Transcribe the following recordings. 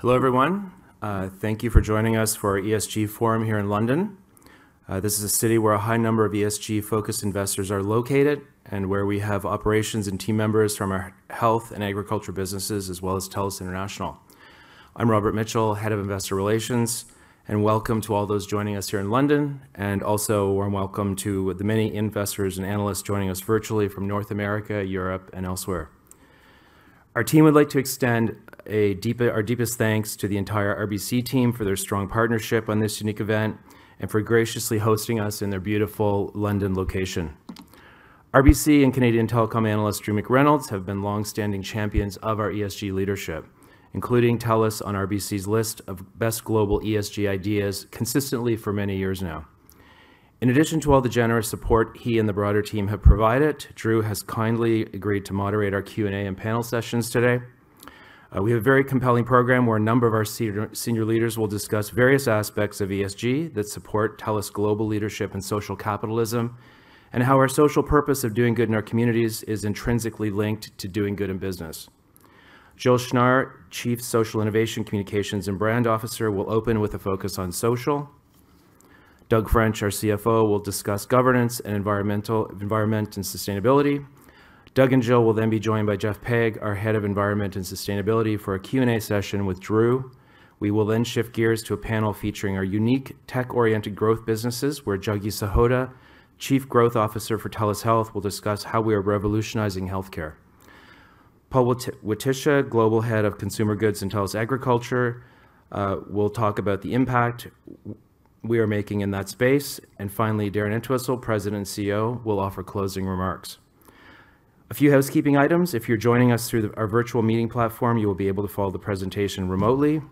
Hello, everyone. Thank you for joining us for our ESG forum here in London. This is a city where a high number of ESG-focused investors are located and where we have operations and team members from our health and agriculture businesses, as well as TELUS International. I'm Robert Mitchell, Head of Investor Relations. Welcome to all those joining us here in London, and also a warm welcome to the many investors and analysts joining us virtually from North America, Europe, and elsewhere. Our team would like to extend our deepest thanks to the entire RBC team for their strong partnership on this unique event and for graciously hosting us in their beautiful London location. RBC and Canadian Telecom analyst, Drew McReynolds, have been long-standing champions of our ESG leadership, including TELUS on RBC's list of best global ESG ideas consistently for many years now. In addition to all the generous support he and the broader team have provided, Drew has kindly agreed to moderate our Q&A and panel sessions today. We have a very compelling program where a number of our senior leaders will discuss various aspects of ESG that support TELUS' global leadership and social capitalism, and how our social purpose of doing good in our communities is intrinsically linked to doing good in business. Jill Schnarr, Chief Social Innovation, Communications, and Brand Officer, will open with a focus on social. Doug French, our CFO, will discuss governance and environment and sustainability. Doug and Jill will then be joined by Geoff Pegg, our Head of Environment and Sustainability, for a Q&A session with Drew. We will then shift gears to a panel featuring our unique tech-oriented growth businesses, where Juggy Sihota, Chief Growth Officer for TELUS Health, will discuss how we are revolutionizing healthcare. Paul Wietecha, Global Head of Consumer Goods and TELUS Agriculture, will talk about the impact we are making in that space. Finally, Darren Entwistle, President and CEO, will offer closing remarks. A few housekeeping items. If you're joining us through our virtual meeting platform, you will be able to follow the presentation remotely.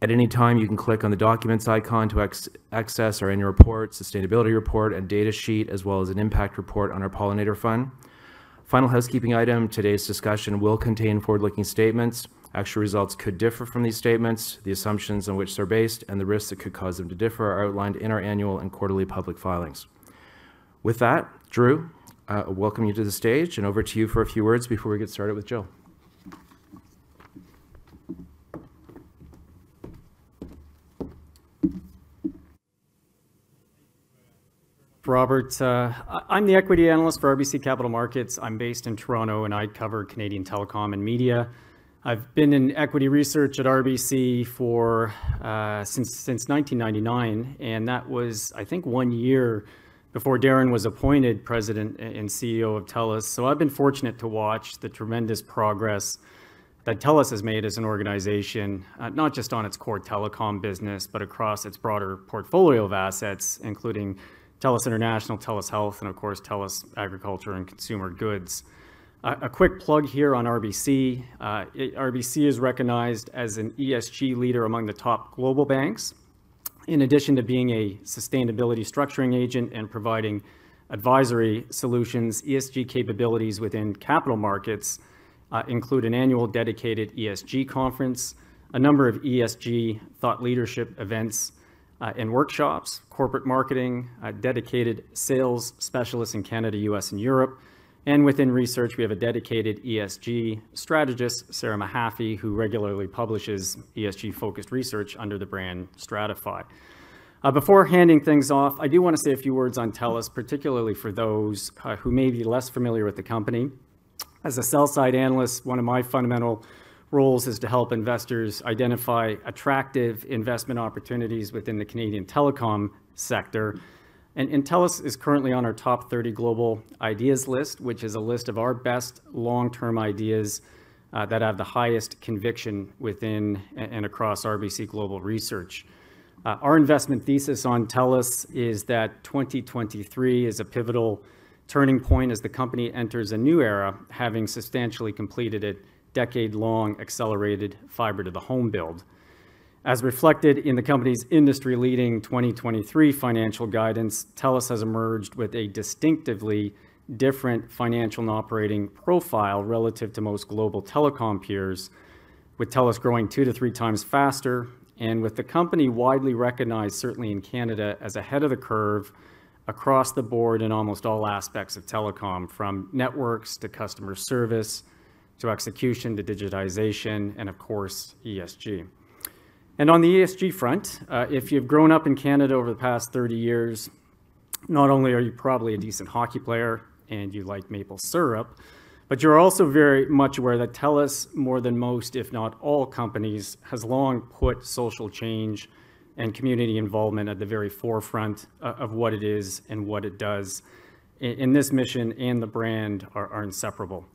At any time, you can click on the Documents icon to access our annual report, sustainability report, and data sheet, as well as an impact report on our Pollinator Fund. Final housekeeping item, today's discussion will contain forward-looking statements. Actual results could differ from these statements. The assumptions on which they're based and the risks that could cause them to differ are outlined in our annual and quarterly public filings. With that, Drew, I welcome you to the stage, and over to you for a few words before we get started with Jill. Robert, I'm the equity analyst for RBC Capital Markets. I'm based in Toronto, and I cover Canadian telecom and media. I've been in equity research at RBC for since 1999, and that was, I think, one year before Darren was appointed President and CEO of TELUS. I've been fortunate to watch the tremendous progress that TELUS has made as an organization, not just on its core telecom business, but across its broader portfolio of assets, including TELUS International, TELUS Health, and of course, TELUS Agriculture & Consumer Goods. A quick plug here on RBC. RBC is recognized as an ESG leader among the top global banks. In addition to being a sustainability structuring agent and providing advisory solutions, ESG capabilities within capital markets include an annual dedicated ESG conference, a number of ESG thought leadership events and workshops, corporate marketing, a dedicated sales specialist in Canada, U.S., and Europe. Within research, we have a dedicated ESG strategist, Sara Mahaffy, who regularly publishes ESG-focused research under the brand StratFI. Before handing things off, I do want to say a few words on TELUS, particularly for those who may be less familiar with the company. As a sell-side analyst, one of my fundamental roles is to help investors identify attractive investment opportunities within the Canadian telecom sector. TELUS is currently on our top 30 global ideas list, which is a list of our best long-term ideas that have the highest conviction within and across RBC Global Research. Our investment thesis on TELUS is that 2023 is a pivotal turning point as the company enters a new era, having substantially completed a decade-long accelerated fiber-to-the-home build. As reflected in the company's industry-leading 2023 financial guidance, TELUS has emerged with a distinctively different financial and operating profile relative to most global telecom peers, with TELUS growing 2-3x faster, and with the company widely recognized, certainly in Canada, as ahead of the curve across the board in almost all aspects of telecom, from networks, to customer service, to execution, to digitization, and of course, ESG. On the ESG front, if you've grown up in Canada over the past 30 years, not only are you probably a decent hockey player and you like maple syrup, but you're also very much aware that TELUS, more than most, if not all companies, has long put social change and community involvement at the very forefront of what it is and what it does. This mission and the brand are inseparable.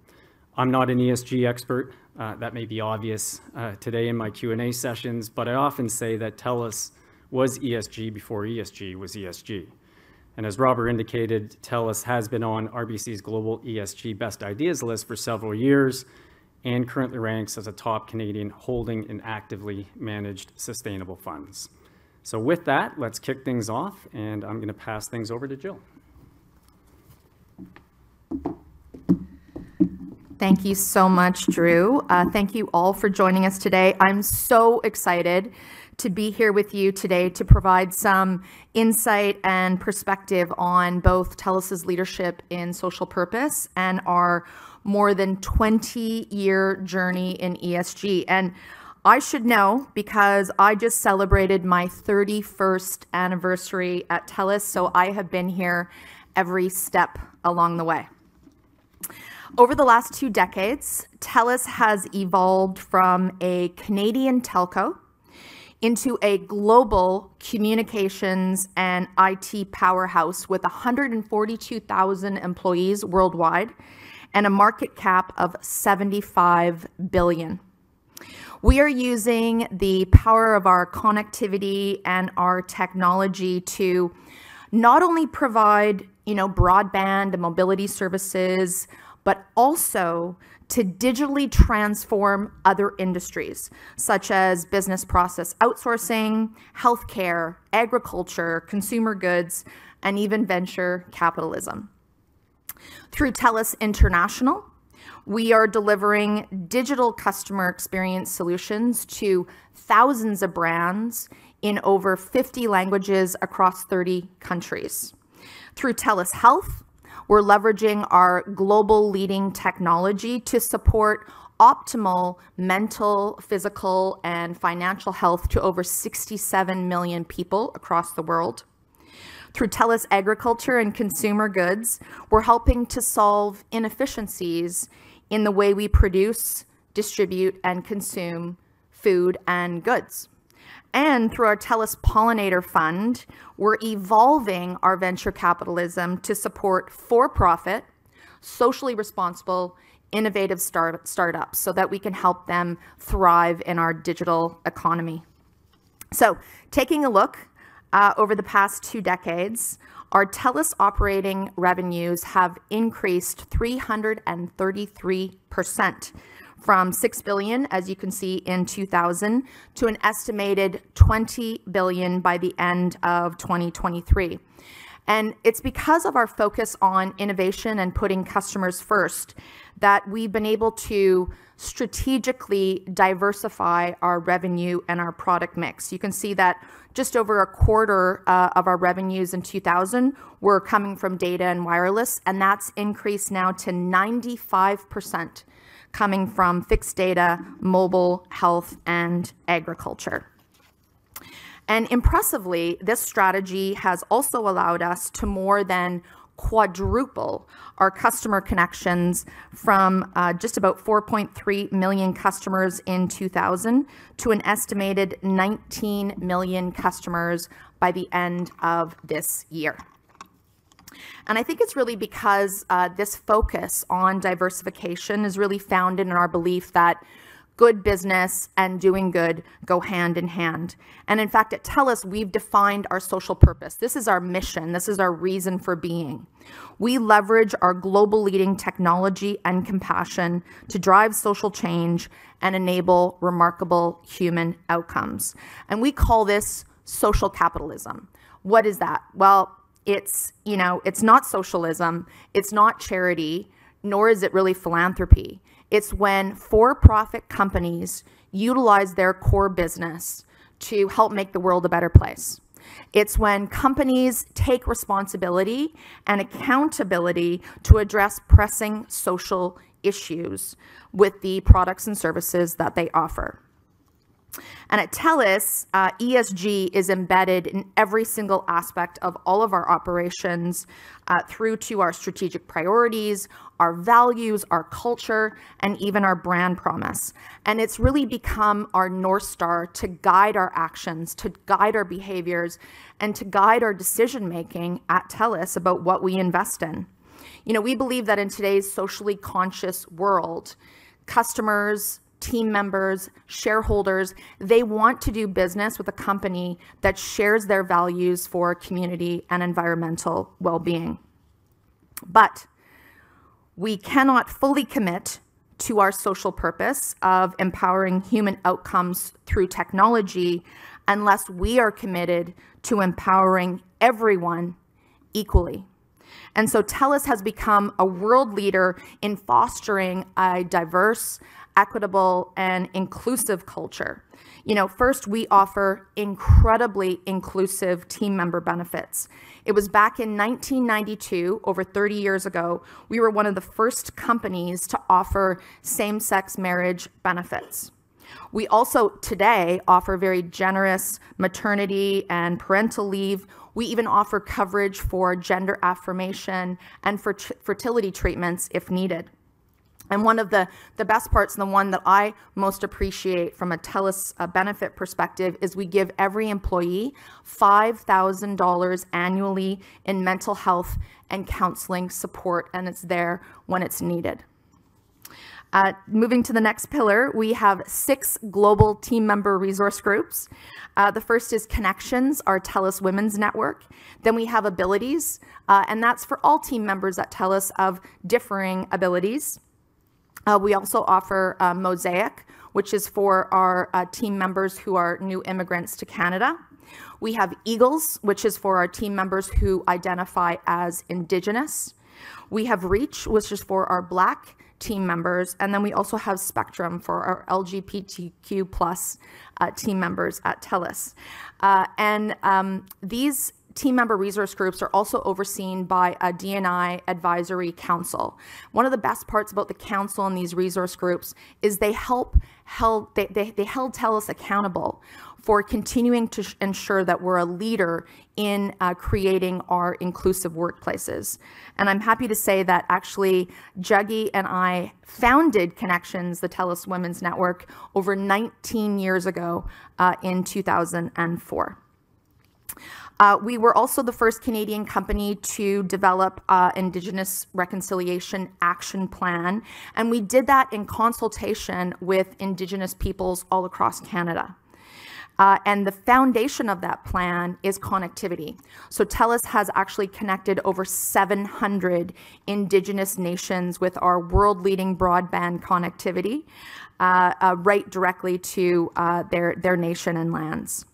I'm not an ESG expert. That may be obvious today in my Q&A sessions, but I often say that TELUS was ESG before ESG was ESG. As Robert indicated, TELUS has been on RBC's Global ESG Best Ideas list for several years and currently ranks as a top Canadian holding in actively managed sustainable funds. With that, let's kick things off, and I'm going to pass things over to Jill. Thank you so much, Drew. Thank you all for joining us today. I'm so excited to be here with you today to provide some insight and perspective on both TELUS's leadership in social purpose and our more than 20-year journey in ESG. I should know, because I just celebrated my 31st anniversary at TELUS, so I have been here every step along the way. Over the last 2 decades, TELUS has evolved from a Canadian telco into a global communications and IT powerhouse, with 142,000 employees worldwide and a market cap of 75 billion. We are using the power of our connectivity and our technology to not only provide, you know, broadband and mobility services, but also to digitally transform other industries, such as business process outsourcing, healthcare, agriculture, consumer goods, and even venture capitalism. Through TELUS International, we are delivering digital customer experience solutions to thousands of brands in over 50 languages across 30 countries. Through TELUS Health, we're leveraging our global leading technology to support optimal mental, physical, and financial health to over 67 million people across the world. Through TELUS Agriculture and Consumer Goods, we're helping to solve inefficiencies in the way we produce, distribute, and consume food and goods. Through our TELUS Pollinator Fund, we're evolving our venture capitalism to support for-profit, socially responsible, innovative startups, so that we can help them thrive in our digital economy. Taking a look over the past two decades, our TELUS operating revenues have increased 333%, from 6 billion, as you can see in 2000, to an estimated 20 billion by the end of 2023. It's because of our focus on innovation and putting customers first that we've been able to strategically diversify our revenue and our product mix. You can see that just over a quarter of our revenues in 2000 were coming from data and wireless, and that's increased now to 95% coming from fixed data, mobile, health, and agriculture. Impressively, this strategy has also allowed us to more than quadruple our customer connections from just about 4.3 million customers in 2000 to an estimated 19 million customers by the end of this year. I think it's really because this focus on diversification is really founded in our belief that good business and doing good go hand in hand. In fact, at TELUS, we've defined our social purpose. This is our mission. This is our reason for being. We leverage our global leading technology and compassion to drive social change and enable remarkable human outcomes, we call this social capitalism. What is that? Well, it's, you know, it's not socialism, it's not charity, nor is it really philanthropy. It's when for-profit companies utilize their core business to help make the world a better place. It's when companies take responsibility and accountability to address pressing social issues with the products and services that they offer. At TELUS, ESG is embedded in every single aspect of all of our operations, through to our strategic priorities, our values, our culture, and even our brand promise. It's really become our North Star to guide our actions, to guide our behaviors, and to guide our decision-making at TELUS about what we invest in. You know, we believe that in today's socially conscious world, customers, team members, shareholders, they want to do business with a company that shares their values for community and environmental well-being. We cannot fully commit to our social purpose of empowering human outcomes through technology unless we are committed to empowering everyone equally. TELUS has become a world leader in fostering a diverse, equitable, and inclusive culture. You know, first, we offer incredibly inclusive team member benefits. It was back in 1992, over 30 years ago, we were one of the first companies to offer same-sex marriage benefits. We also today offer very generous maternity and parental leave. We even offer coverage for gender affirmation and fertility treatments if needed. One of the best parts, and the one that I most appreciate from a TELUS, a benefit perspective, is we give every employee 5,000 dollars annually in mental health and counseling support. It's there when it's needed. Moving to the next pillar, we have 6 global team member resource groups. The first is Connections, our TELUS Women's Network. We have Abilities, and that's for all team members at TELUS of differing abilities. We also offer Mosaic, which is for our team members who are new immigrants to Canada. We have Eagles, which is for our team members who identify as Indigenous. We have Reach, which is for our Black team members, we also have Spectrum for our LGBTQ+ team members at TELUS. These team member resource groups are also overseen by a D&I advisory council. One of the best parts about the council and these resource groups is they hold TELUS accountable for continuing to ensure that we're a leader in creating our inclusive workplaces. I'm happy to say that actually, Juggy and I founded Connections, the TELUS Women's Network, over 19 years ago, in 2004. We were also the first Canadian company to develop a Indigenous Reconciliation Action Plan, we did that in consultation with Indigenous peoples all across Canada. The foundation of that plan is connectivity. TELUS has actually connected over 700 Indigenous nations with our world-leading broadband connectivity right directly to their nation and lands.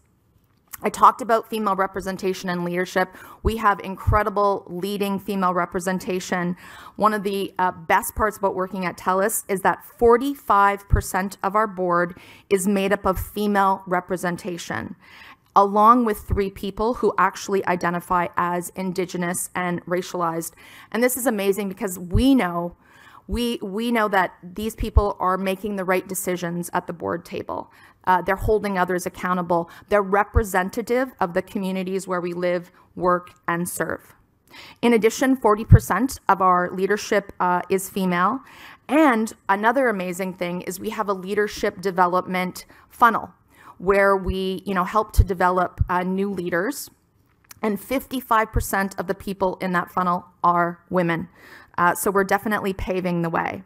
I talked about female representation and leadership. We have incredible leading female representation. One of the best parts about working at TELUS is that 45% of our board is made up of female representation, along with three people who actually identify as Indigenous and racialized. This is amazing because we know that these people are making the right decisions at the board table. They're holding others accountable. They're representative of the communities where we live, work, and serve. In addition, 40% of our leadership is female, and another amazing thing is we have a leadership development funnel, where we, you know, help to develop new leaders, and 55% of the people in that funnel are women. We're definitely paving the way.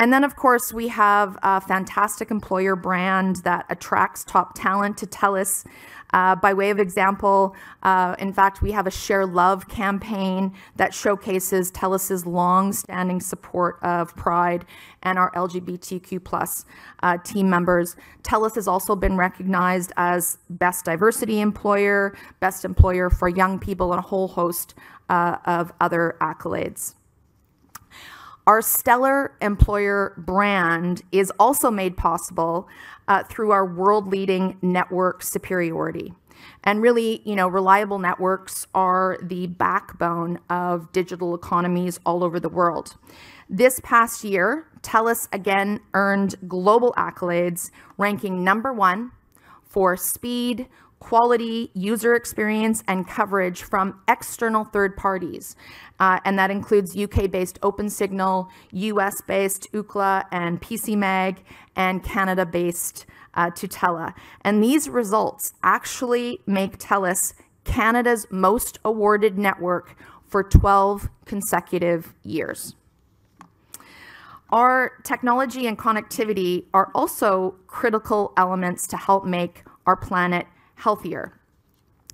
Of course, we have a fantastic employer brand that attracts top talent to TELUS. By way of example, in fact, we have a Share Love campaign that showcases TELUS's long-standing support of Pride and our LGBTQ+ team members. TELUS has also been recognized as Best Diversity Employer, Best Employer for Young People, and a whole host of other accolades. Our stellar employer brand is also made possible through our world-leading network superiority. Really, you know, reliable networks are the backbone of digital economies all over the world. This past year, TELUS again earned global accolades, ranking number one for speed, quality, user experience, and coverage from external third parties. That includes UK-based Opensignal, US-based Ookla and PCMag, and Canada-based Tutela. These results actually make TELUS Canada's most awarded network for 12 consecutive years. Our technology and connectivity are also critical elements to help make our planet healthier.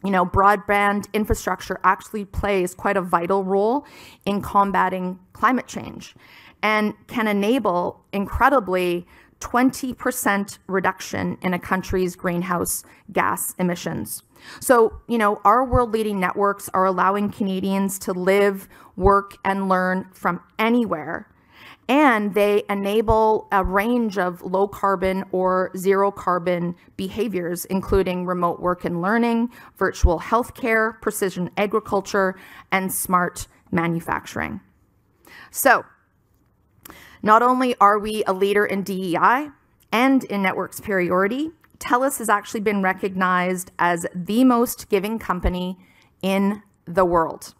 You know, broadband infrastructure actually plays quite a vital role in combating climate change and can enable incredibly 20% reduction in a country's greenhouse gas emissions. You know, our world-leading networks are allowing Canadians to live, work, and learn from anywhere, and they enable a range of low-carbon or zero-carbon behaviors, including remote work and learning, virtual healthcare, precision agriculture, and smart manufacturing. Not only are we a leader in DEI and in network superiority, TELUS has actually been recognized as the most giving company in the world.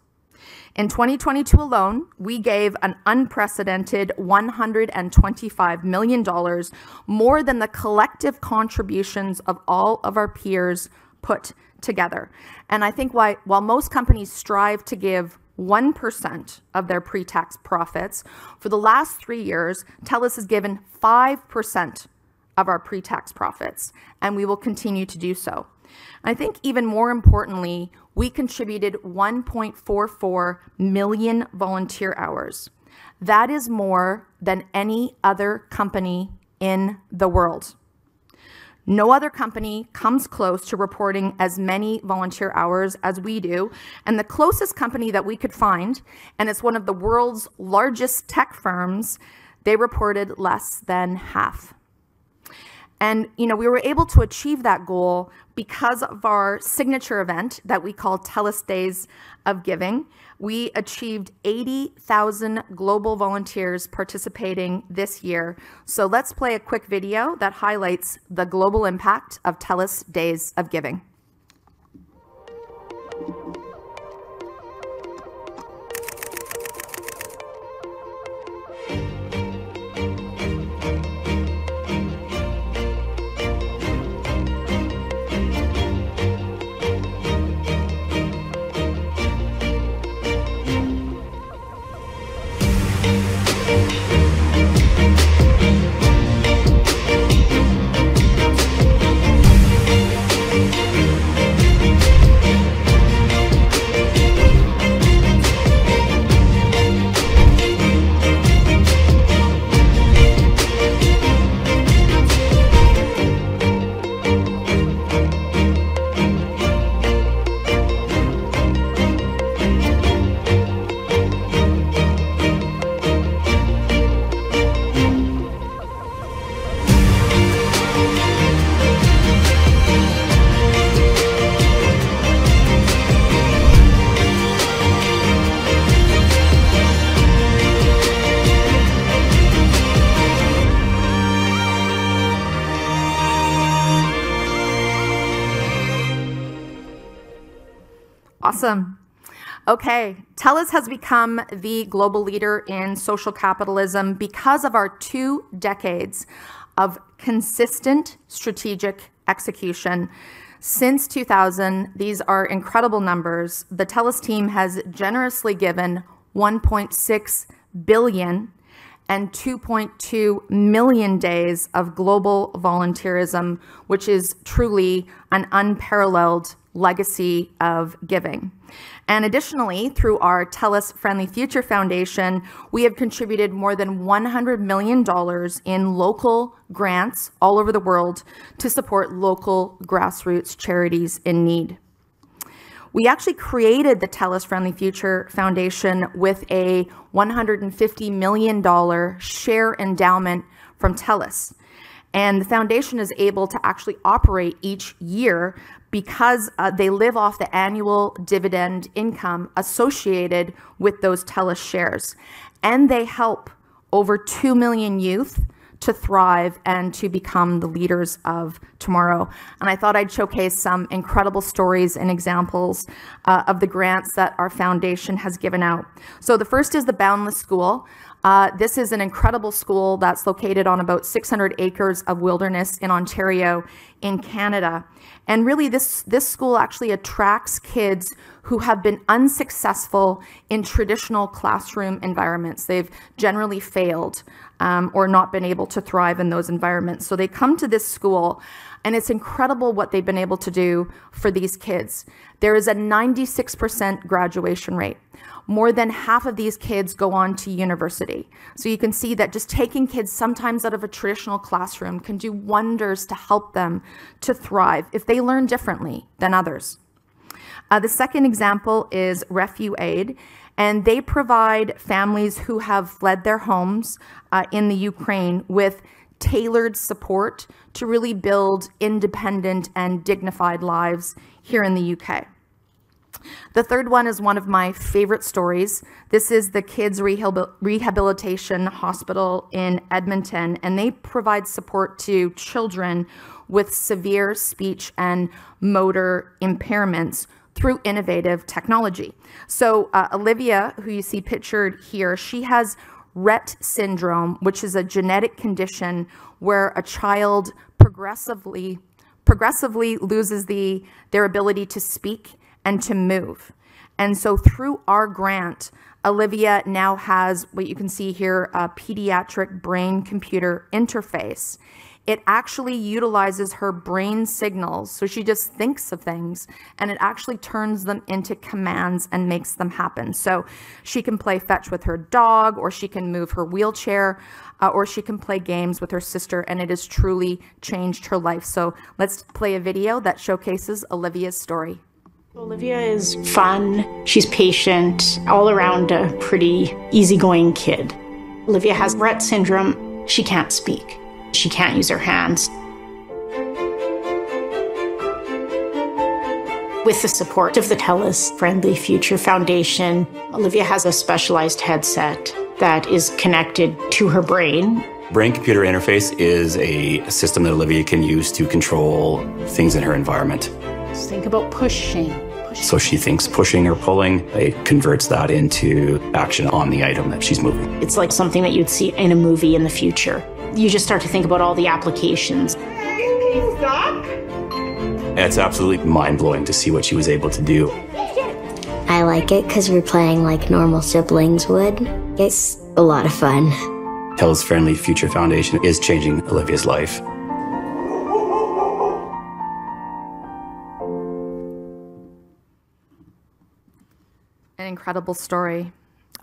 In 2022 alone, we gave an unprecedented 125 million dollars, more than the collective contributions of all of our peers put together. I think while most companies strive to give 1% of their pre-tax profits, for the last 3 years, TELUS has given 5% of our pre-tax profits, and we will continue to do so. I think even more importantly, we contributed 1.44 million volunteer hours. That is more than any other company in the world. No other company comes close to reporting as many volunteer hours as we do, and the closest company that we could find, and it's one of the world's largest tech firms, they reported less than half. You know, we were able to achieve that goal because of our signature event that we call TELUS Days of Giving. We achieved 80,000 global volunteers participating this year. Let's play a quick video that highlights the global impact of TELUS Days of Giving. Awesome. Okay, TELUS has become the global leader in social capitalism because of our two decades of consistent strategic execution. Since 2000, these are incredible numbers, the TELUS team has generously given 1.6 billion and 2.2 million days of global volunteerism, which is truly an unparalleled legacy of giving. Additionally, through our TELUS Friendly Future Foundation, we have contributed more than 100 million dollars in local grants all over the world to support local grassroots charities in need. We actually created the TELUS Friendly Future Foundation with a 150 million dollar share endowment from TELUS. The foundation is able to actually operate each year because they live off the annual dividend income associated with those TELUS shares. They help over 2 million youth to thrive and to become the leaders of tomorrow. I thought I'd showcase some incredible stories and examples of the grants that our foundation has given out. The first is The Boundless School. This is an incredible school that's located on about 600 acres of wilderness in Ontario, in Canada. Really, this school actually attracts kids who have been unsuccessful in traditional classroom environments. They've generally failed or not been able to thrive in those environments. They come to this school, and it's incredible what they've been able to do for these kids. There is a 96% graduation rate. More than half of these kids go on to university. You can see that just taking kids sometimes out of a traditional classroom can do wonders to help them to thrive if they learn differently than others. The second example is RefuAid. They provide families who have fled their homes in the Ukraine with tailored support to really build independent and dignified lives here in the UK. The third one is one of my favorite stories. This is the Kids Rehabilitation Hospital in Edmonton. They provide support to children with severe speech and motor impairments through innovative technology. Olivia, who you see pictured here, she has Rett syndrome, which is a genetic condition where a child progressively loses their ability to speak and to move. Through our grant, Olivia now has what you can see here, a pediatric brain-computer interface. It actually utilizes her brain signals, so she just thinks of things, and it actually turns them into commands and makes them happen. She can play fetch with her dog, or she can move her wheelchair, or she can play games with her sister, and it has truly changed her life. Let's play a video that showcases Olivia's story. Olivia is fun. She's patient, all around a pretty easygoing kid. Olivia has Rett syndrome. She can't speak. She can't use her hands. With the support of the TELUS Friendly Future Foundation, Olivia has a specialized headset that is connected to her brain. Brain-computer interface is a system that Olivia can use to control things in her environment. Just think about pushing. She thinks pushing or pulling, it converts that into action on the item that she's moving. It's like something that you'd see in a movie in the future. You just start to think about all the applications. It's absolutely mind-blowing to see what she was able to do. I like it 'cause we're playing like normal siblings would. It's a lot of fun. TELUS Friendly Future Foundation is changing Olivia's life. An incredible story.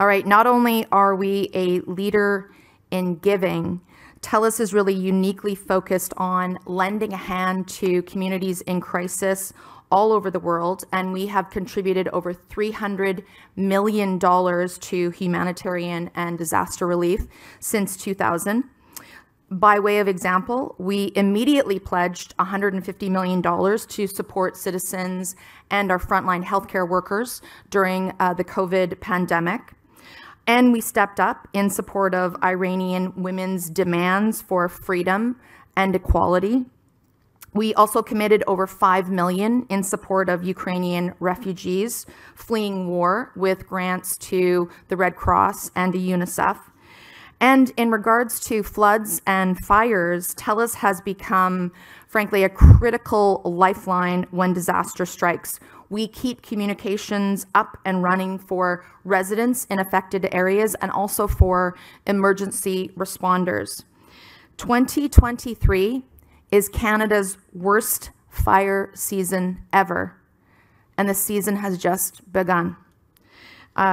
All right, not only are we a leader in giving, TELUS is really uniquely focused on lending a hand to communities in crisis all over the world, we have contributed over 300 million dollars to humanitarian and disaster relief since 2000. By way of example, we immediately pledged 150 million dollars to support citizens and our frontline healthcare workers during the COVID pandemic, we stepped up in support of Iranian women's demands for freedom and equality. We also committed over 5 million in support of Ukrainian refugees fleeing war with grants to the Red Cross and to UNICEF. In regards to floods and fires, TELUS has become, frankly, a critical lifeline when disaster strikes. We keep communications up and running for residents in affected areas and also for emergency responders. Canada's worst fire season ever and the season has just begun.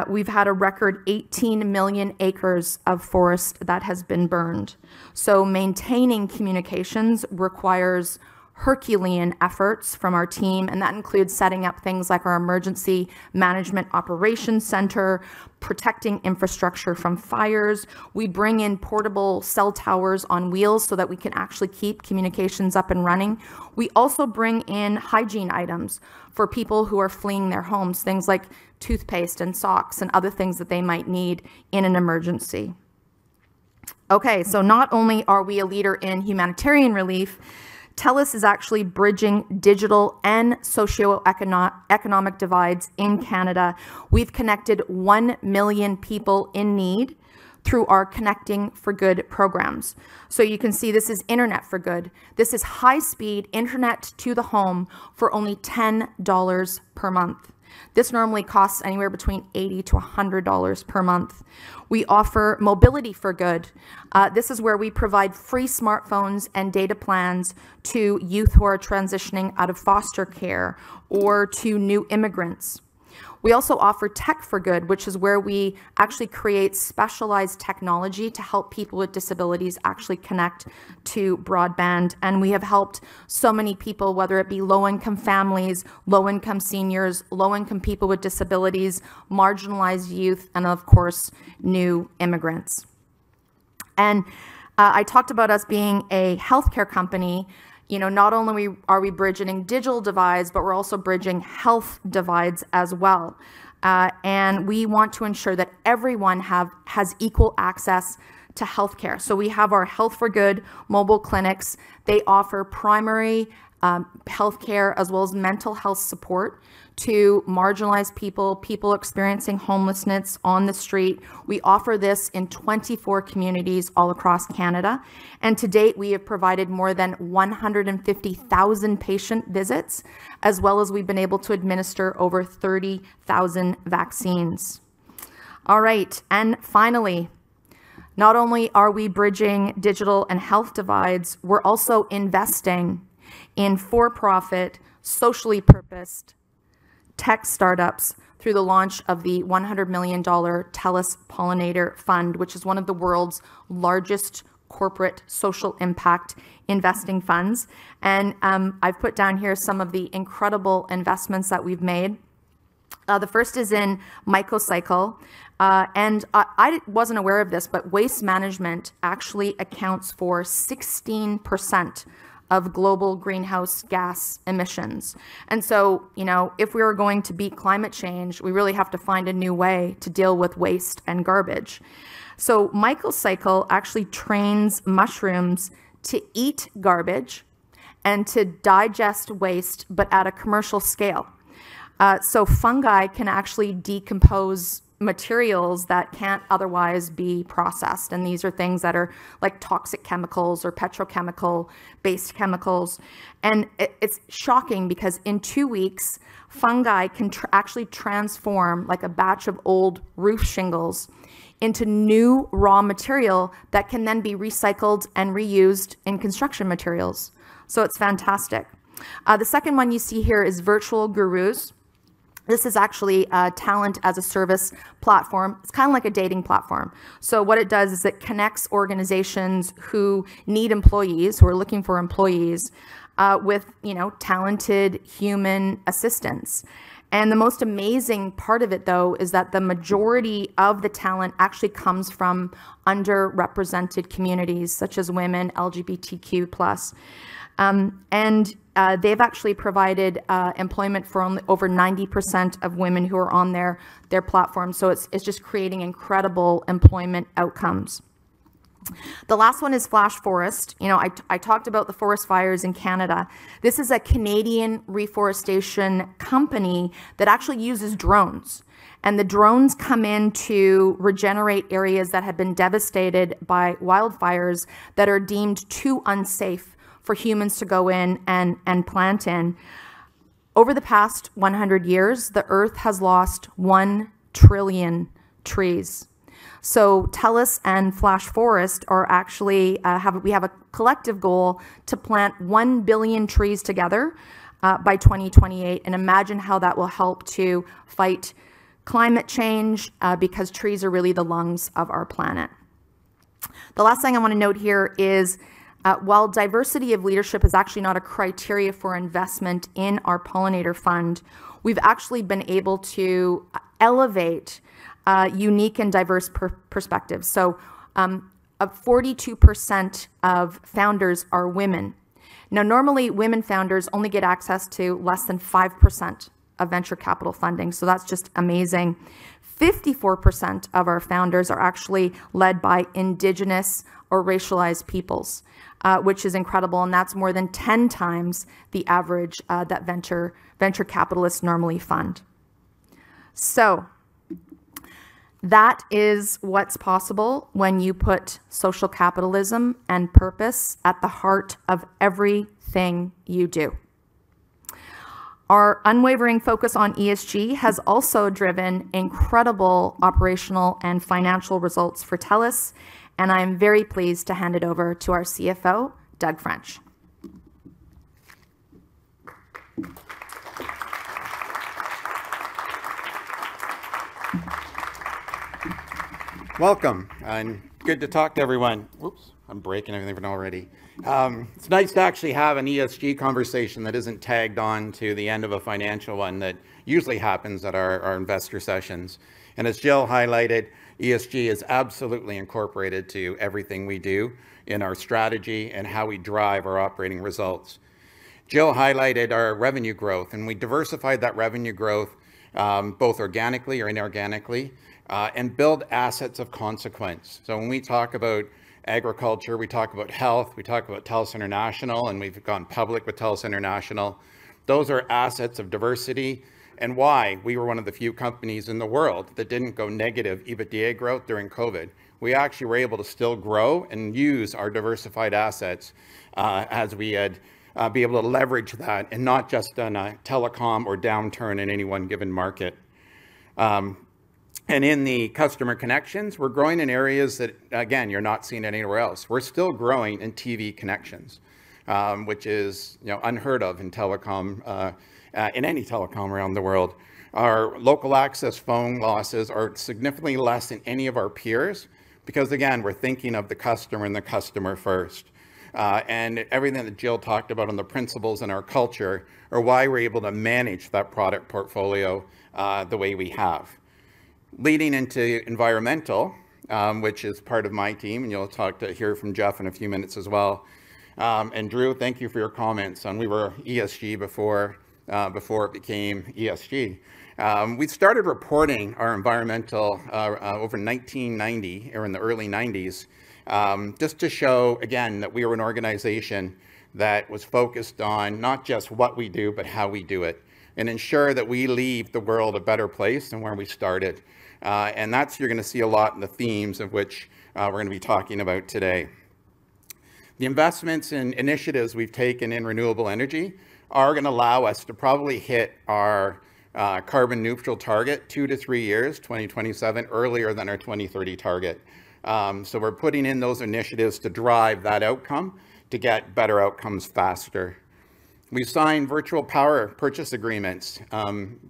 We've had a record 18 million acres of forest that has been burned so maintaining communications requires herculean efforts from our team, and that includes setting up things like our emergency management operations center, protecting infrastructure from fires. We bring in portable cell towers on wheels so that we can actually keep communications up and running. We also bring in hygiene items for people who are fleeing their homes, things like toothpaste and socks and other things that they might need in an emergency. Not only are we a leader in humanitarian relief, TELUS is actually bridging digital and socioeconomic, economic divides in Canada. We've connected 1 million people in need through our Connecting for Good programs. You can see this is Internet for Good. This is high-speed internet to the home for only 10 dollars per month. This normally costs anywhere between 80-100 dollars per month. We offer Mobility for Good. This is where we provide free smartphones and data plans to youth who are transitioning out of foster care or to new immigrants. We also offer Tech for Good, which is where we actually create specialized technology to help people with disabilities actually connect to broadband, and we have helped so many people, whether it be low-income families, low-income seniors, low-income people with disabilities, marginalized youth, and of course, new immigrants. I talked about us being a healthcare company. You know, not only are we bridging digital divides, but we're also bridging health divides as well, and we want to ensure that everyone has equal access to healthcare. We have our Health for Good mobile clinics. They offer primary healthcare as well as mental health support to marginalized people experiencing homelessness on the street. We offer this in 24 communities all across Canada. To date, we have provided more than 150,000 patient visits, as well as we've been able to administer over 30,000 vaccines. All right, finally, not only are we bridging digital and health divides, we're also investing in for-profit, socially purposed tech startups through the launch of the 100 million dollar TELUS Pollinator Fund, which is one of the world's largest corporate social impact investing funds. I've put down here some of the incredible investments that we've made. The first is in Mycocycle, I wasn't aware of this, waste management actually accounts for 16% of global greenhouse gas emissions. You know, if we are going to beat climate change, we really have to find a new way to deal with waste and garbage. Mycocycle actually trains mushrooms to eat garbage and to digest waste, but at a commercial scale. Fungi can actually decompose materials that can't otherwise be processed, and these are things that are like toxic chemicals or petrochemical-based chemicals. It's shocking because in two weeks, fungi can actually transform, like a batch of old roof shingles into new raw material that can then be recycled and reused in construction materials. It's fantastic. The second one you see here is Virtual Gurus. This is actually a talent-as-a-service platform. It's kind of like a dating platform. What it does is it connects organizations who need employees, who are looking for employees, with, you know, talented human assistants. The most amazing part of it, though, is that the majority of the talent actually comes from underrepresented communities such as women, LGBTQ+, and they've actually provided employment for over 90% of women who are on their platform. It's just creating incredible employment outcomes. The last one is Flash Forest. You know, I talked about the forest fires in Canada. This is a Canadian reforestation company that actually uses drones, and the drones come in to regenerate areas that have been devastated by wildfires that are deemed too unsafe for humans to go in and plant in. Over the past 100 years, the Earth has lost 1 trillion trees. We have a collective goal to plant 1 billion trees together by 2028, and imagine how that will help to fight climate change because trees are really the lungs of our planet. The last thing I want to note here is, while diversity of leadership is actually not a criteria for investment in our Pollinator Fund, we've actually been able to elevate unique and diverse perspectives. 42% of founders are women. Normally, women founders only get access to less than 5% of venture capital funding, so that's just amazing. 54% of our founders are actually led by Indigenous or racialized peoples, which is incredible, and that's more than 10x the average that venture capitalists normally fund. That is what's possible when you put social capitalism and purpose at the heart of everything you do. Our unwavering focus on ESG has also driven incredible operational and financial results for TELUS, I'm very pleased to hand it over to our CFO, Doug French. Welcome, good to talk to everyone. Whoops! I'm breaking everything already. It's nice to actually have an ESG conversation that isn't tagged on to the end of a financial one that usually happens at our investor sessions. As Jill highlighted, ESG is absolutely incorporated to everything we do in our strategy and how we drive our operating results. Jill highlighted our revenue growth, we diversified that revenue growth both organically or inorganically and build assets of consequence. When we talk about agriculture, we talk about health, we talk about TELUS International, we've gone public with TELUS International. Those are assets of diversity and why we were one of the few companies in the world that didn't go negative EBITDA growth during COVID. We actually were able to still grow and use our diversified assets, as we had, be able to leverage that, and not just on a telecom or downturn in any one given market. In the customer connections, we're growing in areas that, again, you're not seeing anywhere else. We're still growing in TV connections, which is, you know, unheard of in telecom, in any telecom around the world. Our local access phone losses are significantly less than any of our peers because, again, we're thinking of the customer and the customer first. Everything that Jill talked about on the principles and our culture are why we're able to manage that product portfolio, the way we have. Leading into environmental, which is part of my team, you'll hear from Geoff in a few minutes as well. Drew, thank you for your comments, and we were ESG before it became ESG. We started reporting our environmental over 1990 or in the early 1990s, just to show, again, that we were an organization that was focused on not just what we do, but how we do it, and ensure that we leave the world a better place than where we started. That's you're going to see a lot in the themes of which we're going to be talking about today. The investments and initiatives we've taken in renewable energy are going to allow us to probably hit our carbon neutral target 2-3 years, 2027, earlier than our 2030 target. We're putting in those initiatives to drive that outcome to get better outcomes faster. We signed virtual power purchase agreements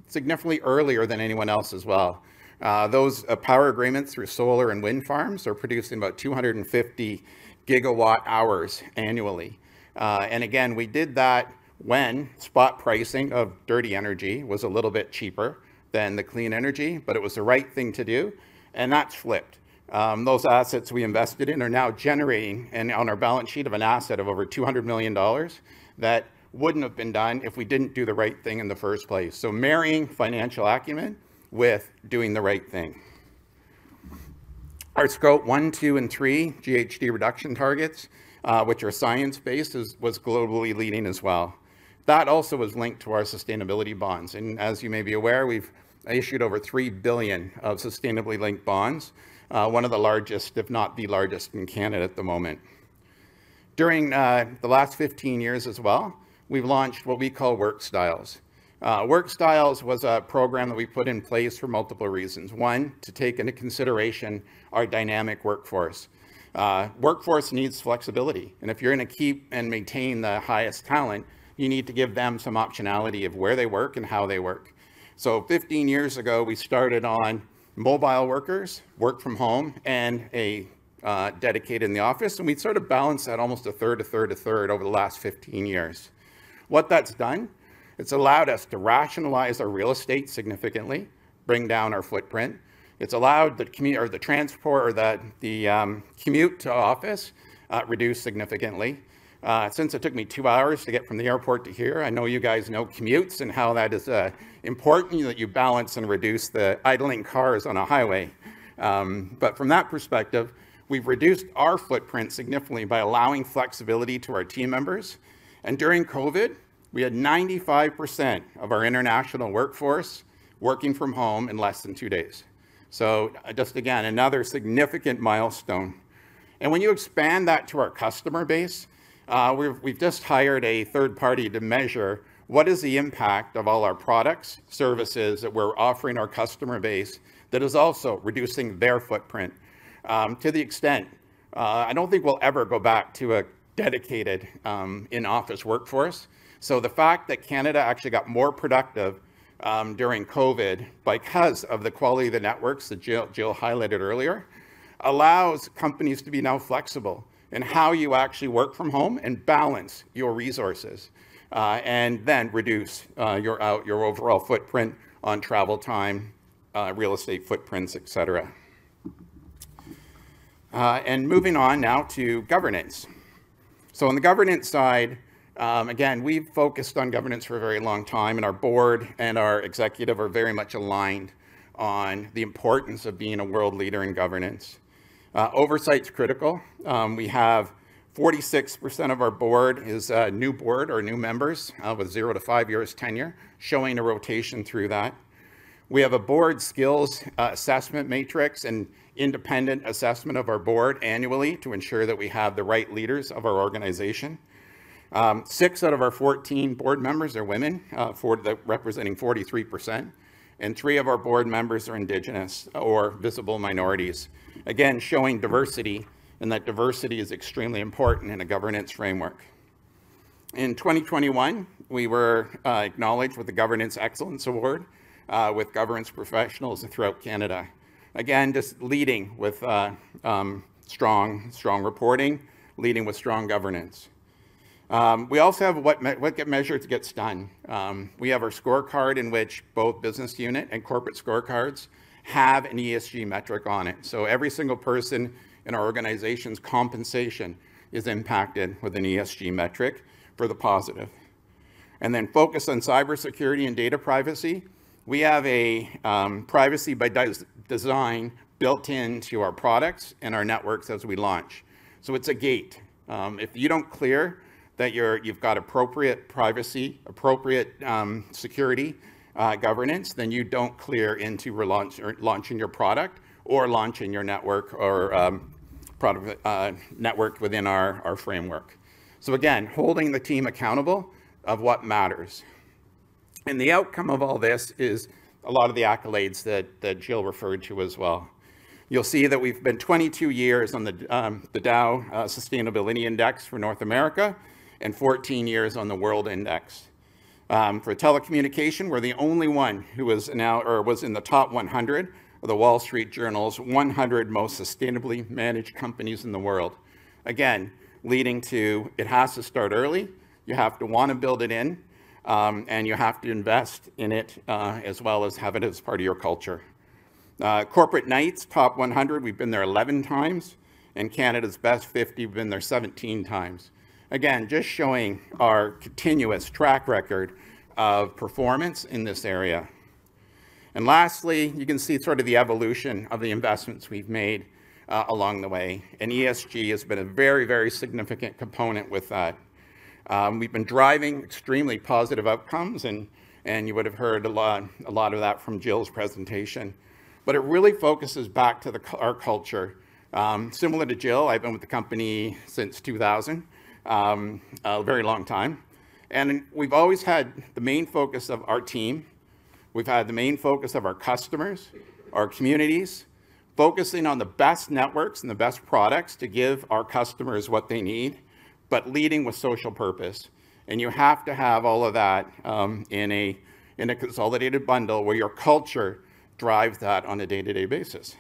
significantly earlier than anyone else as well. Those power agreements through solar and wind farms are producing about 250 gigawatt-hours annually. Again, we did that when spot pricing of dirty energy was a little bit cheaper than the clean energy, but it was the right thing to do, and that's flipped. Those assets we invested in are now generating and on our balance sheet of an asset of over 200 million dollars, that wouldn't have been done if we didn't do the right thing in the first place. Marrying financial acumen with doing the right thing. Our Scope 1, 2, and 3 GHG reduction targets, which are science-based, was globally leading as well. That also was linked to our sustainability bonds. As you may be aware, we've issued over 3 billion of sustainability-linked bonds, one of the largest, if not the largest, in Canada at the moment. During the last 15 years as well, we've launched what we call Work Styles. Work Styles was a program that we put in place for multiple reasons. One, to take into consideration our dynamic workforce. Workforce needs flexibility, and if you're going to keep and maintain the highest talent, you need to give them some optionality of where they work and how they work. 15 years ago, we started on mobile workers, work from home, and a dedicated in the office, and we'd sort of balanced that almost a third, a third, a third over the last 15 years. What that's done, it's allowed us to rationalize our real estate significantly, bring down our footprint. It's allowed the commute, or the transport, or the commute to office, reduced significantly. Since it took me 2 hours to get from the airport to here, I know you guys know commutes and how that is important, that you balance and reduce the idling cars on a highway. From that perspective, we've reduced our footprint significantly by allowing flexibility to our team members. During COVID, we had 95% of our international workforce working from home in less than 2 days. Just again, another significant milestone. When you expand that to our customer base, we've just hired a third party to measure what is the impact of all our products, services that we're offering our customer base that is also reducing their footprint to the extent. I don't think we'll ever go back to a dedicated in-office workforce. The fact that Canada actually got more productive during COVID because of the quality of the networks that Jill highlighted earlier, allows companies to be now flexible in how you actually work from home and balance your resources, and then reduce your overall footprint on travel time, real estate footprints, et cetera. Moving on now to governance. On the governance side, again, we've focused on governance for a very long time, and our board and our executive are very much aligned on the importance of being a world leader in governance. Oversight is critical. We have 46% of our board is a new board or new members of a 0-5 years tenure, showing a rotation through that. We have a board skills assessment matrix and independent assessment of our board annually to ensure that we have the right leaders of our organization. 6 out of our 14 board members are women, representing 43%, and 3 of our board members are indigenous or visible minorities. Again, showing diversity, and that diversity is extremely important in a governance framework. In 2021, we were acknowledged with the Governance Excellence Award with governance professionals throughout Canada. Just leading with strong reporting, leading with strong governance. We also have what get measured gets done. We have our scorecard in which both business unit and corporate scorecards have an ESG metric on it. Every single person in our organization's compensation is impacted with an ESG metric for the positive. Focus on cybersecurity and data privacy, we have a Privacy by Design built into our products and our networks as we launch. It's a gate. If you don't clear that you've got appropriate privacy, appropriate security governance, then you don't clear into relaunch or launching your product or launching your network or product network within our framework. Again, holding the team accountable of what matters. The outcome of all this is a lot of the accolades that Jill referred to as well. You'll see that we've been 22 years on the Dow Jones Sustainability Index for North America and 14 years on the World Index. For telecommunication, we're the only one who was in the top 100 of the Wall Street Journal's 100 most sustainably managed companies in the world. Leading to, it has to start early. You have to want to build it in, and you have to invest in it, as well as have it as part of your culture. Corporate Knights top 100, we've been there 11x, and Canada's Best 50, we've been there 17x. Again, just showing our continuous track record of performance in this area. Lastly, you can see sort of the evolution of the investments we've made along the way, and ESG has been a very, very significant component with that. We've been driving extremely positive outcomes and you would have heard a lot of that from Jill's presentation. It really focuses back to our culture. Similar to Jill, I've been with the company since 2000, a very long time, and we've always had the main focus of our team, our customers, our communities, focusing on the best networks and the best products to give our customers what they need, but leading with social purpose. You have to have all of that, in a consolidated bundle where your culture drives that on a day-to-day basis.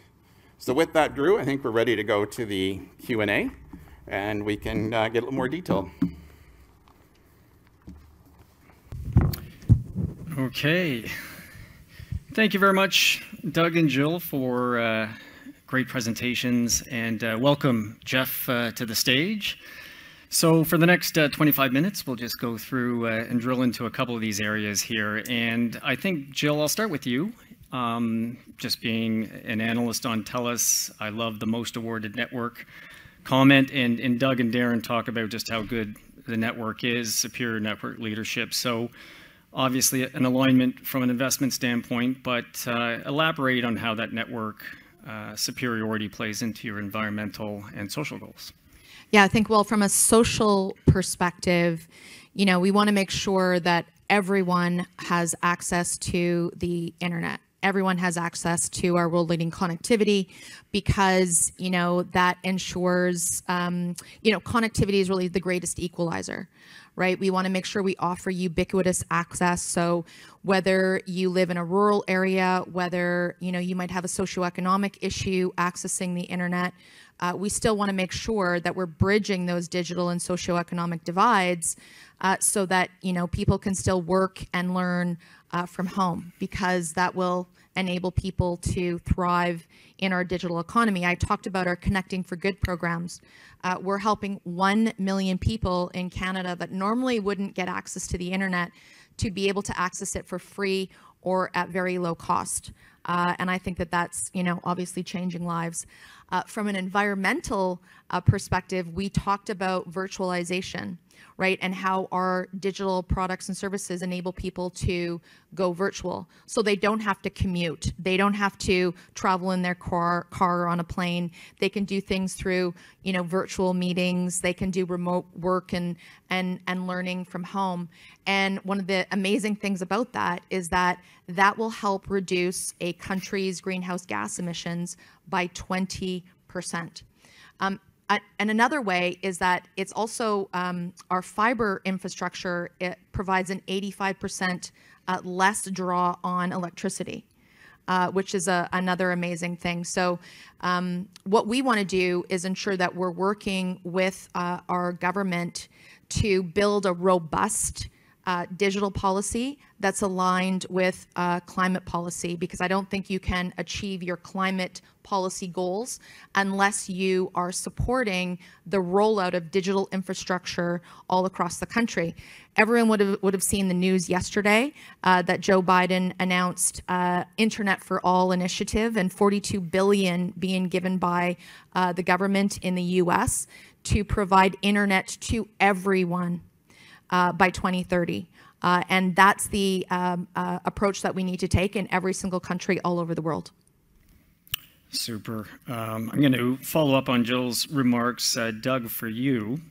With that, Drew, I think we're ready to go to the Q&A, and we can get a little more detail. Thank you very much, Doug and Jill, for great presentations, and welcome, Geoff, to the stage. For the next 25 minutes, we'll just go through and drill into a couple of these areas here. I think, Jill, I'll start with you. Just being an analyst on TELUS, I love the most awarded network comment, and Doug and Darren talk about just how good the network is, superior network leadership. Obviously, an alignment from an investment standpoint, but elaborate on how that network superiority plays into your environmental and social goals. Yeah, I think, well, from a social perspective, you know, we want to make sure that everyone has access to the internet, everyone has access to our world-leading connectivity because, you know, that ensures. You know, connectivity is really the greatest equalizer, right? We want to make sure we offer ubiquitous access. Whether you live in a rural area, whether, you know, you might have a socioeconomic issue accessing the internet, we still want to make sure that we're bridging those digital and socioeconomic divides, so that, you know, people can still work and learn from home. That will enable people to thrive in our digital economy. I talked about our Connecting for Good programs. We're helping 1 million people in Canada that normally wouldn't get access to the internet to be able to access it for free or at very low cost. I think that that's, you know, obviously changing lives. From an environmental perspective, we talked about virtualization, right? How our digital products and services enable people to go virtual so they don't have to commute, they don't have to travel in their car or on a plane. They can do things through, you know, virtual meetings. They can do remote work and learning from home. One of the amazing things about that is that that will help reduce a country's greenhouse gas emission`s by 20%. Another way is that it's also our fiber infrastructure, it provides an 85% less draw on electricity, which is another amazing thing. What we want to do is ensure that we're working with our government to build a robust digital policy that's aligned with climate policy, because I don't think you can achieve your climate policy goals unless you are supporting the rollout of digital infrastructure all across the country. Everyone would have seen the news yesterday that Joe Biden announced Internet for All initiative and $42 billion being given by the government in the U.S. to provide internet to everyone by 2030. That's the approach that we need to take in every single country all over the world. Super. I'm going to follow up on Jill's remarks. Doug, for you,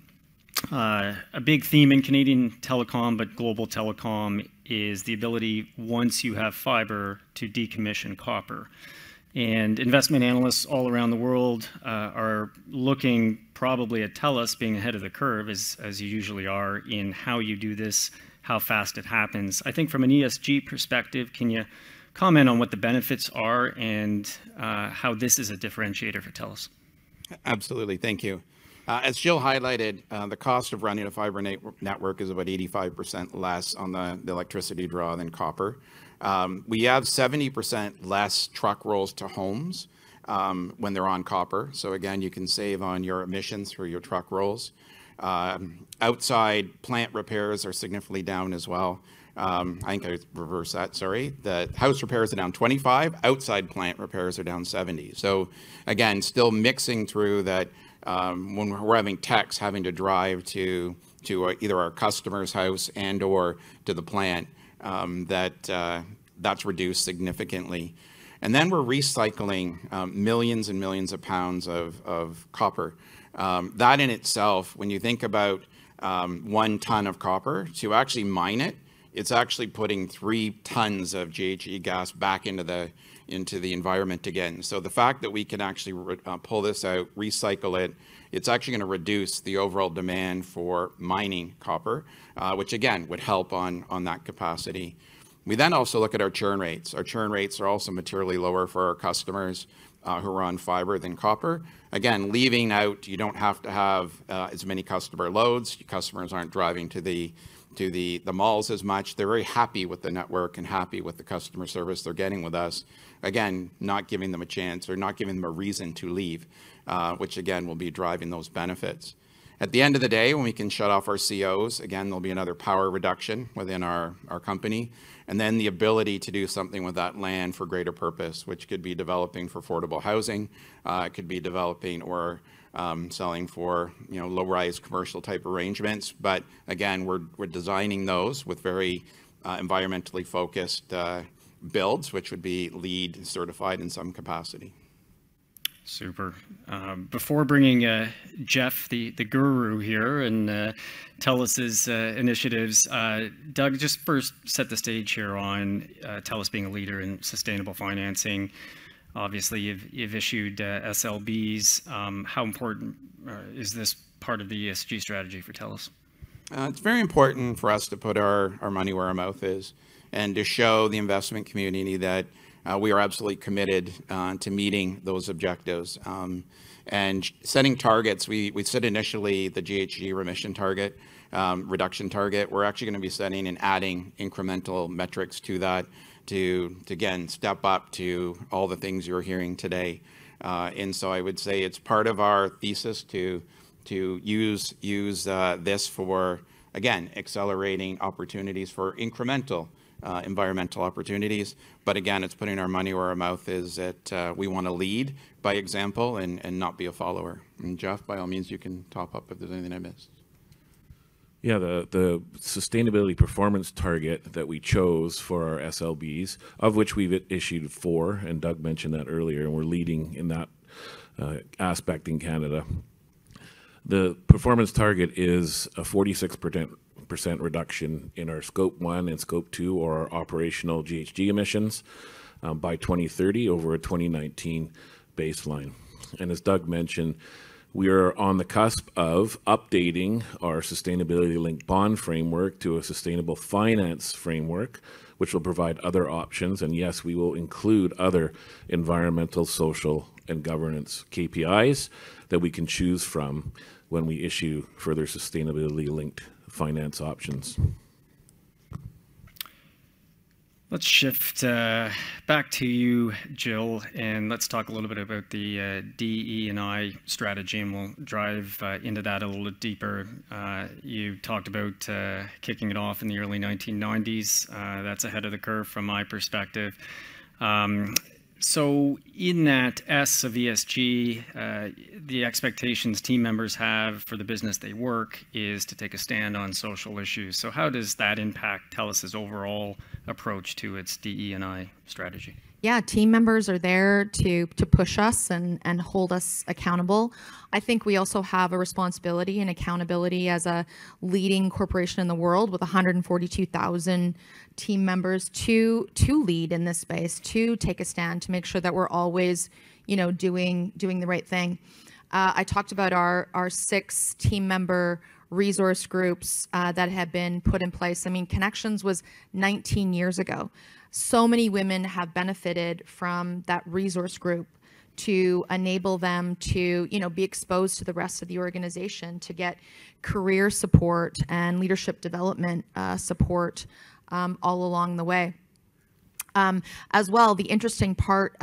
a big theme in Canadian telecom, but global telecom, is the ability, once you have fiber, to decommission copper. Investment analysts all around the world are looking probably at TELUS being ahead of the curve, as you usually are, in how you do this, how fast it happens. I think from an ESG perspective, can you comment on what the benefits are and how this is a differentiator for TELUS? Absolutely. Thank you. As Jill highlighted, the cost of running a fiber network is about 85% less on the electricity draw than copper. We have 70% less truck rolls to homes when they're on copper. Again, you can save on your emissions through your truck rolls. Outside plant repairs are significantly down as well. I think I reverse that, sorry. The house repairs are down 25, outside plant repairs are down 70. Again, still mixing through that, when we're having techs having to drive to either our customer's house and/or to the plant, that's reduced significantly. We're recycling millions and millions of pounds of copper. That in itself, when you think about one ton of copper, to actually mine it's actually putting three tons of GHG gas back into the environment again. The fact that we can actually pull this out, recycle it's actually going to reduce the overall demand for mining copper, which again, would help on that capacity. We also look at our churn rates. Our churn rates are also materially lower for our customers, who are on fiber than copper. Again, leaving out, you don't have to have as many customer loads. Your customers aren't driving to the malls as much. They're very happy with the network and happy with the customer service they're getting with us. Again, not giving them a chance or not giving them a reason to leave, which again, will be driving those benefits. At the end of the day, when we can shut off our COs, again, there'll be another power reduction within our company, and then the ability to do something with that land for greater purpose, which could be developing for affordable housing, it could be developing or selling for, you know, low-rise commercial type arrangements. Again, we're designing those with very environmentally focused builds, which would be LEED certified in some capacity. Super. Before bringing Geoff, the guru here, in TELUS's initiatives, Doug, just first set the stage here on TELUS being a leader in sustainable financing. Obviously, you've issued SLBs. How important is this part of the ESG strategy for TELUS? It's very important for us to put our money where our mouth is, and to show the investment community that we are absolutely committed to meeting those objectives. Setting targets, we'd set initially the GHG remission target, reduction target. We're actually going to be setting and adding incremental metrics to that to again step up to all the things you're hearing today. I would say it's part of our thesis to use this for again accelerating opportunities for incremental environmental opportunities. Again, it's putting our money where our mouth is, that we want to lead by example and not be a follower. Geoff, by all means, you can top up if there's anything I missed. Yeah, the sustainability performance target that we chose for our SLBs, of which we've issued 4. Doug mentioned that earlier, and we're leading in that aspect in Canada. The performance target is a 46% reduction in our Scope 1 and Scope 2, or our operational GHG emissions, by 2030 over a 2019 baseline. As Doug mentioned, we are on the cusp of updating our sustainability-linked bond framework to a sustainable finance framework, which will provide other options. Yes, we will include other environmental, social, and governance KPIs that we can choose from when we issue further sustainability-linked finance options. Let's shift back to you, Jill, and let's talk a little bit about the DE&I strategy, and we'll drive into that a little deeper. You talked about kicking it off in the early 1990s. That's ahead of the curve from my perspective. In that S of ESG, the expectations team members have for the business they work is to take a stand on social issues. How does that impact TELUS's overall approach to its DE&I strategy? Yeah. Team members are there to push us and hold us accountable. I think we also have a responsibility and accountability as a leading corporation in the world with 142,000 team members, to lead in this space, to take a stand, to make sure that we're always, you know, doing the right thing. I talked about our 6 team member resource groups that have been put in place. I mean, Connections was 19 years ago. So many women have benefited from that resource group to enable them to, you know, be exposed to the rest of the organization, to get career support and leadership development, support all along the way. As well, the interesting part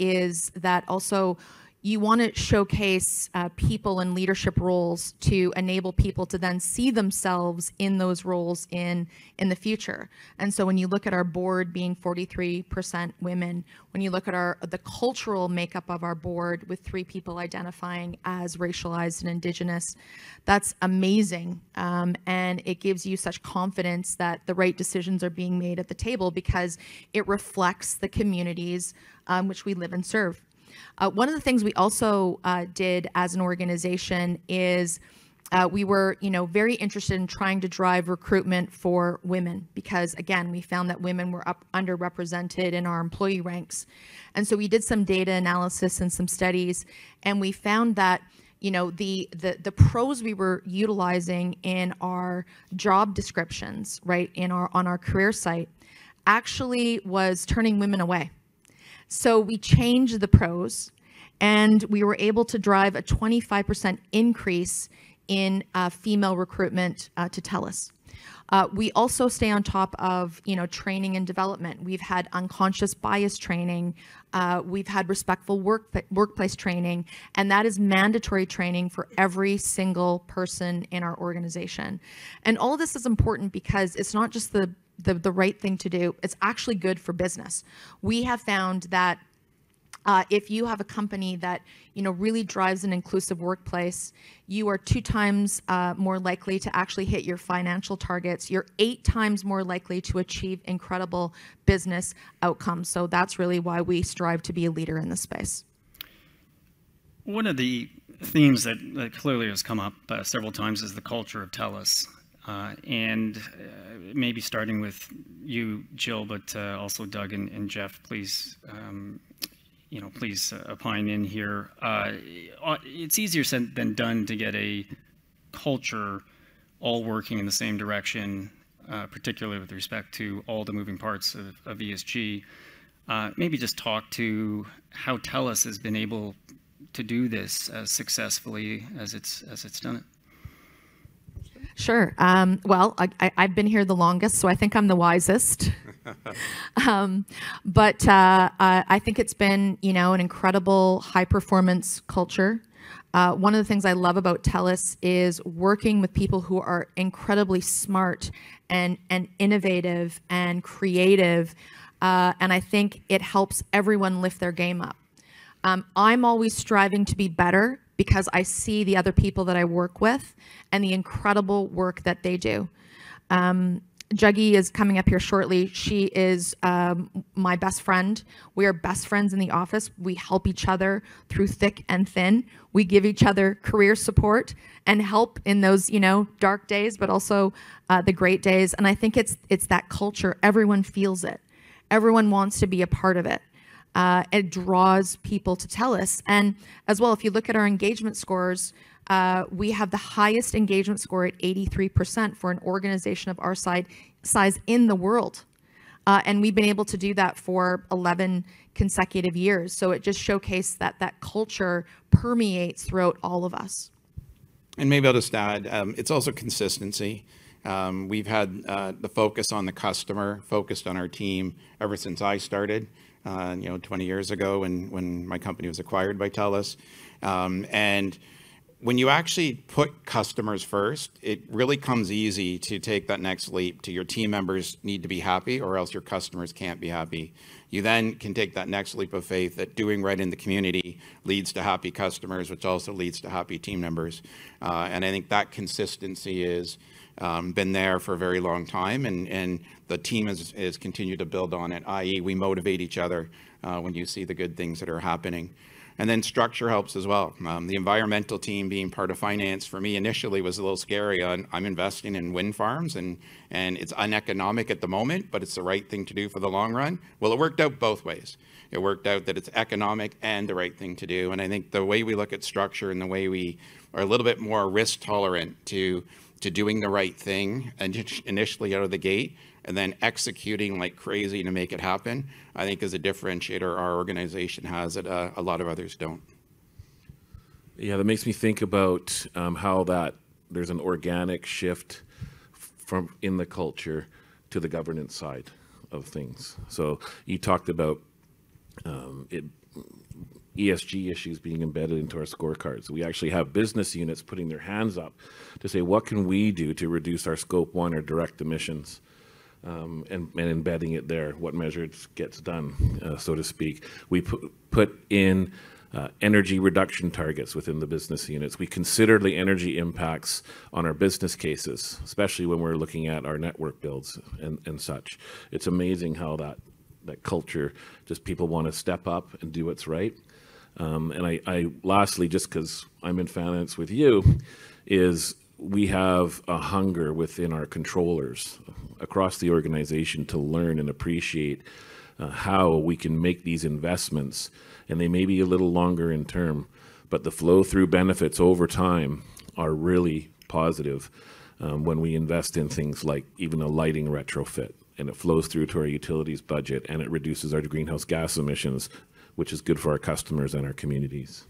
is that also you want to showcase people in leadership roles to enable people to then see themselves in those roles in the future. When you look at our board being 43% women, when you look at the cultural makeup of our board, with three people identifying as racialized and Indigenous, that's amazing. It gives you such confidence that the right decisions are being made at the table because it reflects the communities which we live and serve. One of the things we also did as an organization is, we were, you know, very interested in trying to drive recruitment for women, because, again, we found that women were underrepresented in our employee ranks. We did some data analysis and some studies, and we found that, you know, the pros we were utilizing in our job descriptions, right, on our career site, actually was turning women away. We changed the pros, and we were able to drive a 25% increase in female recruitment to TELUS. We also stay on top of, you know, training and development. We've had unconscious bias training, we've had respectful workplace training, and that is mandatory training for every single person in our organization. All this is important because it's not just the right thing to do, it's actually good for business. We have found that if you have a company that, you know, really drives an inclusive workplace, you are 2x more likely to actually hit your financial targets. You're 8x more likely to achieve incredible business outcomes. That's really why we strive to be a leader in this space. One of the themes that clearly has come up several times is the culture of TELUS. Maybe starting with you, Jill, but also Doug and Geoff, please, you know, please opine in here. It's easier said than done to get a culture all working in the same direction, particularly with respect to all the moving parts of ESG. Maybe just talk to how TELUS has been able to do this successfully as it's done it. I've been here the longest, so I think I'm the wisest. I think it's been, you know, an incredible high-performance culture. One of the things I love about TELUS is working with people who are incredibly smart, innovative, and creative, and I think it helps everyone lift their game up. I'm always striving to be better because I see the other people that I work with and the incredible work that they do. Juggy is coming up here shortly. She is my best friend. We are best friends in the office. We help each other through thick and thin. We give each other career support and help in those, you know, dark days, but also the great days. I think it's that culture. Everyone feels it. Everyone wants to be a part of it. It draws people to TELUS. As well, if you look at our engagement scores, we have the highest engagement score at 83% for an organization of our size in the world. We've been able to do that for 11 consecutive years. It just showcased that that culture permeates throughout all of us. Maybe I'll just add, it's also consistency. We've had the focus on the customer, focused on our team ever since I started, you know, 20 years ago, when my company was acquired by TELUS. When you actually put customers first, it really comes easy to take that next leap to your team members need to be happy, or else your customers can't be happy. You then can take that next leap of faith that doing right in the community leads to happy customers, which also leads to happy team members. I think that consistency is been there for a very long time, and the team has continued to build on it, i.e., we motivate each other, when you see the good things that are happening. Then structure helps as well. The environmental team being part of finance for me initially was a little scary. I'm investing in wind farms, and it's uneconomic at the moment, but it's the right thing to do for the long run. It worked out both ways. It worked out that it's economic and the right thing to do. I think the way we look at structure and the way we are a little bit more risk-tolerant to doing the right thing and initially out of the gate, and then executing like crazy to make it happen, I think is a differentiator our organization has that, a lot of others don't. Yeah, that makes me think about how that there's an organic shift from in the culture to the governance side of things. You talked about ESG issues being embedded into our scorecards. We actually have business units putting their hands up to say: What can we do to reduce our Scope 1 or direct emissions? Embedding it there, what measures gets done, so to speak. We put in energy reduction targets within the business units. We consider the energy impacts on our business cases, especially when we're looking at our network builds and such. It's amazing how that culture, just people wanna step up and do what's right. I lastly, just 'cause I'm in finance with you, is we have a hunger within our controllers across the organization to learn and appreciate how we can make these investments. They may be a little longer in term, but the flow through benefits over time are really positive when we invest in things like even a lighting retrofit, and it flows through to our utilities budget, and it reduces our greenhouse gas emissions, which is good for our customers and our communities.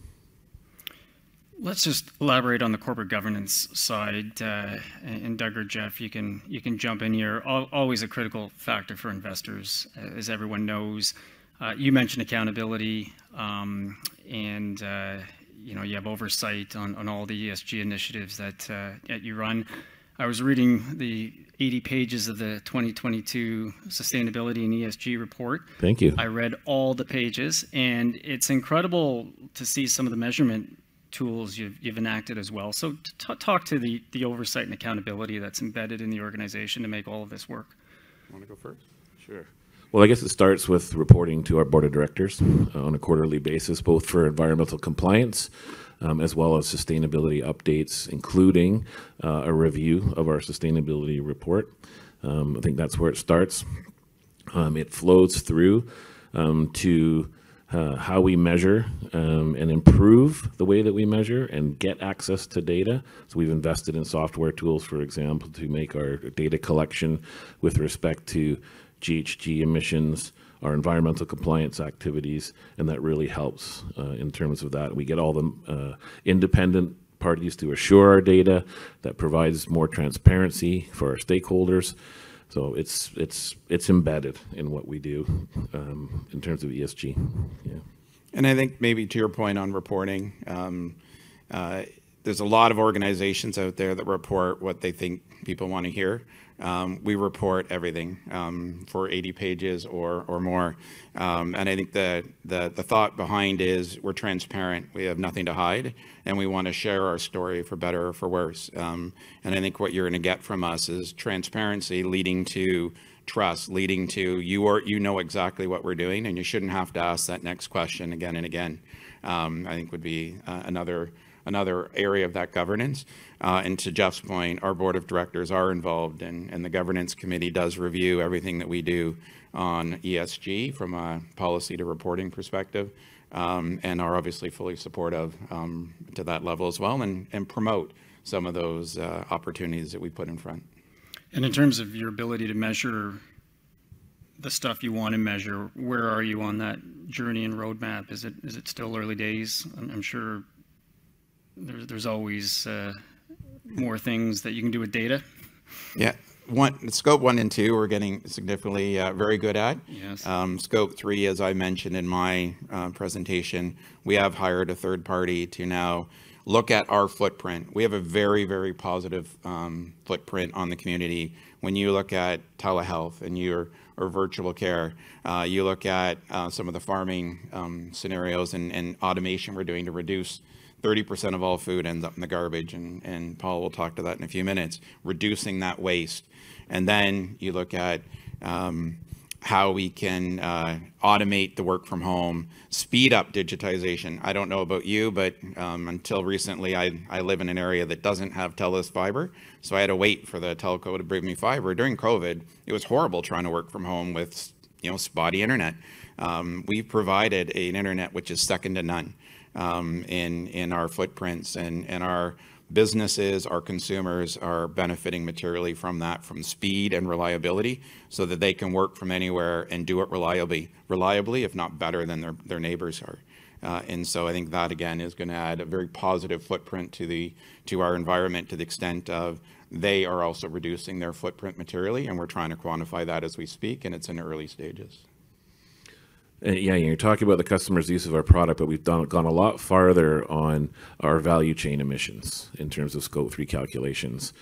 Let's just elaborate on the corporate governance side, Doug or Geoff, you can jump in here. Always a critical factor for investors, as everyone knows. You mentioned accountability, and, you know, you have oversight on all the ESG initiatives that you run. I was reading the 80 pages of the 2022 Sustainability and ESG report. Thank you. I read all the pages. It's incredible to see some of the measurement tools you've enacted as well. Talk to the oversight and accountability that's embedded in the organization to make all of this work. You want to go first? Sure. Well, I guess it starts with reporting to our board of directors on a quarterly basis, both for environmental compliance, as well as sustainability updates, including a review of our sustainability report. I think that's where it starts. It flows through to how we measure and improve the way that we measure and get access to data. We've invested in software tools, for example, to make our data collection with respect to GHG emissions, our environmental compliance activities, and that really helps in terms of that. We get all the independent parties to assure our data. That provides more transparency for our stakeholders. It's, it's embedded in what we do in terms of ESG. Yeah. I think maybe to your point on reporting, there's a lot of organizations out there that report what they think people want to hear. We report everything for 80 pages or more. I think that the thought behind is we're transparent, we have nothing to hide, and we want to share our story, for better or for worse. I think what you're going to get from us is transparency leading to trust, leading to you know exactly what we're doing, and you shouldn't have to ask that next question again and again, I think would be another area of that governance. To Geoff's point, our board of directors are involved, and the governance committee does review everything that we do on ESG from a policy to reporting perspective, and are obviously fully supportive to that level as well, and promote some of those opportunities that we put in front. In terms of your ability to measure the stuff you want to measure, where are you on that journey and roadmap? Is it still early days? I'm sure there's always more things that you can do with data. Yeah. Scope 1 and Scope 2, we're getting significantly very good at. Yes. Scope 3, as I mentioned in my presentation, we have hired a third party to now look at our footprint. We have a very, very positive footprint on the community. When you look at telehealth or virtual care, you look at some of the farming scenarios and automation we're doing to reduce 30% of all food ends up in the garbage, and Paul will talk to that in a few minutes, reducing that waste. You look at how we can automate the work from home, speed up digitization. I don't know about you, but until recently, I live in an area that doesn't have TELUS fiber, so I had to wait for the telco to bring me fiber. During COVID, it was horrible trying to work from home with you know, spotty internet. We provided an internet which is second to none, in our footprints and our businesses, our consumers are benefiting materially from that, from speed and reliability, so that they can work from anywhere and do it reliably, if not better than their neighbors are. I think that, again, is going to add a very positive footprint to our environment, to the extent of they are also reducing their footprint materially, and we're trying to quantify that as we speak, and it's in early stages. Yeah, you're talking about the customer's use of our product, but we've gone a lot farther on our value chain emissions in terms of Scope 3 calculations.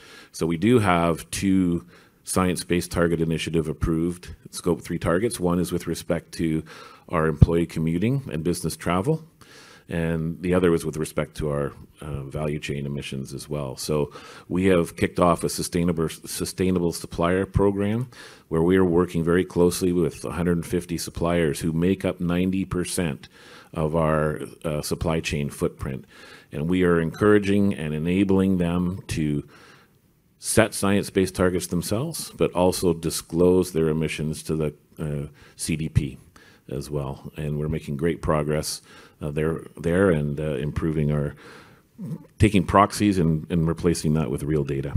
We do have 2 Science Based Targets initiative approved Scope 3 targets. One is with respect to our employee commuting and business travel, and the other is with respect to our value chain emissions as well. We have kicked off a Sustainable Supplier Program, where we are working very closely with 150 suppliers who make up 90% of our supply chain footprint. We are encouraging and enabling them to set Science Based Targets themselves, but also disclose their emissions to the CDP as well. We're making great progress there, and improving our taking proxies and replacing that with real data.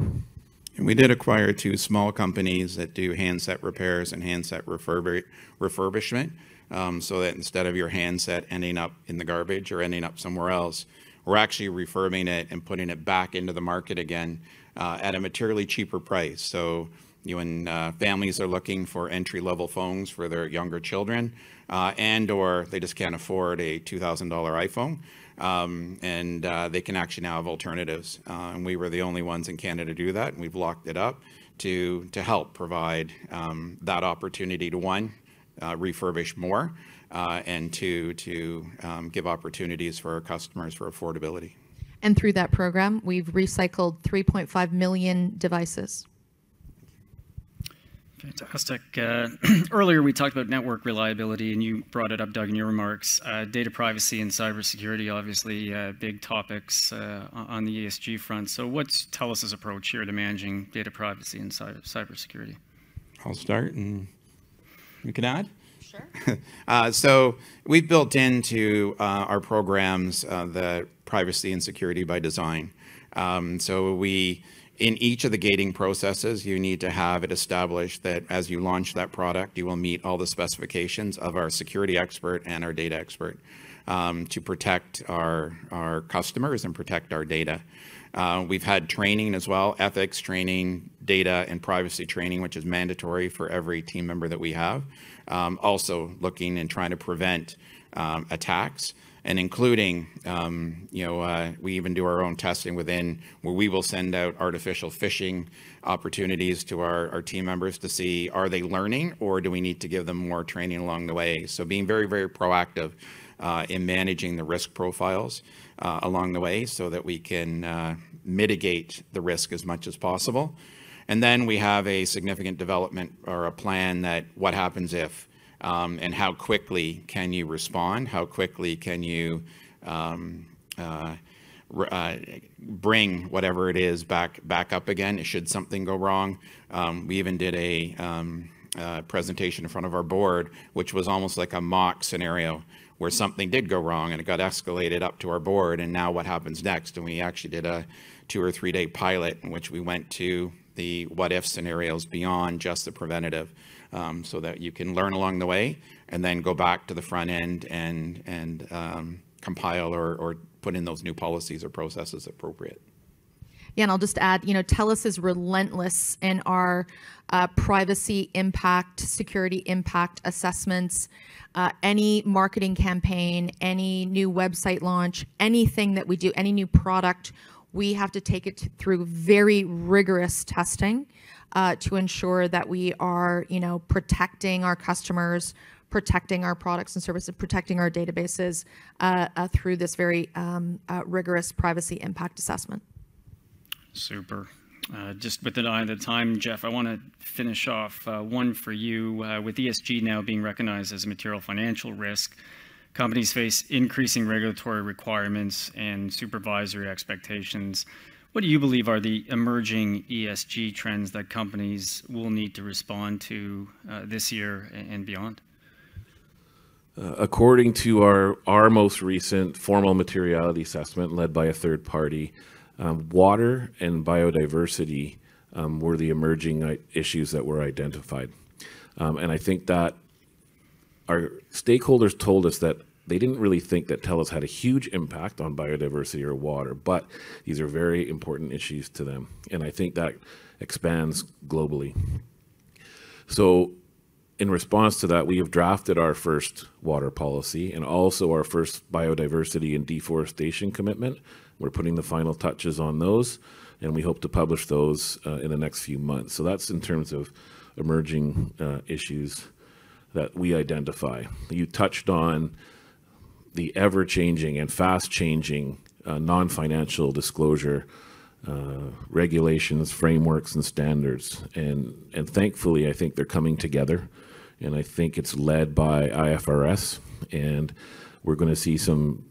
We did acquire two small companies that do handset repairs and handset refurbishment, so that instead of your handset ending up in the garbage or ending up somewhere else, we're actually refurbing it and putting it back into the market again, at a materially cheaper price. When families are looking for entry-level phones for their younger children, and/or they just can't afford a 2,000 dollar iPhone, they can actually now have alternatives. We were the only ones in Canada to do that, and we've locked it up to help provide, that opportunity to, one, refurbish more, and two, to give opportunities for our customers for affordability. Through that program, we've recycled 3.5 million devices. Fantastic. Earlier, we talked about network reliability, and you brought it up, Doug, in your remarks. Data privacy and cybersecurity, obviously, big topics, on the ESG front. What's TELUS's approach here to managing data privacy and cybersecurity? I'll start. You can add? Sure. We've built into our programs the Privacy by Design and Security by Design. In each of the gating processes, you need to have it established that as you launch that product, you will meet all the specifications of our security expert and our data expert, to protect our customers and protect our data. We've had training as well, ethics training, data and privacy training, which is mandatory for every team member that we have. Also looking and trying to prevent attacks and including, you know, we even do our own testing within where we will send out artificial phishing opportunities to our team members to see, are they learning, or do we need to give them more training along the way? Being very, very proactive in managing the risk profiles along the way so that we can mitigate the risk as much as possible. We have a significant development or a plan that what happens if, and how quickly can you respond? How quickly can you bring whatever it is back up again, should something go wrong? We even did a presentation in front of our Board, which was almost like a mock scenario where something did go wrong, and it got escalated up to our Board, and now what happens next? we actually did a 2- or 3-day pilot in which we went to the what if scenarios beyond just the preventative, so that you can learn along the way and then go back to the front end and compile or put in those new policies or processes appropriate. Yeah, I'll just add, you know, TELUS is relentless in our privacy impact, security impact assessments. Any marketing campaign, any new website launch, anything that we do, any new product, we have to take it through very rigorous testing to ensure that we are, you know, protecting our customers, protecting our products and services, protecting our databases through this very rigorous privacy impact assessment. Super. Just with an eye on the time, Geoff, I want to finish off, one for you. With ESG now being recognized as a material financial risk, companies face increasing regulatory requirements and supervisory expectations. What do you believe are the emerging ESG trends that companies will need to respond to, this year and beyond? According to our most recent formal materiality assessment, led by a third party, water and biodiversity were the emerging issues that were identified. I think that our stakeholders told us that they didn't really think that TELUS had a huge impact on biodiversity or water, but these are very important issues to them, and I think that expands globally. In response to that, we have drafted our first water policy and also our first biodiversity and deforestation commitment. We're putting the final touches on those, and we hope to publish those in the next few months. That's in terms of emerging issues that we identify. You touched on the ever-changing and fast-changing non-financial disclosure regulations, frameworks, and standards. Thankfully, I think they're coming together, and I think it's led by IFRS. We're going to see some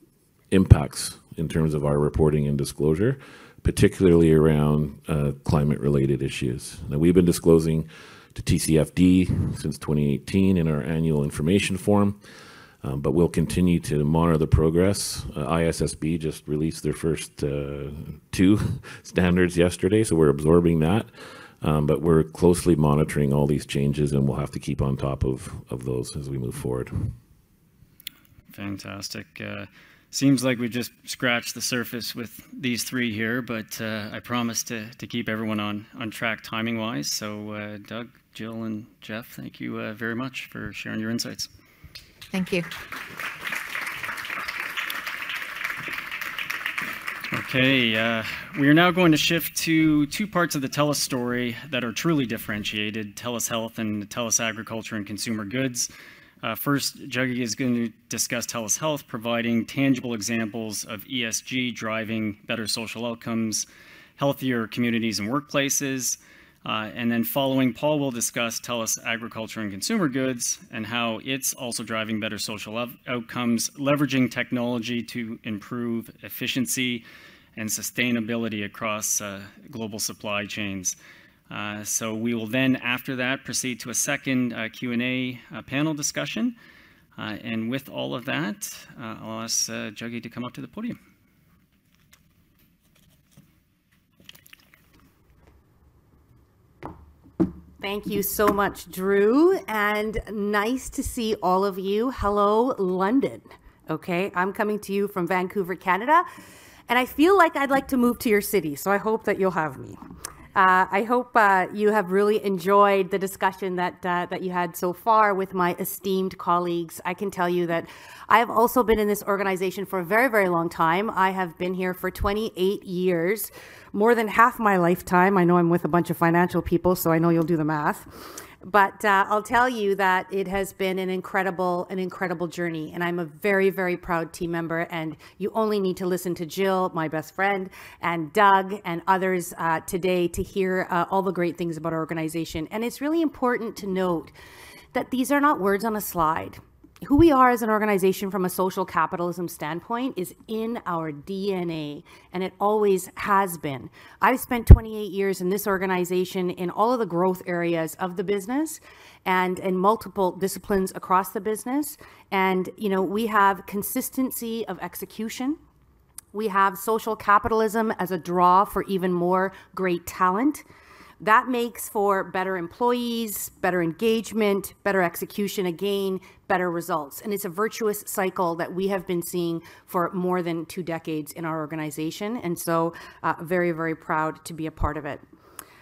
impacts in terms of our reporting and disclosure, particularly around climate-related issues. Now, we've been disclosing to TCFD since 2018 in our annual information form. We'll continue to monitor the progress. ISSB just released their first 2 standards yesterday. We're absorbing that. We're closely monitoring all these changes, and we'll have to keep on top of those as we move forward. Fantastic. seems like we've just scratched the surface with these three here, I promise to keep everyone on track timing-wise. Doug, Jill, and Geoff, thank you, very much for sharing your insights. Thank you. Okay, we are now going to shift to two parts of the TELUS story that are truly differentiated, TELUS Health and TELUS Agriculture & Consumer Goods. First, Juggy is going to discuss TELUS Health, providing tangible examples of ESG driving better social outcomes, healthier communities and workplaces. Following, Paul will discuss TELUS Agriculture & Consumer Goods and how it's also driving better social outcomes, leveraging technology to improve efficiency and sustainability across global supply chains. We will then, after that, proceed to a second Q&A panel discussion. With all of that, I'll ask Juggy to come up to the podium. Thank you so much, Drew. Nice to see all of you. Hello, London! Okay, I'm coming to you from Vancouver, Canada, and I feel like I'd like to move to your city, so I hope that you'll have me. I hope you have really enjoyed the discussion that you had so far with my esteemed colleagues. I can tell you that I've also been in this organization for a very, very long time. I have been here for 28 years, more than half my lifetime. I know I'm with a bunch of financial people, so I know you'll do the math. I'll tell you that it has been an incredible journey, and I'm a very proud team member, and you only need to listen to Jill, my best friend, and Doug, and others today to hear all the great things about our organization. It's really important to note that these are not words on a slide. Who we are as an organization from a social capitalism standpoint is in our DNA, and it always has been. I've spent 28 years in this organization in all of the growth areas of the business and in multiple disciplines across the business, and, you know, we have consistency of execution. We have social capitalism as a draw for even more great talent. That makes for better employees, better engagement, better execution, again, better results. It's a virtuous cycle that we have been seeing for more than two decades in our organization, very, very proud to be a part of it.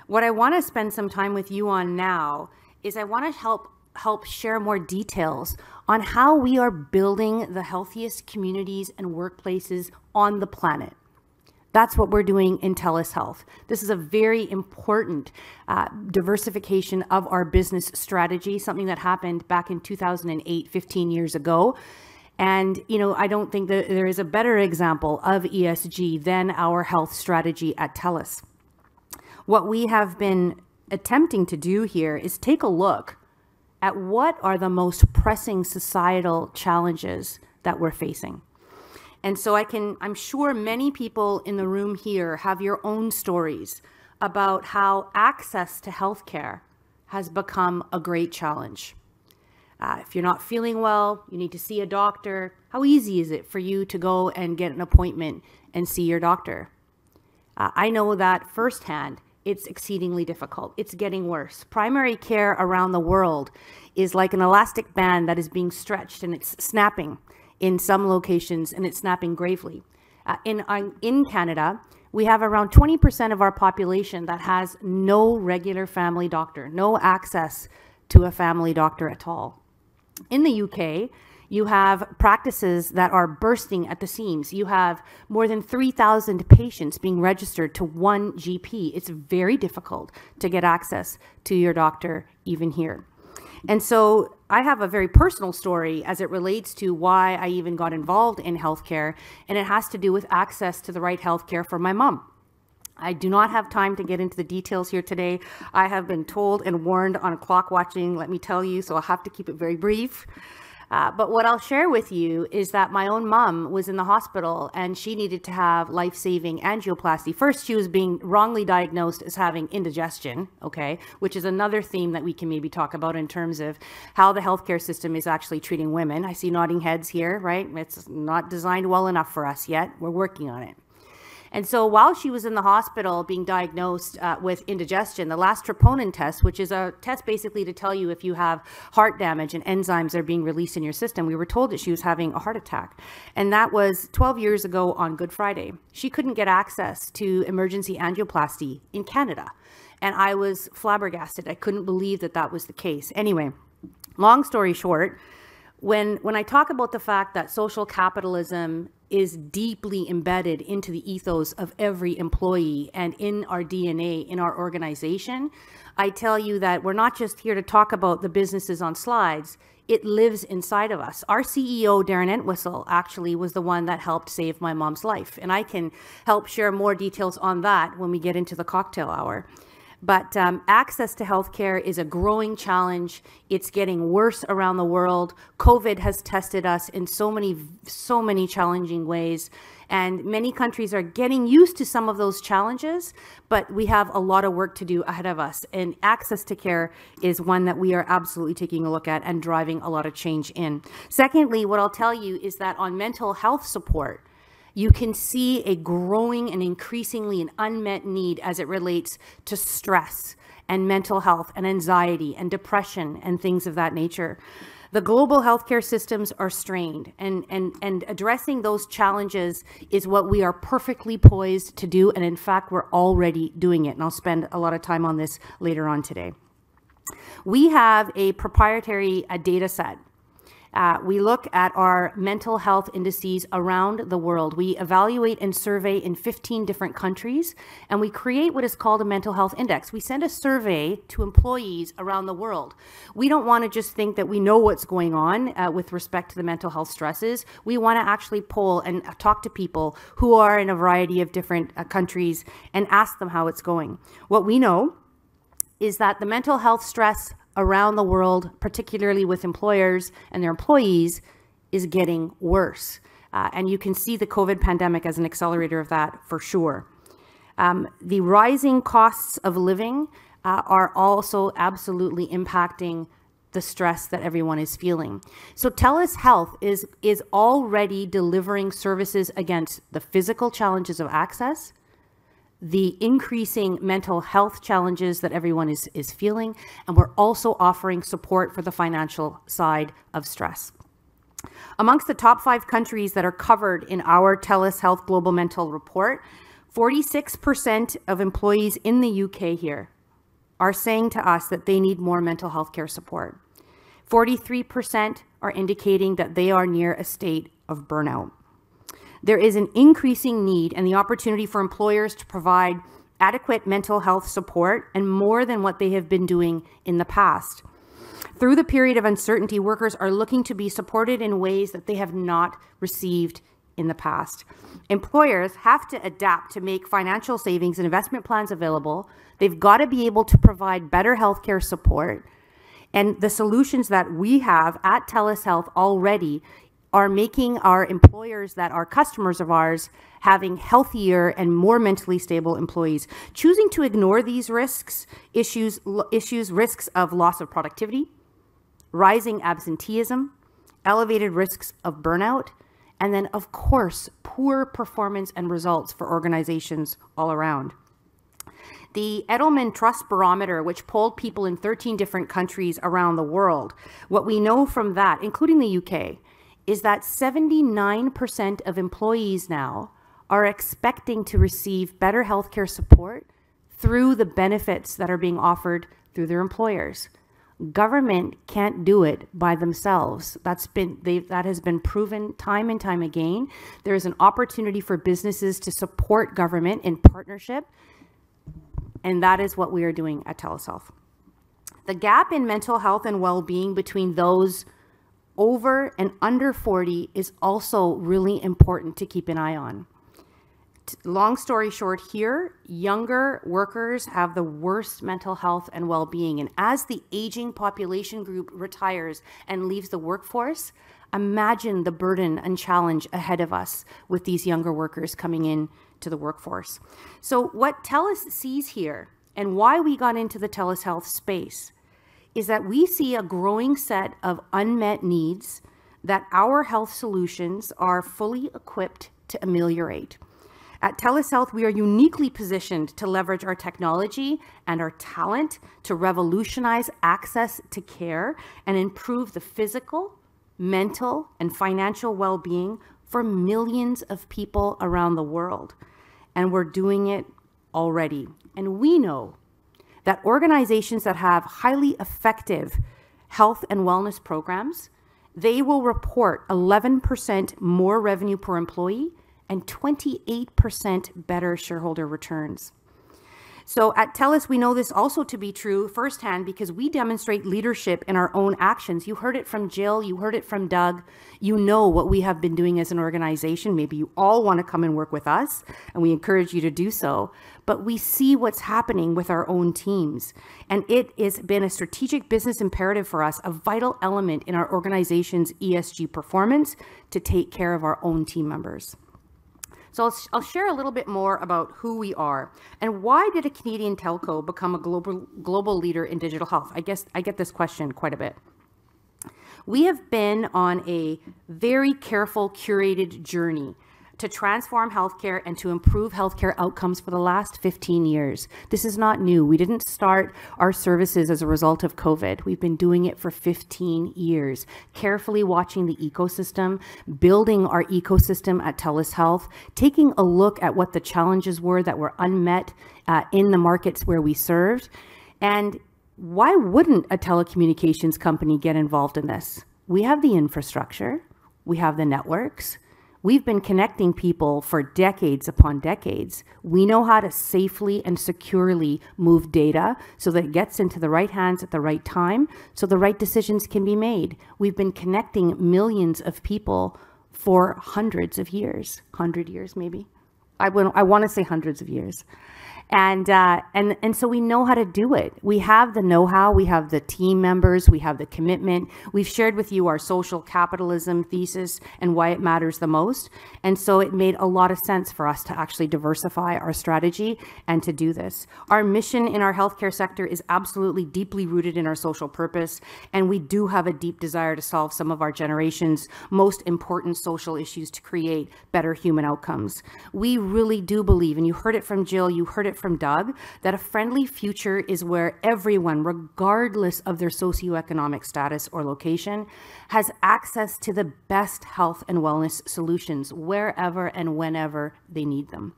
What I want to spend some time with you on now is I want to help share more details on how we are building the healthiest communities and workplaces on the planet. That's what we're doing in TELUS Health. This is a very important diversification of our business strategy, something that happened back in 2008, 15 years ago, you know, I don't think that there is a better example of ESG than our health strategy at TELUS. What we have been attempting to do here is take a look at what are the most pressing societal challenges that we're facing. I'm sure many people in the room here have your own stories about how access to healthcare has become a great challenge. If you're not feeling well, you need to see a doctor, how easy is it for you to go and get an appointment and see your doctor? I know that firsthand, it's exceedingly difficult. It's getting worse. Primary care around the world is like an elastic band that is being stretched, and it's snapping in some locations, and it's snapping gravely. In Canada, we have around 20% of our population that has no regular family doctor, no access to a family doctor at all. In the U.K., you have practices that are bursting at the seams. You have more than 3,000 patients being registered to one GP. It's very difficult to get access to your doctor even here. I have a very personal story as it relates to why I even got involved in healthcare, and it has to do with access to the right healthcare for my mom. I do not have time to get into the details here today. I have been told and warned on clock watching, let me tell you, so I'll have to keep it very brief. What I'll share with you is that my own mom was in the hospital, and she needed to have life-saving angioplasty. First, she was being wrongly diagnosed as having indigestion, okay? Which is another theme that we can maybe talk about in terms of how the healthcare system is actually treating women. I see nodding heads here, right? It's not designed well enough for us yet. We're working on it. While she was in the hospital being diagnosed with indigestion, the last troponin test, which is a test basically to tell you if you have heart damage and enzymes are being released in your system, we were told that she was having a heart attack, and that was 12 years ago on Good Friday. She couldn't get access to emergency angioplasty in Canada, and I was flabbergasted. I couldn't believe that that was the case. Anyway, long story short, when I talk about the fact that social capitalism is deeply embedded into the ethos of every employee and in our DNA, in our organization, I tell you that we're not just here to talk about the businesses on slides, it lives inside of us. Our CEO, Darren Entwistle, actually was the one that helped save my mom's life, and I can help share more details on that when we get into the cocktail hour. Access to healthcare is a growing challenge. It's getting worse around the world. COVID has tested us in so many challenging ways, and many countries are getting used to some of those challenges, but we have a lot of work to do ahead of us, and access to care is one that we are absolutely taking a look at and driving a lot of change in. Secondly, what I'll tell you is that on mental health support, you can see a growing and increasingly an unmet need as it relates to stress, and mental health, and anxiety, and depression, and things of that nature. The global healthcare systems are strained, and addressing those challenges is what we are perfectly poised to do, and in fact, we're already doing it, and I'll spend a lot of time on this later on today. We have a proprietary data set. We look at our mental health indices around the world. We evaluate and survey in 15 different countries, and we create what is called a Mental Health Index. We send a survey to employees around the world. We don't want to just think that we know what's going on, with respect to the mental health stresses. We want to actually poll and talk to people who are in a variety of different countries and ask them how it's going. What we know is that the mental health stress around the world, particularly with employers and their employees, is getting worse, and you can see the COVID pandemic as an accelerator of that for sure. The rising costs of living are also absolutely impacting the stress that everyone is feeling. TELUS Health is already delivering services against the physical challenges of access, the increasing mental health challenges that everyone is feeling, and we're also offering support for the financial side of stress. Amongst the top 5 countries that are covered in our TELUS Health Global Mental Report, 46% of employees in the UK here are saying to us that they need more mental healthcare support. 43% are indicating that they are near a state of burnout. There is an increasing need and the opportunity for employers to provide adequate mental health support and more than what they have been doing in the past. Through the period of uncertainty, workers are looking to be supported in ways that they have not received in the past. Employers have to adapt to make financial savings and investment plans available. They've got to be able to provide better healthcare support. The solutions that we have at TELUS Health already are making our employers that are customers of ours having healthier and more mentally stable employees. Choosing to ignore these risks issues, risks of loss of productivity rising absenteeism, elevated risks of burnout, and then, of course, poor performance and results for organizations all around. The Edelman Trust Barometer, which polled people in 13 different countries around the world, what we know from that, including the U.K., is that 79% of employees now are expecting to receive better healthcare support through the benefits that are being offered through their employers. Government can't do it by themselves. That has been proven time and time again. There is an opportunity for businesses to support government in partnership, and that is what we are doing at TELUS Health. The gap in mental health and well-being between those over and under 40 is also really important to keep an eye on. Long story short here, younger workers have the worst mental health and well-being, and as the aging population group retires and leaves the workforce, imagine the burden and challenge ahead of us with these younger workers coming in to the workforce. What TELUS sees here and why we got into the TELUS Health space, is that we see a growing set of unmet needs that our health solutions are fully equipped to ameliorate. At TELUS Health, we are uniquely positioned to leverage our technology and our talent to revolutionize access to care and improve the physical, mental, and financial well-being for millions of people around the world, and we're doing it already. We know that organizations that have highly effective health and wellness programs, they will report 11% more revenue per employee and 28% better shareholder returns. At TELUS, we know this also to be true firsthand because we demonstrate leadership in our own actions. You heard it from Jill, you heard it from Doug. You know what we have been doing as an organization. Maybe you all want to come and work with us, and we encourage you to do so. We see what's happening with our own teams, and it has been a strategic business imperative for us, a vital element in our organization's ESG performance, to take care of our own team members. I'll share a little bit more about who we are and why did a Canadian telco become a global leader in digital health? I guess I get this question quite a bit. We have been on a very careful, curated journey to transform healthcare and to improve healthcare outcomes for the last 15 years. This is not new. We didn't start our services as a result of COVID. We've been doing it for 15 years, carefully watching the ecosystem, building our ecosystem at TELUS Health, taking a look at what the challenges were that were unmet in the markets where we served. Why wouldn't a telecommunications company get involved in this? We have the infrastructure, we have the networks. We've been connecting people for decades upon decades. We know how to safely and securely move data so that it gets into the right hands at the right time, so the right decisions can be made. We've been connecting millions of people for hundreds of years. 100 years, maybe. I want to say hundreds of years. We know how to do it. We have the know-how, we have the team members, we have the commitment. We've shared with you our social capitalism thesis and why it matters the most, and so it made a lot of sense for us to actually diversify our strategy and to do this. Our mission in our healthcare sector is absolutely deeply rooted in our social purpose, and we do have a deep desire to solve some of our generation's most important social issues to create better human outcomes. We really do believe, and you heard it from Jill, you heard it from Doug, that a friendly future is where everyone, regardless of their socioeconomic status or location, has access to the best health and wellness solutions wherever and whenever they need them.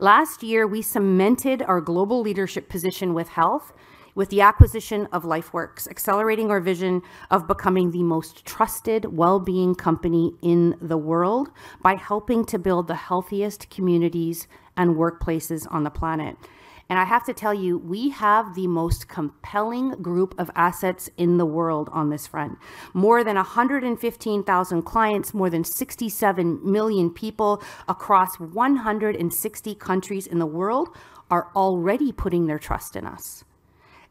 Last year, we cemented our global leadership position with health, with the acquisition of LifeWorks, accelerating our vision of becoming the most trusted well-being company in the world by helping to build the healthiest communities and workplaces on the planet. I have to tell you, we have the most compelling group of assets in the world on this front. More than 115,000 clients, more than 67 million people across 160 countries in the world, are already putting their trust in us,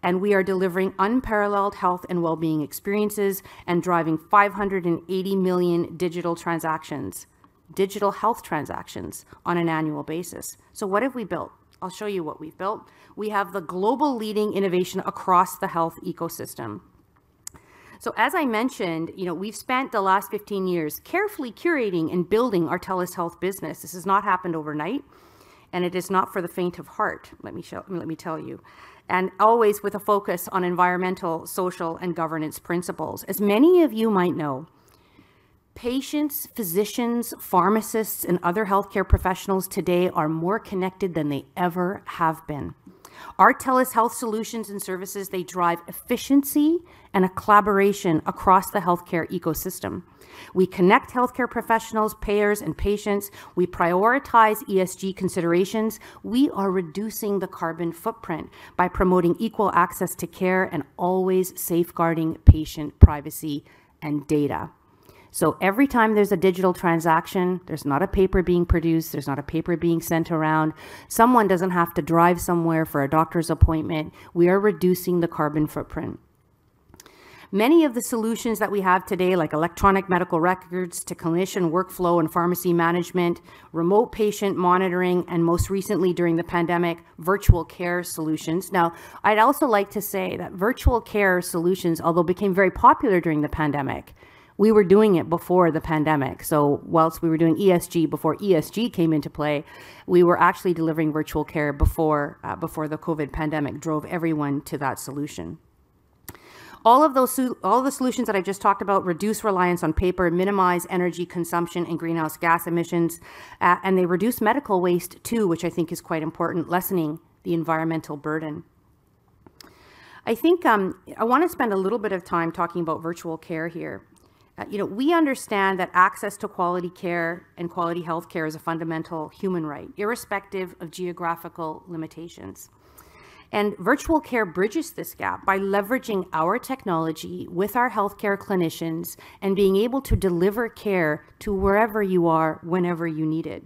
and we are delivering unparalleled health and well-being experiences and driving 580 million digital transactions, digital health transactions on an annual basis. What have we built? I'll show you what we've built. We have the global leading innovation across the health ecosystem. As I mentioned, you know, we've spent the last 15 years carefully curating and building our TELUS Health business. This has not happened overnight, and it is not for the faint of heart, let me tell you, and always with a focus on environmental, social, and governance principles. As many of you might know, patients, physicians, pharmacists, and other healthcare professionals today are more connected than they ever have been. Our TELUS Health solutions and services, they drive efficiency and a collaboration across the healthcare ecosystem. We connect healthcare professionals, payers, and patients. We prioritize ESG considerations. We are reducing the carbon footprint by promoting equal access to care and always safeguarding patient privacy and data. Every time there's a digital transaction, there's not a paper being produced, there's not a paper being sent around someone doesn't have to drive somewhere for a doctor's appointment. We are reducing the carbon footprint. Many of the solutions that we have today, like electronic medical records to clinician workflow and pharmacy management, remote patient monitoring, and most recently, during the pandemic, virtual care solutions. I'd also like to say that virtual care solutions, although became very popular during the pandemic, we were doing it before the pandemic. Whilst we were doing ESG, before ESG came into play, we were actually delivering virtual care before the COVID pandemic drove everyone to that solution. All the solutions that I just talked about reduce reliance on paper, minimize energy consumption and greenhouse gas emissions, and they reduce medical waste, too, which I think is quite important, lessening the environmental burden. I think I want to spend a little bit of time talking about virtual care here. you know, we understand that access to quality care and quality health care is a fundamental human right, irrespective of geographical limitations. Virtual care bridges this gap by leveraging our technology with our healthcare clinicians and being able to deliver care to wherever you are, whenever you need it.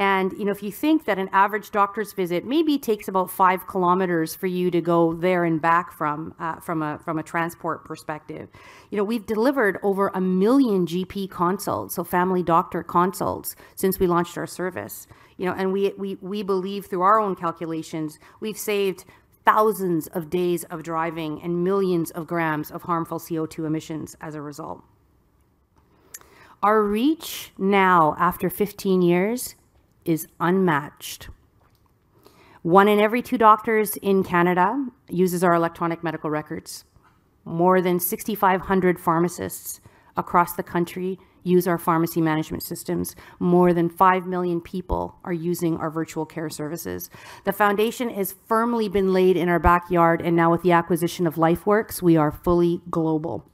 You know, if you think that an average doctor's visit maybe takes about five kilometers for you to go there and back from a, from a transport perspective, you know, we've delivered over 1 million GP consults, so family doctor consults since we launched our service. You know, and we believe through our own calculations, we've saved thousands of days of driving and millions of grams of harmful CO2 emissions as a result. Our reach now, after 15 years, is unmatched. One in every two doctors in Canada uses our electronic medical records. More than 6,500 pharmacists across the country use our pharmacy management systems. More than 5 million people are using our virtual care services. The foundation has firmly been laid in our backyard. Now with the acquisition of LifeWorks, we are fully global.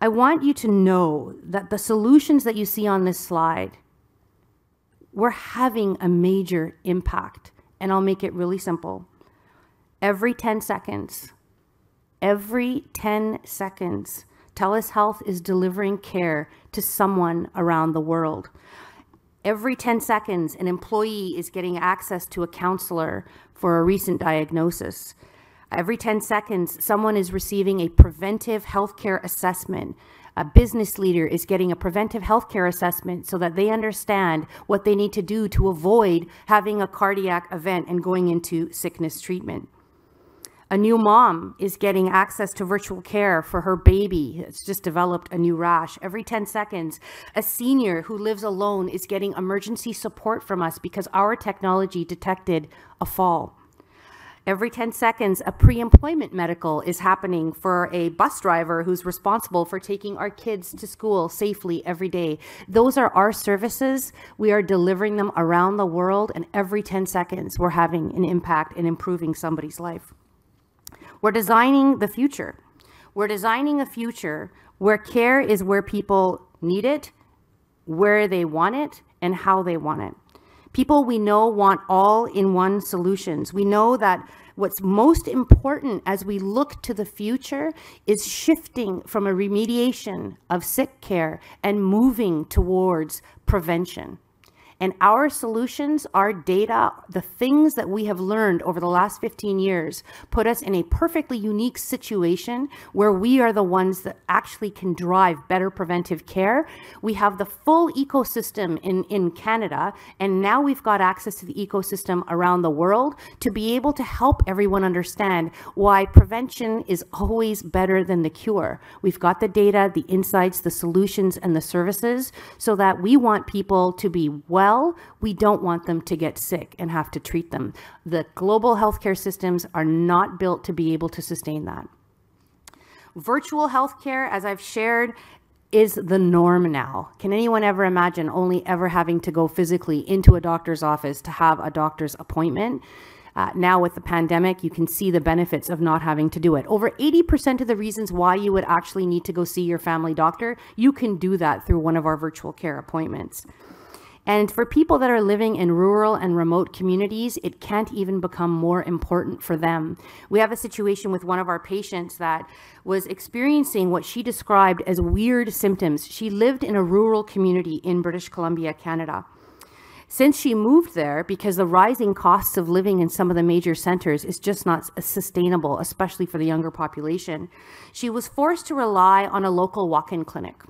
I want you to know that the solutions that you see on this slide, we're having a major impact. I'll make it really simple. Every 10 seconds, TELUS Health is delivering care to someone around the world. Every 10 seconds, an employee is getting access to a counselor for a recent diagnosis. Every 10 seconds, someone is receiving a preventive healthcare assessment. A business leader is getting a preventive healthcare assessment that they understand what they need to do to avoid having a cardiac event and going into sickness treatment. A new mom is getting access to virtual care for her baby, who's just developed a new rash. Every 10 seconds, a senior who lives alone is getting emergency support from us because our technology detected a fall. Every 10 seconds, a pre-employment medical is happening for a bus driver who's responsible for taking our kids to school safely every day. Those are our services. We are delivering them around the world, and every 10 seconds, we're having an impact in improving somebody's life. We're designing the future. We're designing a future where care is where people need it, where they want it, and how they want it. People we know want all-in-one solutions. We know that what's most important as we look to the future is shifting from a remediation of sick care and moving towards prevention. Our solutions, our data, the things that we have learned over the last 15 years, put us in a perfectly unique situation where we are the ones that actually can drive better preventive care. We have the full ecosystem in Canada, and now we've got access to the ecosystem around the world to be able to help everyone understand why prevention is always better than the cure. We've got the data, the insights, the solutions, and the services so that we want people to be well. We don't want them to get sick and have to treat them. The global healthcare systems are not built to be able to sustain that. Virtual healthcare, as I've shared, is the norm now. Can anyone ever imagine only ever having to go physically into a doctor's office to have a doctor's appointment? Now, with the pandemic, you can see the benefits of not having to do it. Over 80% of the reasons why you would actually need to go see your family doctor, you can do that through one of our virtual care appointments. For people that are living in rural and remote communities, it can't even become more important for them. We have a situation with one of our patients that was experiencing what she described as weird symptoms. She lived in a rural community in British Columbia, Canada. Since she moved there, because the rising costs of living in some of the major centers is just not sustainable, especially for the younger population, she was forced to rely on a local walk-in clinic.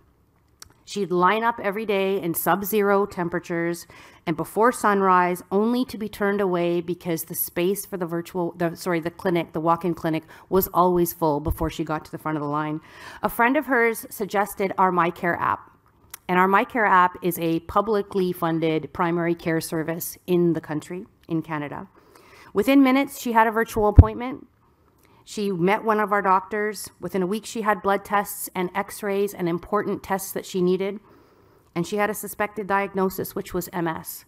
She'd line up every day in subzero temperatures and before sunrise, only to be turned away because the space for the clinic, the walk-in clinic, was always full before she got to the front of the line. A friend of hers suggested our MyCare app, our MyCare app is a publicly funded primary care service in the country, in Canada. Within minutes, she had a virtual appointment. She met one of our doctors. Within a week, she had blood tests and X-rays and important tests that she needed, and she had a suspected diagnosis, which was MS.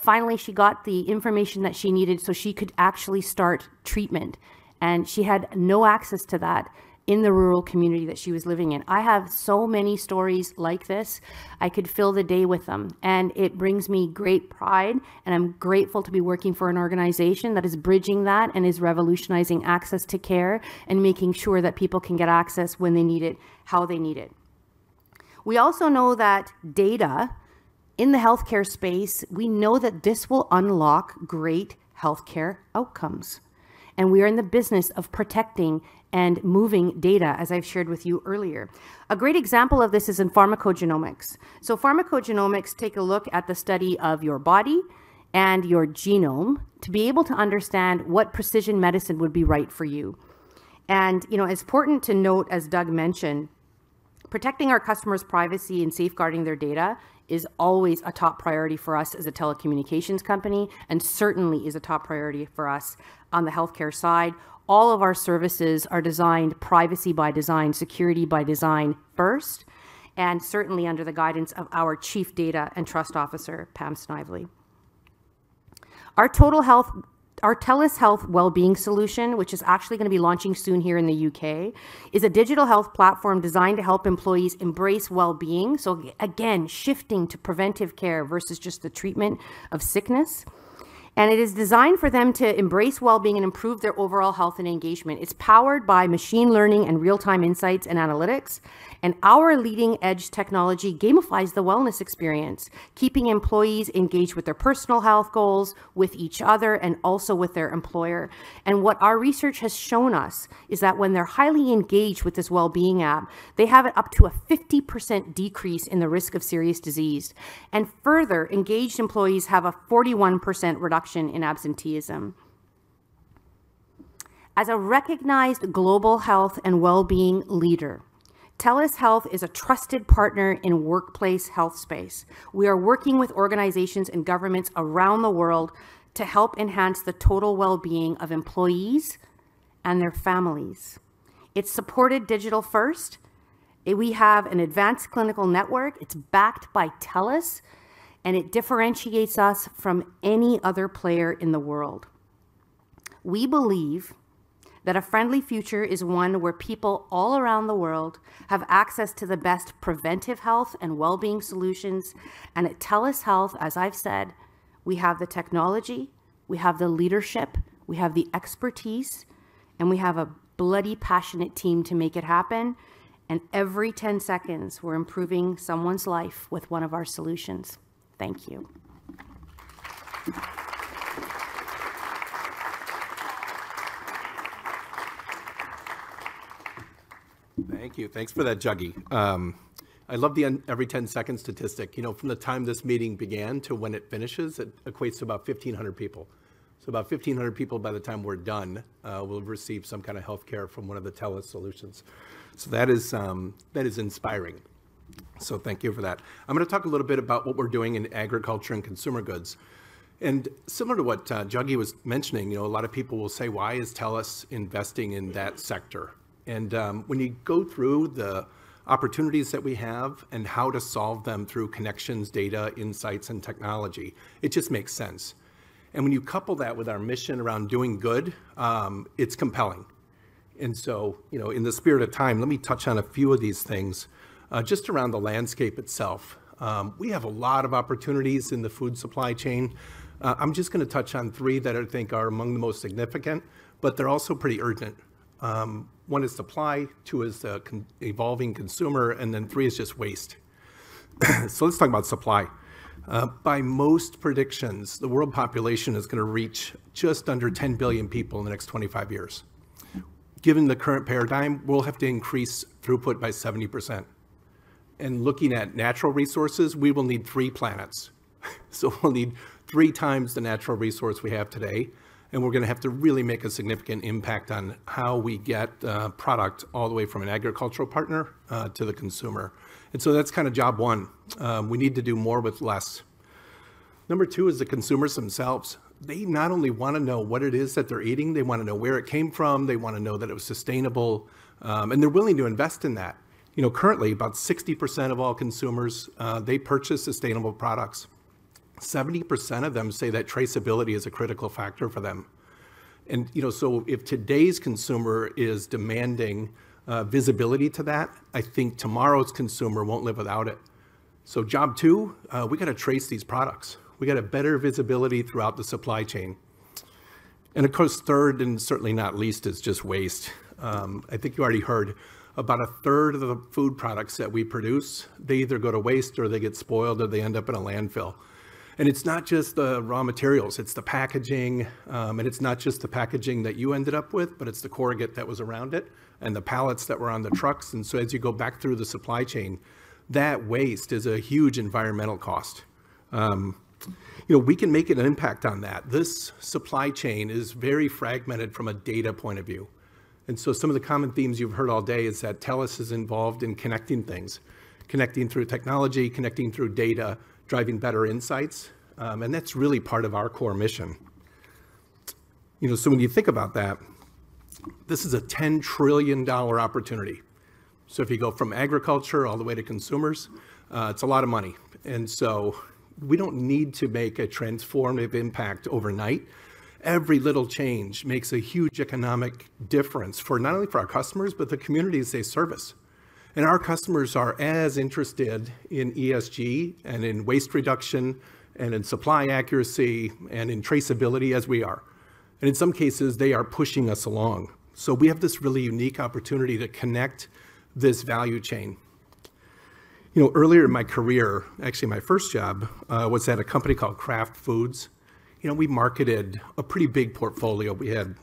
Finally, she got the information that she needed so she could actually start treatment, and she had no access to that in the rural community that she was living in. I have so many stories like this. I could fill the day with them, and it brings me great pride, and I'm grateful to be working for an organization that is bridging that and is revolutionizing access to care and making sure that people can get access when they need it, how they need it. We also know that data in the healthcare space, we know that this will unlock great healthcare outcomes, and we are in the business of protecting and moving data, as I've shared with you earlier. A great example of this is in pharmacogenomics. Pharmacogenomics take a look at the study of your body and your genome to be able to understand what precision medicine would be right for you. You know, it's important to note, as Doug mentioned, protecting our customers' privacy and safeguarding their data is always a top priority for us as a telecommunications company, and certainly is a top priority for us on the healthcare side. All of our services are designed Privacy by Design, Security by Design first, and certainly under the guidance of our Chief Data & Trust Officer, Pam Snively. Our TELUS Health Wellbeing Solution, which is actually gonna be launching soon here in the U.K., is a digital health platform designed to help employees embrace wellbeing. Again, shifting to preventive care versus just the treatment of sickness. It is designed for them to embrace wellbeing and improve their overall health and engagement. It's powered by machine learning and real-time insights and analytics. Our leading-edge technology gamifies the wellness experience, keeping employees engaged with their personal health goals, with each other, and also with their employer. What our research has shown us is that when they're highly engaged with this wellbeing app, they have up to a 50% decrease in the risk of serious disease. Further, engaged employees have a 41% reduction in absenteeism. As a recognized global health and wellbeing leader, TELUS Health is a trusted partner in workplace health space. We are working with organizations and governments around the world to help enhance the total wellbeing of employees and their families. It's supported digital-first. We have an advanced clinical network. It's backed by TELUS. It differentiates us from any other player in the world. We believe that a friendly future is one where people all around the world have access to the best preventive health and wellbeing solutions. At TELUS Health, as I've said, we have the technology, we have the leadership, we have the expertise, and we have a bloody passionate team to make it happen. Every 10 seconds, we're improving someone's life with one of our solutions. Thank you. Thank you. Thanks for that, Juggy. I love the every 10 second statistic. You know, from the time this meeting began to when it finishes, it equates to about 1,500 people. About 1,500 people by the time we're done, will receive some kind of healthcare from one of the TELUS solutions. That is inspiring. Thank you for that. I'm gonna talk a little bit about what we're doing in agriculture and consumer goods. Similar to what, Juggy was mentioning, you know, a lot of people will say: Why is TELUS investing in that sector? When you go through the opportunities that we have and how to solve them through connections, data, insights, and technology, it just makes sense. When you couple that with our mission around doing good, it's compelling. You know, in the spirit of time, let me touch on a few of these things. Just around the landscape itself, we have a lot of opportunities in the food supply chain. I'm just gonna touch on three that I think are among the most significant, but they're also pretty urgent. One is supply, two is the evolving consumer, three is just waste. Let's talk about supply. By most predictions, the world population is gonna reach just under 10 billion people in the next 25 years. Given the current paradigm, we'll have to increase throughput by 70%. Looking at natural resources, we will need three planets. We'll need 3x the natural resource we have today, and we're gonna have to really make a significant impact on how we get product all the way from an agricultural partner to the consumer. That's kinda job 1. We need to do more with less. Number 2 is the consumers themselves. They not only wanna know what it is that they're eating, they wanna know where it came from, they wanna know that it was sustainable, and they're willing to invest in that. You know, currently, about 60% of all consumers, they purchase sustainable products. 70% of them say that traceability is a critical factor for them. You know, if today's consumer is demanding visibility to that, I think tomorrow's consumer won't live without it. Job 2, we've got to trace these products. We've got to better visibility throughout the supply chain. Of course, third, and certainly not least, is just waste. I think you already heard about a third of the food products that we produce, they either go to waste or they get spoiled, or they end up in a landfill. It's not just the raw materials, it's the packaging, and it's not just the packaging that you ended up with, but it's the corrugate that was around it and the pallets that were on the trucks. As you go back through the supply chain, that waste is a huge environmental cost. You know, we can make an impact on that. This supply chain is very fragmented from a data point of view. Some of the common themes you've heard all day is that TELUS is involved in connecting things, connecting through technology, connecting through data, driving better insights, and that's really part of our core mission. You know, so when you think about that, this is a 10 trillion dollar opportunity. If you go from agriculture all the way to consumers, it's a lot of money. We don't need to make a transformative impact overnight. Every little change makes a huge economic difference for not only our customers, but the communities they service. Our customers are as interested in ESG and in waste reduction and in supply accuracy and in traceability as we are. And in some cases, they are pushing us along. We have this really unique opportunity to connect this value chain. You know, earlier in my career, actually, my first job was at a company called Kraft Foods. You know, we marketed a pretty big portfolio. We had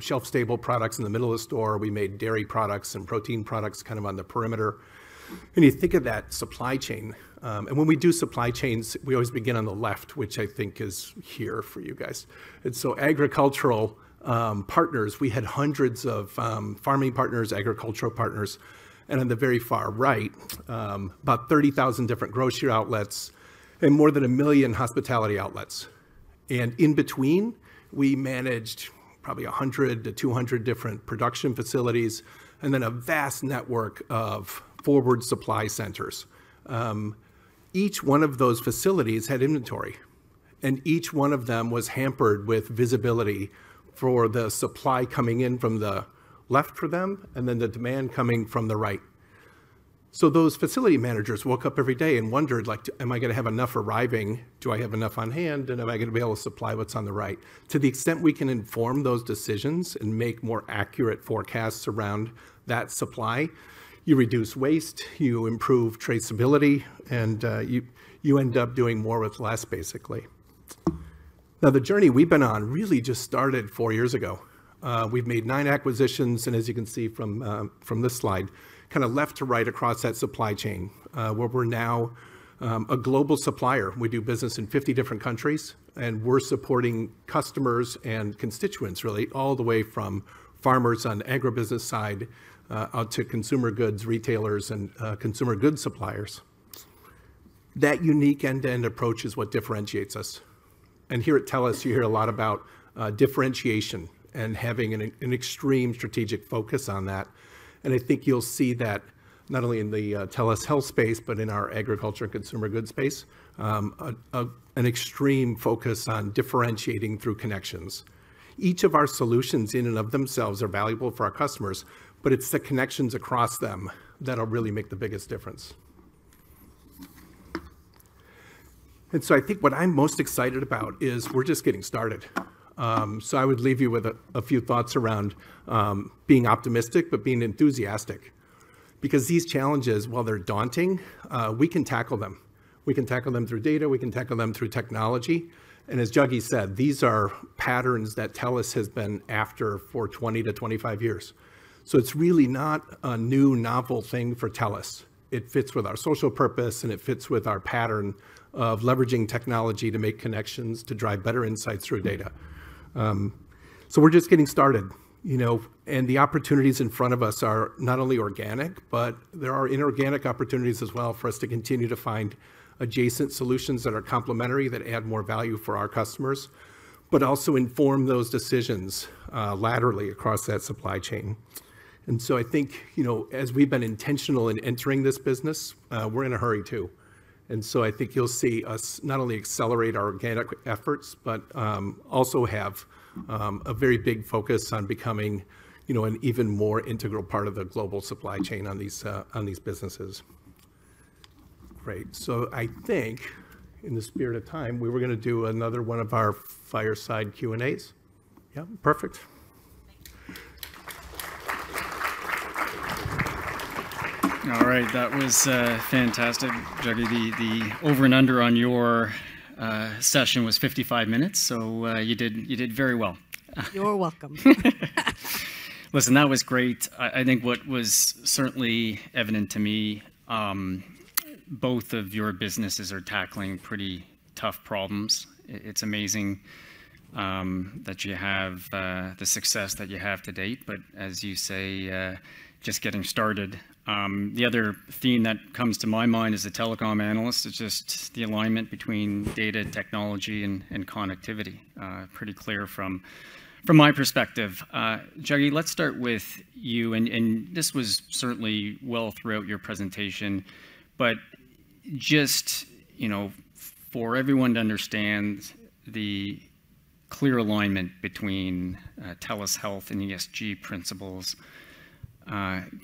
shelf-stable products in the middle of the store. We made dairy products and protein products kind of on the perimeter. You think of that supply chain, and when we do supply chains, we always begin on the left, which I think is here for you guys. Agricultural partners, we had hundreds of farming partners, agricultural partners, and on the very far right, about 30,000 different grocery outlets and more than 1 million hospitality outlets. In between, we managed probably 100-200 different production facilities and then a vast network of forward supply centers. Each one of those facilities had inventory, and each one of them was hampered with visibility for the supply coming in from the left for them, and then the demand coming from the right. Those facility managers woke up every day and wondered, like, Am I going to have enough arriving? Do I have enough on hand, and am I going to be able to supply what's on the right? To the extent we can inform those decisions and make more accurate forecasts around that supply, you reduce waste, you improve traceability, and you end up doing more with less, basically. The journey we've been on really just started 4 years ago. We've made 9 acquisitions, and as you can see from this slide, kind of left to right across that supply chain, where we're now a global supplier. We do business in 50 different countries, and we're supporting customers and constituents, really, all the way from farmers on the agribusiness side, out to consumer goods retailers and consumer goods suppliers. That unique end-to-end approach is what differentiates us. Here at TELUS, you hear a lot about differentiation and having an extreme strategic focus on that. I think you'll see that not only in the TELUS Health space, but in our Agriculture and Consumer Goods space, an extreme focus on differentiating through connections. Each of our solutions, in and of themselves, are valuable for our customers, but it's the connections across them that'll really make the biggest difference. I think what I'm most excited about is we're just getting started. I would leave you with a few thoughts around being optimistic, but being enthusiastic. Because these challenges, while they're daunting, we can tackle them. We can tackle them through data, we can tackle them through technology, and as Juggy said, these are patterns that TELUS has been after for 20-25 years. It's really not a new, novel thing for TELUS. It fits with our social purpose, and it fits with our pattern of leveraging technology to make connections to drive better insights through data. We're just getting started, you know, and the opportunities in front of us are not only organic, but there are inorganic opportunities as well for us to continue to find adjacent solutions that are complementary, that add more value for our customers, but also inform those decisions laterally across that supply chain. I think, you know, as we've been intentional in entering this business, we're in a hurry, too. I think you'll see us not only accelerate our organic efforts, but also have a very big focus on becoming, you know, an even more integral part of the global supply chain on these on these businesses. Great. I think in the spirit of time, we were going to do another one of our fireside Q&As. Yeah, perfect. All right. That was fantastic. Juggy, the over and under on your session was 55 minutes, so you did very well. You're welcome. Listen, that was great. I think what was certainly evident to me, both of your businesses are tackling pretty tough problems. It's amazing that you have the success that you have to date, but as you say, just getting started. The other theme that comes to my mind as a telecom analyst is just the alignment between data, technology, and connectivity. Pretty clear from my perspective. Juggy, let's start with you, and this was certainly well throughout your presentation, but just, you know, for everyone to understand the clear alignment between TELUS Health and ESG principles,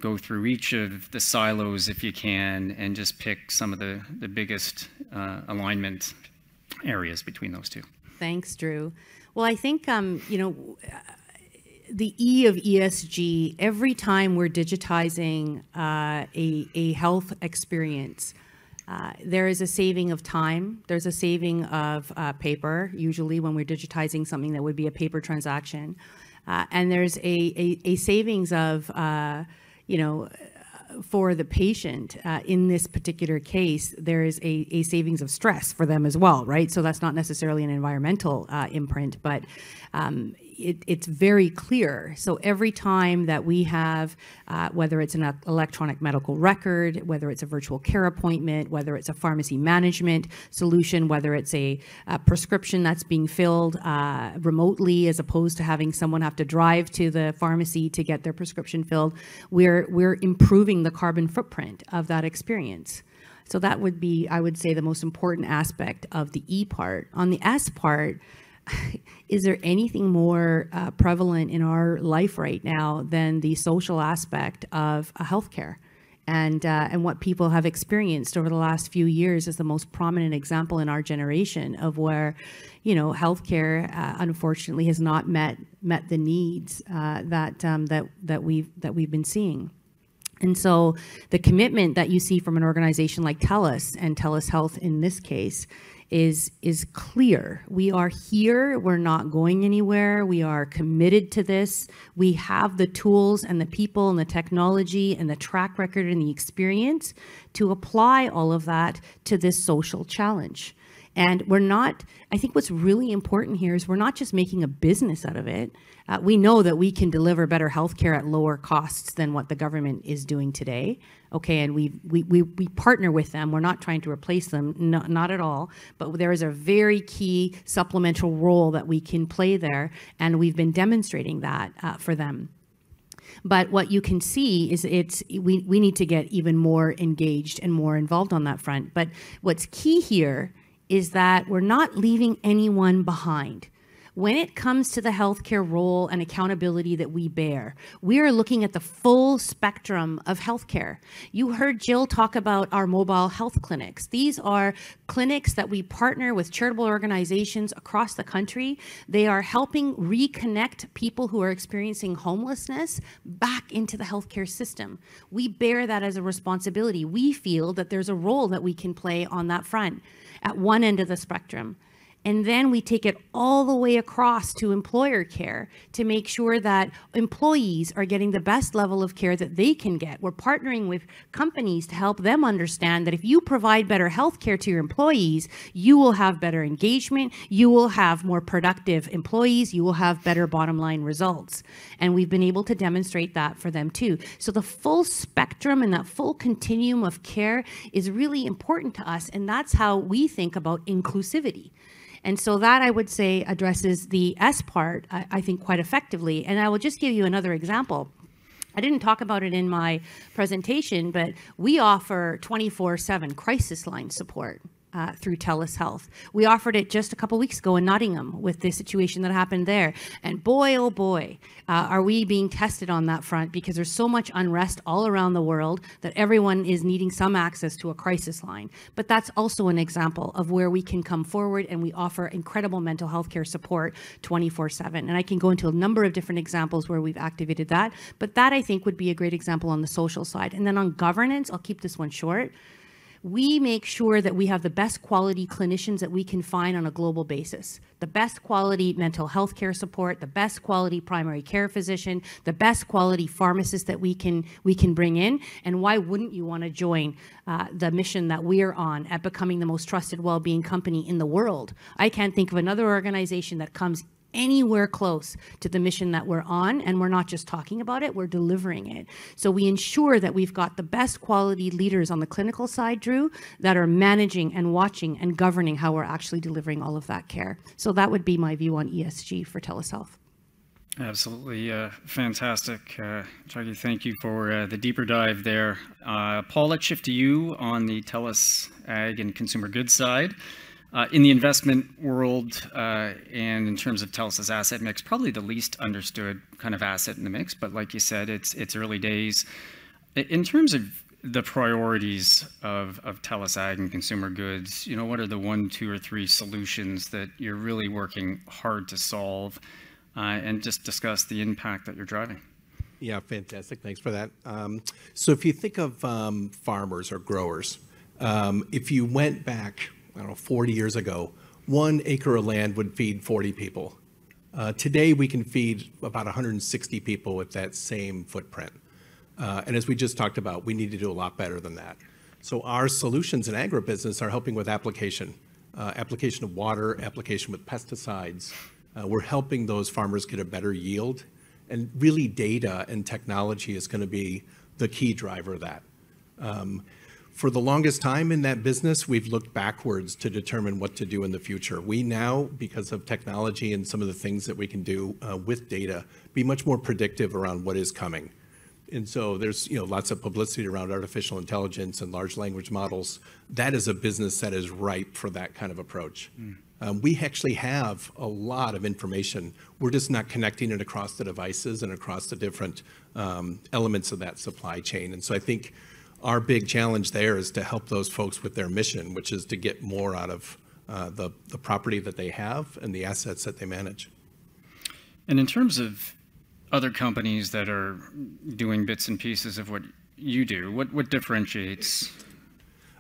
go through each of the silos, if you can, and just pick some of the biggest alignment areas between those two. Thanks, Drew. I think, you know, the E of ESG, every time we're digitizing a health experience, there is a saving of time, there's a saving of paper, usually when we're digitizing something that would be a paper transaction, and there's a savings of, you know... For the patient, in this particular case, there is a savings of stress for them as well, right? That's not necessarily an environmental imprint, but it's very clear. Every time that we have, whether it's an electronic medical record, whether it's a virtual care appointment, whether it's a pharmacy management solution, whether it's a prescription that's being filled remotely, as opposed to having someone have to drive to the pharmacy to get their prescription filled, we're improving the carbon footprint of that experience. That would be, I would say, the most important aspect of the E part. On the S part, is there anything more prevalent in our life right now than the social aspect of healthcare? What people have experienced over the last few years is the most prominent example in our generation of where, you know, healthcare, unfortunately, has not met the needs that we've been seeing. The commitment that you see from an organization like TELUS, and TELUS Health in this case, is clear: we are here, we're not going anywhere, we are committed to this. We have the tools and the people and the technology and the track record and the experience to apply all of that to this social challenge. I think what's really important here is we're not just making a business out of it. We know that we can deliver better healthcare at lower costs than what the government is doing today, okay? We partner with them. We're not trying to replace them, not at all. There is a very key supplemental role that we can play there, and we've been demonstrating that for them. What you can see is we need to get even more engaged and more involved on that front. What's key here is that we're not leaving anyone behind. When it comes to the healthcare role and accountability that we bear, we are looking at the full spectrum of healthcare. You heard Jill talk about our mobile health clinics. These are clinics that we partner with charitable organizations across the country. They are helping reconnect people who are experiencing homelessness back into the healthcare system. We bear that as a responsibility. We feel that there's a role that we can play on that front at one end of the spectrum, and then we take it all the way across to employer care to make sure that employees are getting the best level of care that they can get. We're partnering with companies to help them understand that if you provide better healthcare to your employees, you will have better engagement, you will have more productive employees, you will have better bottom-line results. We've been able to demonstrate that for them, too. The full spectrum and that full continuum of care is really important to us, and that's how we think about inclusivity. That, I would say, addresses the S part, I think, quite effectively. I will just give you another example. I didn't talk about it in my presentation, we offer 24/7 crisis line support through TELUS Health. We offered it just a couple of weeks ago in Nottingham with the situation that happened there. Boy, oh, boy, are we being tested on that front because there's so much unrest all around the world that everyone is needing some access to a crisis line. That's also an example of where we can come forward, and we offer incredible mental healthcare support 24/7. I can go into a number of different examples where we've activated that, but that, I think, would be a great example on the social side. Then on governance, I'll keep this one short. We make sure that we have the best quality clinicians that we can find on a global basis, the best quality mental healthcare support, the best quality primary care physician, the best quality pharmacist that we can bring in, and why wouldn't you want to join the mission that we are on at becoming the most trusted wellbeing company in the world? I can't think of another organization that comes anywhere close to the mission that we're on, and we're not just talking about it, we're delivering it. We ensure that we've got the best quality leaders on the clinical side, Drew, that are managing and watching and governing how we're actually delivering all of that care. That would be my view on ESG for TELUS Health. Absolutely, fantastic. Juggy, thank you for the deeper dive there. Paul, let's shift to you on the TELUS Agriculture & Consumer Goods side. In the investment world, and in terms of TELUS' asset mix, probably the least understood kind of asset in the mix, but like you said, it's early days. In terms of the priorities of TELUS Agriculture & Consumer Goods, you know, what are the one, two, or three solutions that you're really working hard to solve, and just discuss the impact that you're driving. Yeah, fantastic. Thanks for that. If you think of farmers or growers, if you went back, I don't know, 40 years ago, 1 acre of land would feed 40 people. Today, we can feed about 160 people with that same footprint. As we just talked about, we need to do a lot better than that. Our solutions in agribusiness are helping with application of water, application with pesticides. We're helping those farmers get a better yield, and really, data and technology is gonna be the key driver of that. For the longest time in that business, we've looked backwards to determine what to do in the future. We now, because of technology and some of the things that we can do with data, be much more predictive around what is coming. There's, you know, lots of publicity around artificial intelligence and large language models. That is a business that is ripe for that kind of approach. We actually have a lot of information. We're just not connecting it across the devices and across the different elements of that supply chain. I think our big challenge there is to help those folks with their mission, which is to get more out of the property that they have and the assets that they manage. In terms of other companies that are doing bits and pieces of what you do, what differentiates.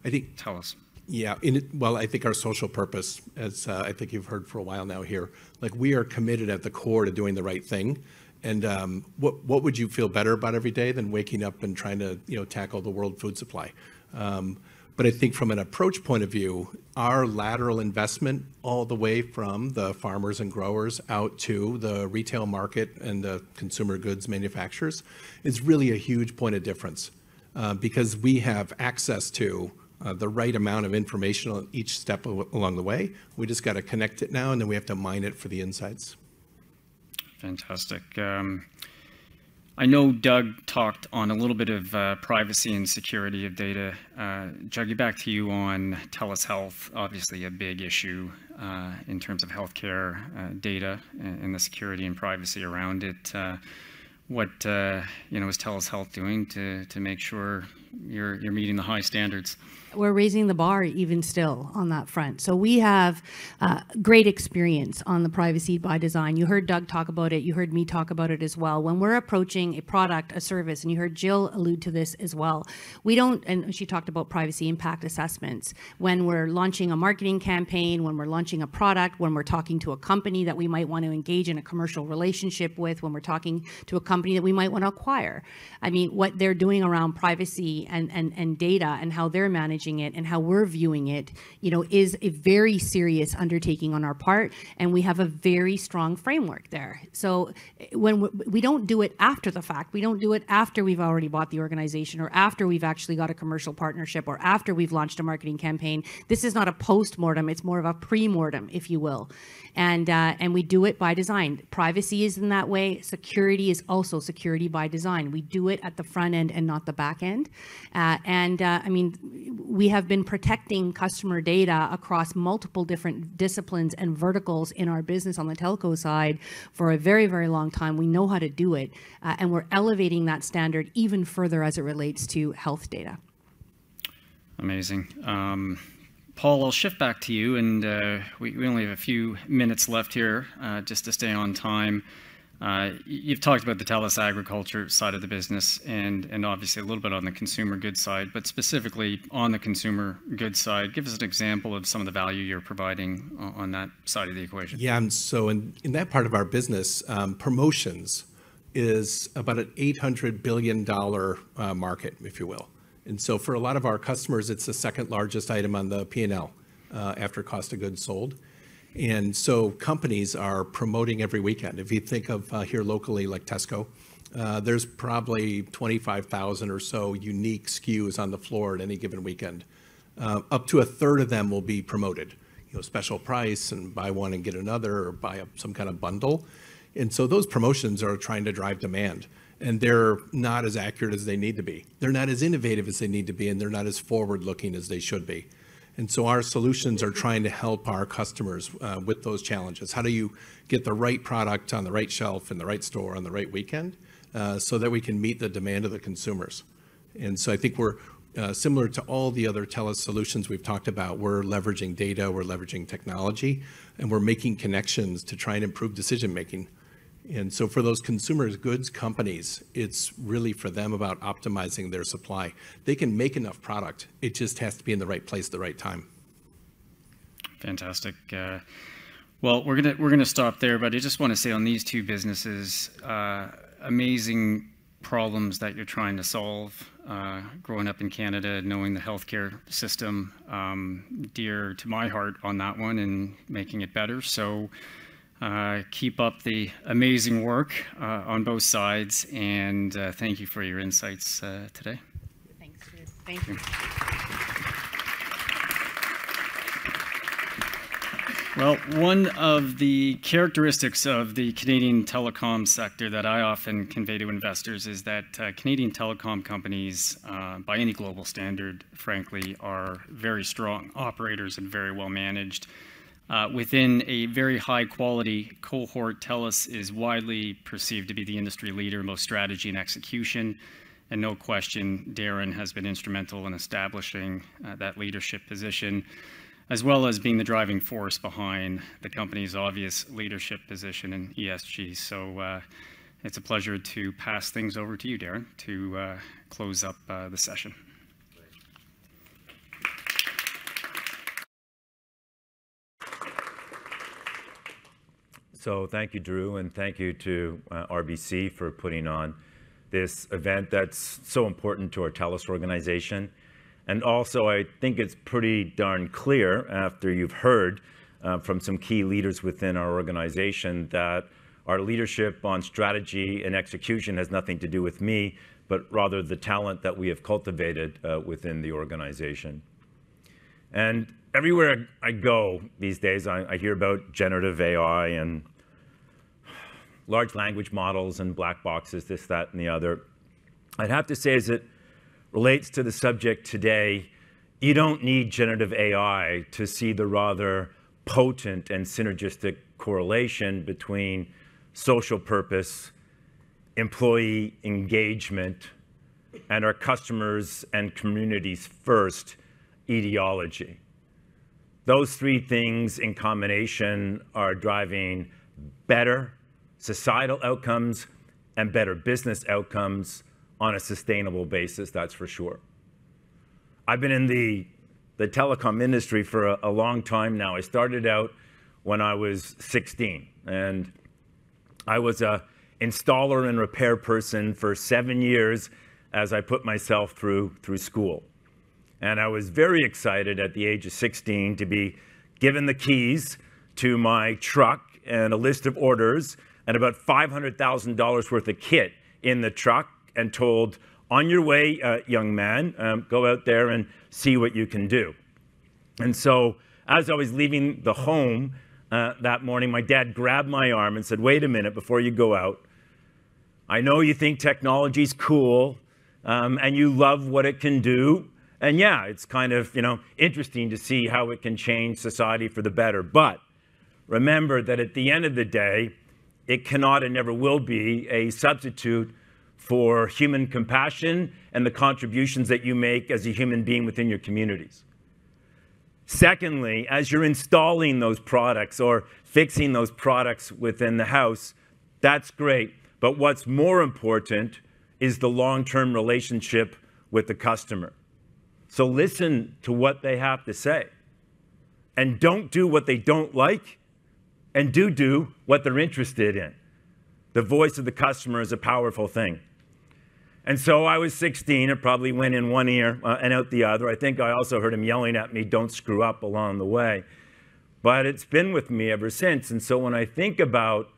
I think- Telus? Yeah. Well, I think our social purpose, as I think you've heard for a while now here, like, we are committed at the core to doing the right thing. What would you feel better about every day than waking up and trying to, you know, tackle the world food supply? I think from an approach point of view, our lateral investment all the way from the farmers and growers out to the retail market and the consumer goods manufacturers is really a huge point of difference, because we have access to the right amount of information on each step along the way. We just got to connect it now, and then we have to mine it for the insights. Fantastic. I know Doug talked on a little bit of privacy and security of data. Juggy, back to you on TELUS Health, obviously a big issue in terms of healthcare, data and the security and privacy around it. What, you know, is TELUS Health doing to make sure you're meeting the high standards? We're raising the bar even still on that front. We have great experience on the Privacy by Design. You heard Doug talk about it, you heard me talk about it as well. When we're approaching a product, a service, you heard Jill allude to this as well. She talked about privacy impact assessments. When we're launching a marketing campaign, when we're launching a product, when we're talking to a company that we might want to engage in a commercial relationship with, when we're talking to a company that we might want to acquire. I mean, what they're doing around privacy and data, and how they're managing it, and how we're viewing it, you know, is a very serious undertaking on our part. We have a very strong framework there. When we don't do it after the fact, we don't do it after we've already bought the organization, or after we've actually got a commercial partnership, or after we've launched a marketing campaign. This is not a postmortem, it's more of a premortem, if you will. We do it by design. Privacy is in that way, security is also Security by Design. We do it at the front end and not the back end. I mean, we have been protecting customer data across multiple different disciplines and verticals in our business on the telco side for a very, very long time. We know how to do it, and we're elevating that standard even further as it relates to health data. Amazing. Paul, I'll shift back to you, and, we only have a few minutes left here, just to stay on time. You've talked about the TELUS Agriculture side of the business and obviously a little bit on the consumer goods side, but specifically on the consumer goods side, give us an example of some of the value you're providing on that side of the equation. Yeah, in that part of our business, promotions is about an $800 billion market, if you will. For a lot of our customers, it's the second largest item on the P&L, after cost of goods sold. Companies are promoting every weekend. If you think of, here locally, like Tesco, there's probably 25,000 or so unique SKUs on the floor at any given weekend. Up to a third of them will be promoted, you know, special price, and buy one and get another, or buy some kind of bundle. Those promotions are trying to drive demand, and they're not as accurate as they need to be. They're not as innovative as they need to be, and they're not as forward-looking as they should be. Our solutions are trying to help our customers, with those challenges. How do you get the right product on the right shelf, in the right store, on the right weekend, so that we can meet the demand of the consumers? I think we're, similar to all the other TELUS solutions we've talked about, we're leveraging data, we're leveraging technology, and we're making connections to try and improve decision-making. For those consumer goods companies, it's really for them about optimizing their supply. They can make enough product, it just has to be in the right place at the right time. Fantastic. Well, we're gonna stop there, but I just want to say on these two businesses, amazing problems that you're trying to solve. Growing up in Canada, knowing the healthcare system, dear to my heart on that one and making it better. Keep up the amazing work on both sides, and thank you for your insights today. Thanks, Drew. Thank you. Well, one of the characteristics of the Canadian telecom sector that I often convey to investors is that Canadian telecom companies, by any global standard, frankly, are very strong operators and very well managed. Within a very high-quality cohort, TELUS is widely perceived to be the industry leader in both strategy and execution, and no question, Darren has been instrumental in establishing that leadership position, as well as being the driving force behind the company's obvious leadership position in ESG. It's a pleasure to pass things over to you, Darren, to close up the session. Great. Thank you, Drew, and thank you to RBC for putting on this event that's so important to our TELUS organization. Also, I think it's pretty darn clear, after you've heard from some key leaders within our organization, that our leadership on strategy and execution has nothing to do with me, but rather the talent that we have cultivated within the organization. Everywhere I go these days, I hear about generative AI and large language models and black boxes, this, that, and the other. I'd have to say, as it relates to the subject today, you don't need generative AI to see the rather potent and synergistic correlation between social purpose, employee engagement, and our customers and communities first ideology. Those three things in combination are driving better societal outcomes and better business outcomes on a sustainable basis, that's for sure. I've been in the telecom industry for a long time now. I started out when I was 16, I was a installer and repair person for 7 years as I put myself through school. I was very excited at the age of 16 to be given the keys to my truck, and a list of orders, and about 500,000 dollars worth of kit in the truck, and told, "On your way, young man, go out there and see what you can do." As I was leaving the home that morning, my dad grabbed my arm and said, "Wait a minute, before you go out, I know you think technology's cool, and you love what it can do, and yeah, it's kind of, you know, interesting to see how it can change society for the better. Remember that at the end of the day, it cannot and never will be a substitute for human compassion and the contributions that you make as a human being within your communities. Secondly, as you're installing those products or fixing those products within the house, that's great, but what's more important is the long-term relationship with the customer. Listen to what they have to say, and don't do what they don't like, and do what they're interested in. The voice of the customer is a powerful thing." I was 16, it probably went in one ear and out the other. I think I also heard him yelling at me, "Don't screw up," along the way. It's been with me ever since. When I think about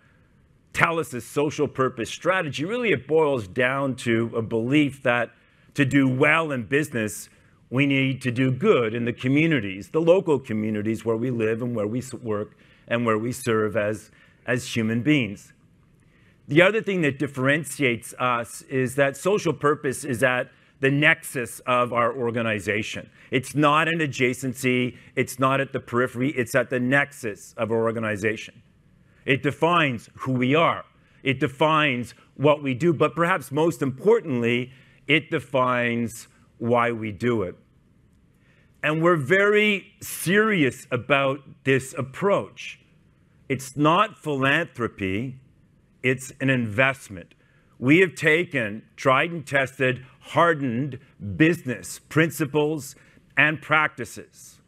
TELUS' social purpose strategy, really it boils down to a belief that to do well in business, we need to do good in the communities, the local communities where we live and where we work and where we serve as human beings. The other thing that differentiates us is that social purpose is at the nexus of our organization. It's not an adjacency, it's not at the periphery, it's at the nexus of our organization. It defines who we are, it defines what we do, but perhaps most importantly, it defines why we do it. We're very serious about this approach. It's not philanthropy, it's an investment. We have taken tried and tested, hardened business principles and practices.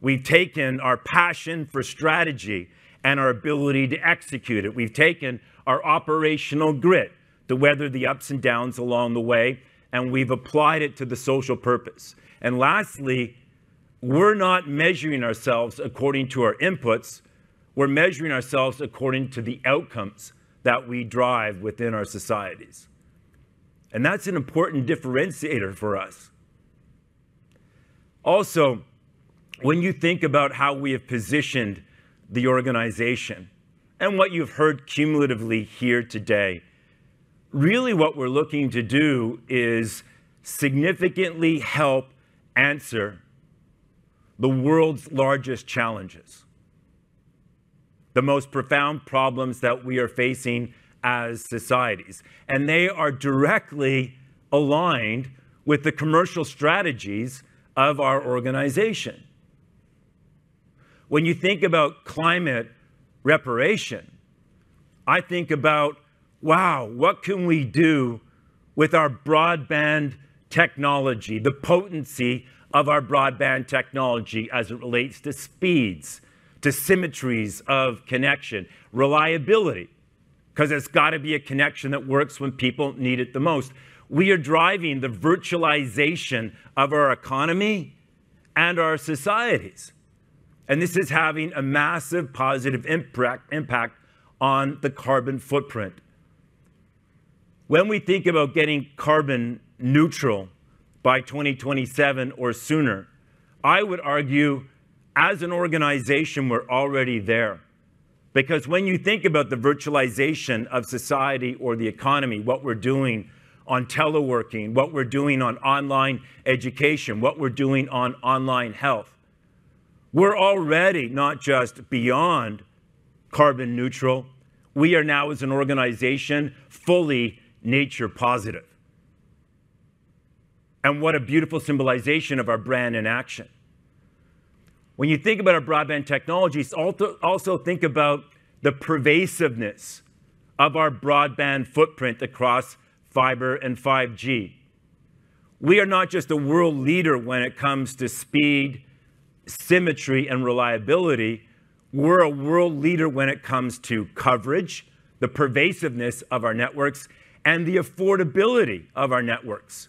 We've taken our passion for strategy and our ability to execute it. We've taken our operational grit to weather the ups and downs along the way, we've applied it to the social purpose. Lastly, we're not measuring ourselves according to our inputs, we're measuring ourselves according to the outcomes that we drive within our societies, and that's an important differentiator for us. When you think about how we have positioned the organization and what you've heard cumulatively here today, really what we're looking to do is significantly help answer the world's largest challenges, the most profound problems that we are facing as societies, and they are directly aligned with the commercial strategies of our organization. When you think about climate reparation, I think about, wow, what can we do with our broadband technology, the potency of our broadband technology as it relates to speeds, to symmetries of connection, reliability? 'Cause there's got to be a connection that works when people need it the most. We are driving the virtualization of our economy and our societies. This is having a massive positive impact on the carbon footprint. When we think about getting carbon neutral by 2027 or sooner, I would argue, as an organization, we're already there. When you think about the virtualization of society or the economy, what we're doing on teleworking, what we're doing on online education, what we're doing on online health, we're already not just beyond carbon neutral, we are now, as an organization, fully nature positive. What a beautiful symbolization of our brand in action. When you think about our broadband technologies, also think about the pervasiveness of our broadband footprint across fiber and 5G. We are not just a world leader when it comes to speed, symmetry, and reliability, we're a world leader when it comes to coverage, the pervasiveness of our networks, and the affordability of our networks.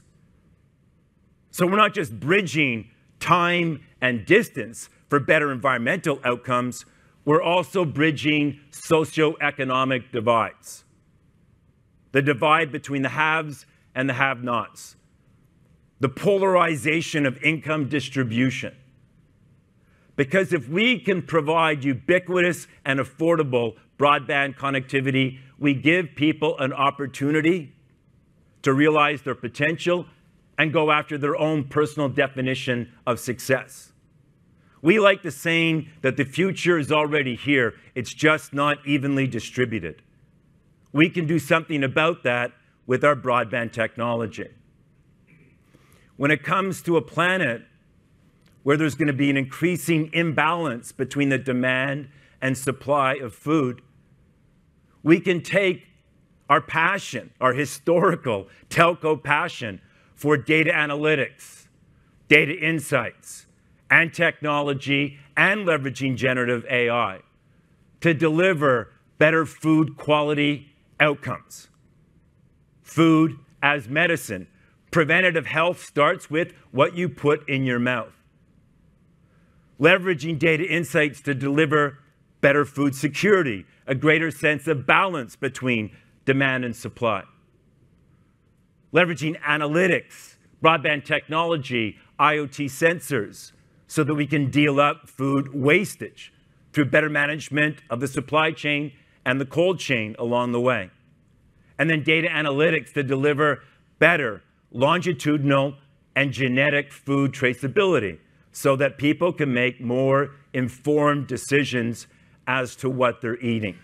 We're not just bridging time and distance for better environmental outcomes, we're also bridging socioeconomic divides, the divide between the haves and the have-nots, the polarization of income distribution. If we can provide ubiquitous and affordable broadband connectivity, we give people an opportunity to realize their potential and go after their own personal definition of success. We like the saying that the future is already here, it's just not evenly distributed. We can do something about that with our broadband technology. When it comes to a planet where there's gonna be an increasing imbalance between the demand and supply of food, we can take our passion, our historical telco passion for data analytics, data insights, and technology, and leveraging generative AI to deliver better food quality outcomes. Food as medicine. Preventative health starts with what you put in your mouth. Leveraging data insights to deliver better food security, a greater sense of balance between demand and supply. leveraging analytics, broadband technology, IoT sensors, so that we can deal out food wastage through better management of the supply chain and the cold chain along the way. Then data analytics to deliver better longitudinal and genetic food traceability, so that people can make more informed decisions as to what they're eating.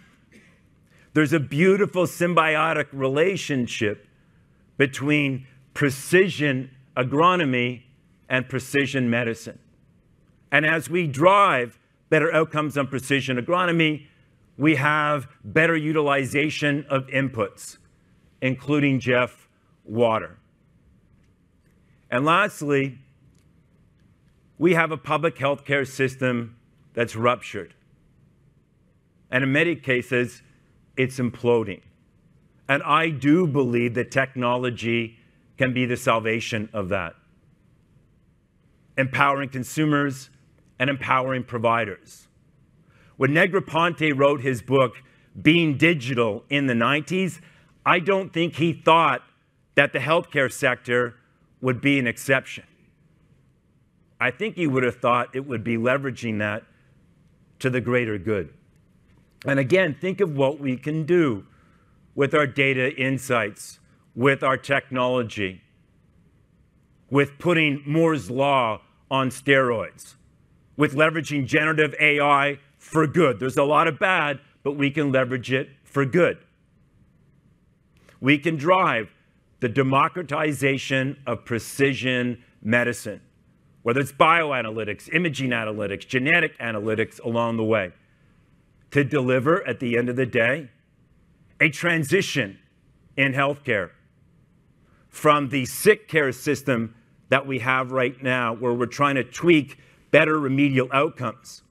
There's a beautiful symbiotic relationship between precision agronomy and precision medicine. As we drive better outcomes on precision agronomy, we have better utilization of inputs, including, Geoff, water. Lastly, we have a public healthcare system that's ruptured, and in many cases, it's imploding. I do believe that technology can be the salvation of that, empowering consumers and empowering providers. When Negroponte wrote his book, Being Digital, in the 1990s, I don't think he thought that the healthcare sector would be an exception. I think he would have thought it would be leveraging that to the greater good. Again, think of what we can do with our data insights, with our technology, with putting Moore's Law on steroids, with leveraging generative AI for good. There's a lot of bad, but we can leverage it for good. We can drive the democratization of precision medicine, whether it's bioanalytics, imaging analytics, genetic analytics along the way, to deliver, at the end of the day, a transition in healthcare from the sick care system that we have right now, where we're trying to tweak better remedial outcomes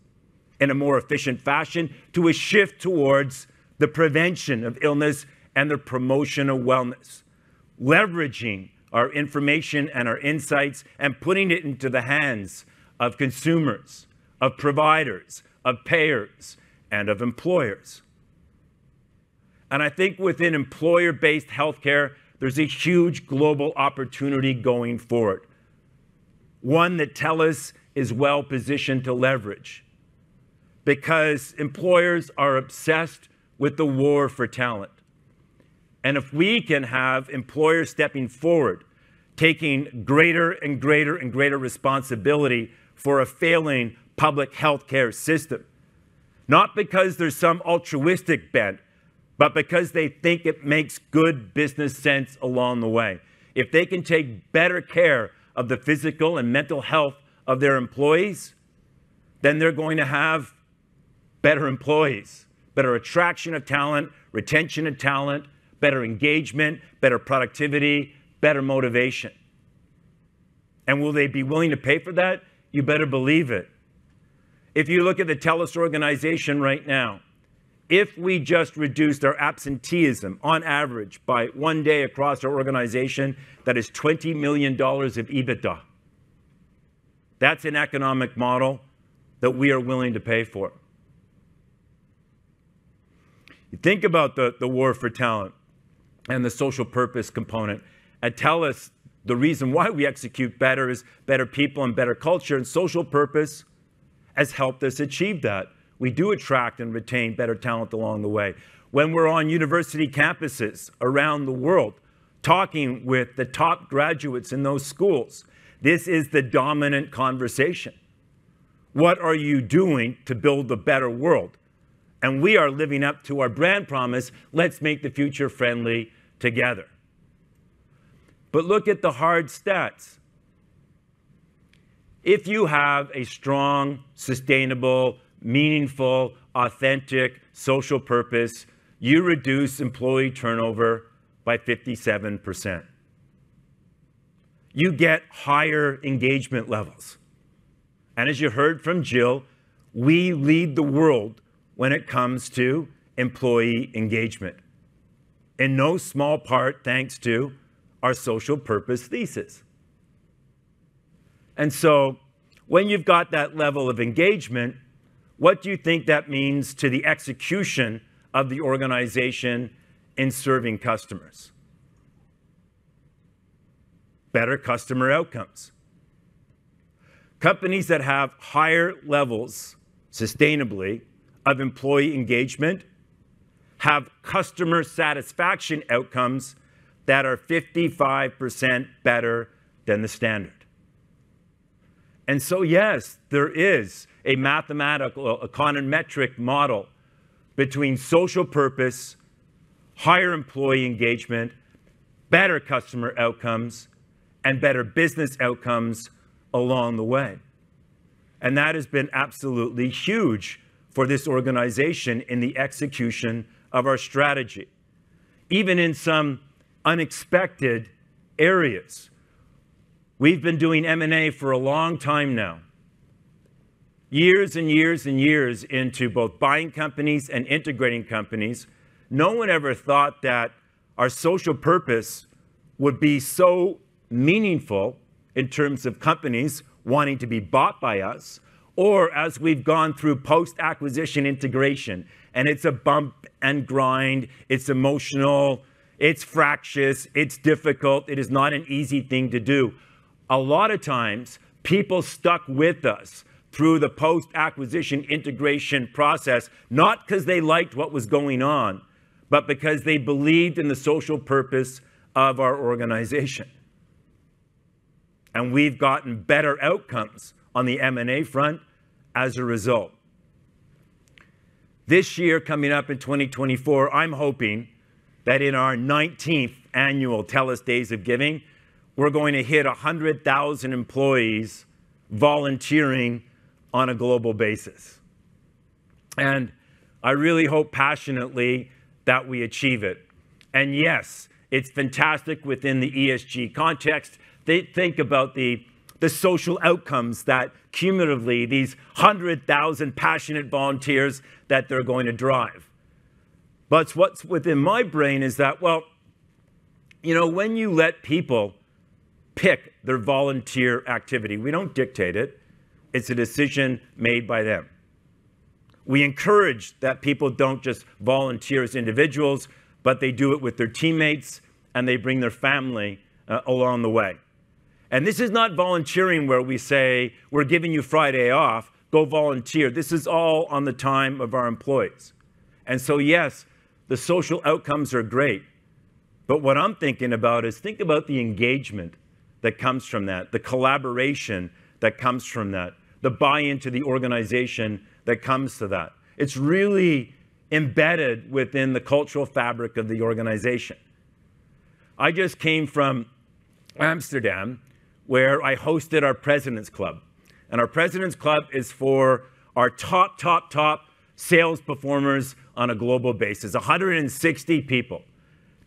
in a more efficient fashion, to a shift towards the prevention of illness and the promotion of wellness. Leveraging our information and our insights and putting it into the hands of consumers, of providers, of payers, and of employers. I think within employer-based healthcare, there's a huge global opportunity going forward, one that TELUS is well-positioned to leverage because employers are obsessed with the war for talent. If we can have employers stepping forward, taking greater and greater and greater responsibility for a failing public healthcare system, not because there's some altruistic bent, but because they think it makes good business sense along the way. If they can take better care of the physical and mental health of their employees, then they're going to have better employees, better attraction of talent, retention of talent, better engagement, better productivity, better motivation. Will they be willing to pay for that? You better believe it. If you look at the TELUS organization right now, if we just reduced our absenteeism on average by one day across our organization, that is 20 million dollars of EBITDA. That's an economic model that we are willing to pay for. You think about the war for talent and the social purpose component. At TELUS, the reason why we execute better is better people and better culture, social purpose has helped us achieve that. We do attract and retain better talent along the way. When we're on university campuses around the world, talking with the top graduates in those schools, this is the dominant conversation: "What are you doing to build a better world?" We are living up to our brand promise, "Let's make the future friendly together." Look at the hard stats. If you have a strong, sustainable, meaningful, authentic social purpose, you reduce employee turnover by 57%. You get higher engagement levels. As you heard from Jill, we lead the world when it comes to employee engagement, in no small part, thanks to our social purpose thesis. When you've got that level of engagement, what do you think that means to the execution of the organization in serving customers? Better customer outcomes. Companies that have higher levels, sustainably, of employee engagement have customer satisfaction outcomes that are 55% better than the standard. Yes, there is a mathematical, a econometric model between social purpose, higher employee engagement, better customer outcomes, and better business outcomes along the way. That has been absolutely huge for this organization in the execution of our strategy, even in some unexpected areas. We've been doing M&A for a long time now. Years and years and years into both buying companies and integrating companies, no one ever thought that our social purpose would be so meaningful. in terms of companies wanting to be bought by us, or as we've gone through post-acquisition integration, and it's a bump and grind, it's emotional, it's fractious, it's difficult. It is not an easy thing to do. A lot of times, people stuck with us through the post-acquisition integration process, not 'cause they liked what was going on, but because they believed in the social purpose of our organization. We've gotten better outcomes on the M&A front as a result. This year, coming up in 2024, I'm hoping that in our 19th annual TELUS Days of Giving, we're going to hit 100,000 employees volunteering on a global basis. I really hope passionately that we achieve it. Yes, it's fantastic within the ESG context. They think about the social outcomes that cumulatively, these 100,000 passionate volunteers, that they're going to drive. What's within my brain is that, well, you know, when you let people pick their volunteer activity, we don't dictate it's a decision made by them. We encourage that people don't just volunteer as individuals, but they do it with their teammates, and they bring their family along the way. This is not volunteering where we say, "We're giving you Friday off. Go volunteer." This is all on the time of our employees. Yes, the social outcomes are great, but what I'm thinking about is, think about the engagement that comes from that, the collaboration that comes from that, the buy-in to the organization that comes to that. It's really embedded within the cultural fabric of the organization. I just came from Amsterdam, where I hosted our Presidents Club, and our Presidents Club is for our top, top sales performers on a global basis. 160 people.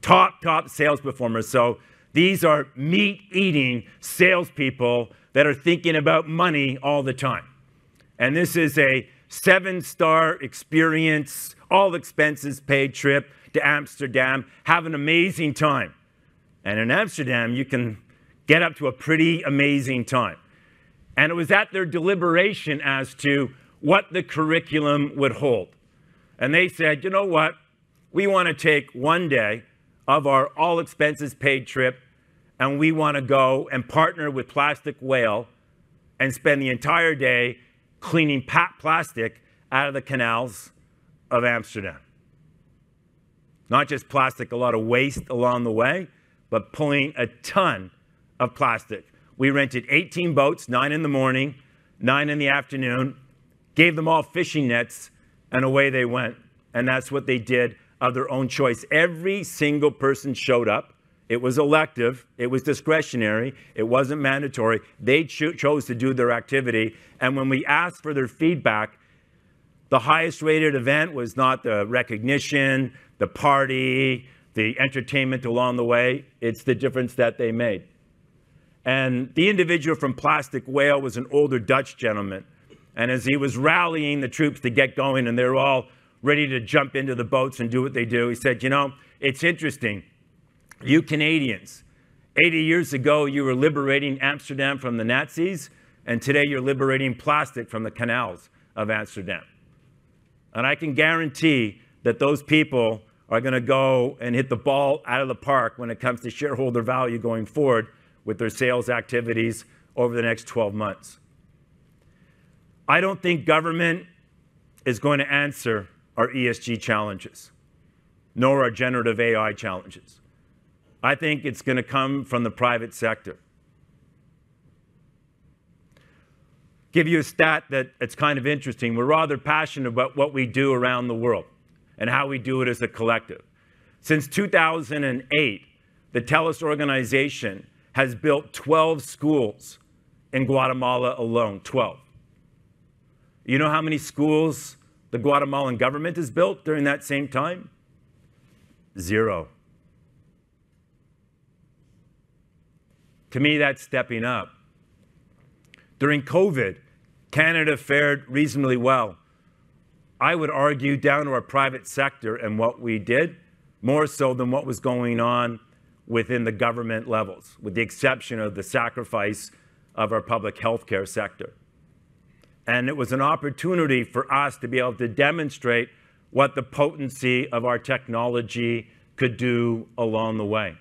Top, top sales performers, so these are meat-eating salespeople that are thinking about money all the time. This is a 7-star experience, all-expenses-paid trip to Amsterdam, have an amazing time. In Amsterdam, you can get up to a pretty amazing time. It was at their deliberation as to what the curriculum would hold. They said, "You know what? We wanna take 1 day of our all-expenses-paid trip, and we wanna go and partner with Plastic Whale, and spend the entire day cleaning plastic out of the canals of Amsterdam." Not just plastic, a lot of waste along the way, but pulling a ton of plastic. We rented 18 boats, 9 in the morning, 9 in the afternoon, gave them all fishing nets. Away they went. That's what they did of their own choice. Every single person showed up. It was elective, it was discretionary, it wasn't mandatory. They chose to do their activity. When we asked for their feedback, the highest-rated event was not the recognition, the party, the entertainment along the way, it's the difference that they made. The individual from Plastic Whale was an older Dutch gentleman. As he was rallying the troops to get going, they're all ready to jump into the boats and do what they do, he said, "You know, it's interesting. You Canadians, 80 years ago, you were liberating Amsterdam from the Nazis. Today you're liberating plastic from the canals of Amsterdam. I can guarantee that those people are gonna go and hit the ball out of the park when it comes to shareholder value going forward with their sales activities over the next 12 months. I don't think government is going to answer our ESG challenges, nor our generative AI challenges. I think it's gonna come from the private sector. Give you a stat that it's kind of interesting. We're rather passionate about what we do around the world and how we do it as a collective. Since 2008, the TELUS organization has built 12 schools in Guatemala alone. 12. You know how many schools the Guatemalan government has built during that same time? Zero. To me, that's stepping up. During COVID, Canada fared reasonably well, I would argue, down to our private sector and what we did, more so than what was going on within the government levels, with the exception of the sacrifice of our public healthcare sector. It was an opportunity for us to be able to demonstrate what the potency of our technology could do along the way.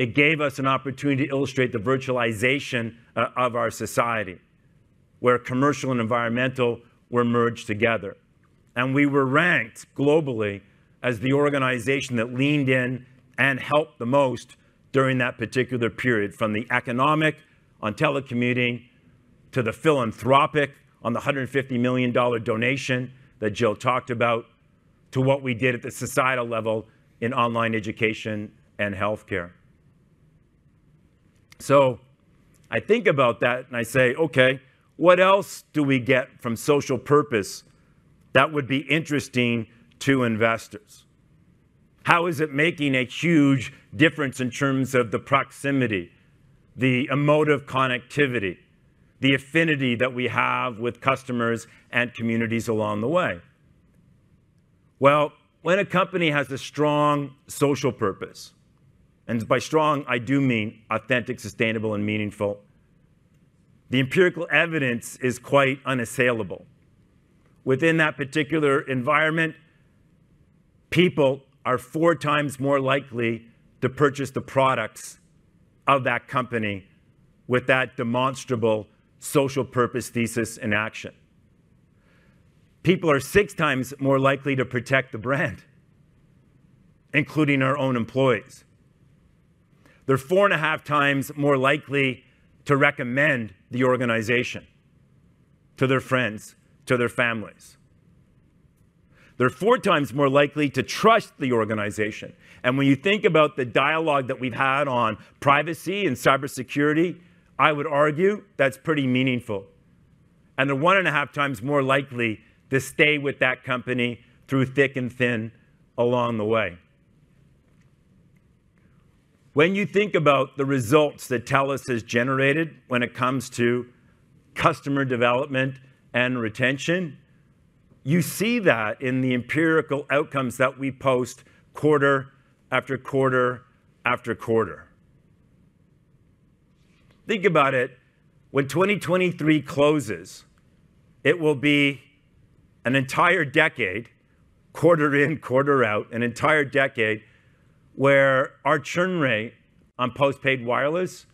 It gave us an opportunity to illustrate the virtualization of our society, where commercial and environmental were merged together. We were ranked globally as the organization that leaned in and helped the most during that particular period, from the economic on telecommuting, to the philanthropic on the 150 million dollar donation that Jill talked about, to what we did at the societal level in online education and healthcare. I think about that, and I say, "Okay, what else do we get from social purpose that would be interesting to investors? How is it making a huge difference in terms of the proximity, the emotive connectivity, the affinity that we have with customers and communities along the way? When a company has a strong social purpose, and by strong, I do mean authentic, sustainable, and meaningful, the empirical evidence is quite unassailable. Within that particular environment, people are 4x more likely to purchase the products of that company with that demonstrable social purpose thesis in action. People are 6x more likely to protect the brand, including our own employees. They're 4.5x more likely to recommend the organization to their friends, to their families. They're 4x more likely to trust the organization. When you think about the dialogue that we've had on privacy and cybersecurity, I would argue that's pretty meaningful. They're 0.5x more likely to stay with that company through thick and thin along the way. When you think about the results that TELUS has generated when it comes to customer development and retention, you see that in the empirical outcomes that we post quarter after quarter after quarter. Think about it, when 2023 closes, it will be an entire decade, quarter in, quarter out, an entire decade where our churn rate on postpaid wireless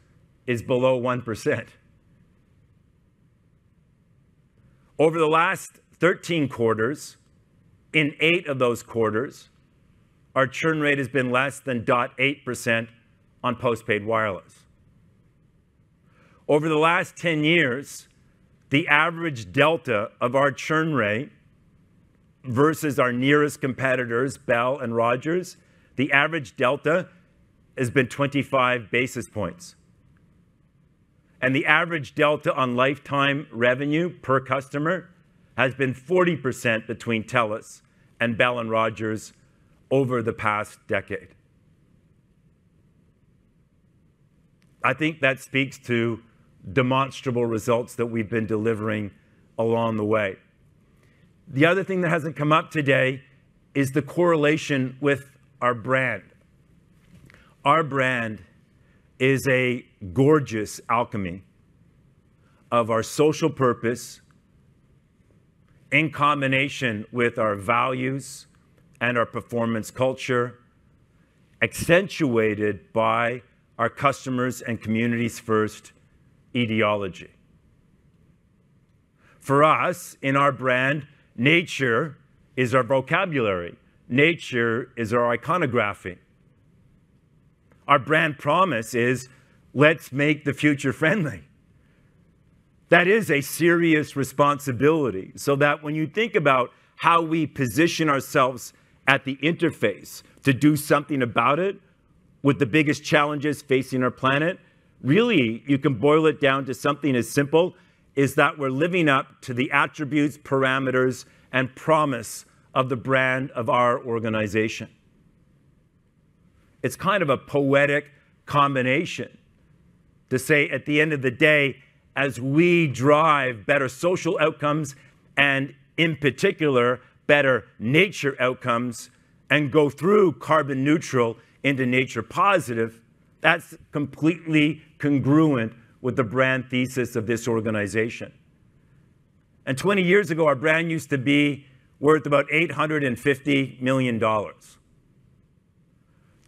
is below 1%. Over the last 13 quarters, in eight of those quarters, our churn rate has been less than 0.8% on postpaid wireless. Over the last 10 years, the average delta of our churn rate versus our nearest competitors, Bell and Rogers, the average delta has been 25 basis points. The average delta on lifetime revenue per customer has been 40% between TELUS and Bell and Rogers over the past decade. I think that speaks to demonstrable results that we've been delivering along the way. The other thing that hasn't come up today is the correlation with our brand. Our brand is a gorgeous alchemy of our social purpose in combination with our values and our performance culture, accentuated by our customers and communities first ideology. For us, in our brand, nature is our vocabulary. Nature is our iconography. Our brand promise is: "Let's make the future friendly." That is a serious responsibility, so that when you think about how we position ourselves at the interface to do something about it, with the biggest challenges facing our planet, really, you can boil it down to something as simple is that we're living up to the attributes, parameters, and promise of the brand of our organization. It's kind of a poetic combination to say, at the end of the day, as we drive better social outcomes and, in particular, better nature outcomes, and go through carbon neutral into nature positive, that's completely congruent with the brand thesis of this organization. 20 years ago, our brand used to be worth about 850 million dollars.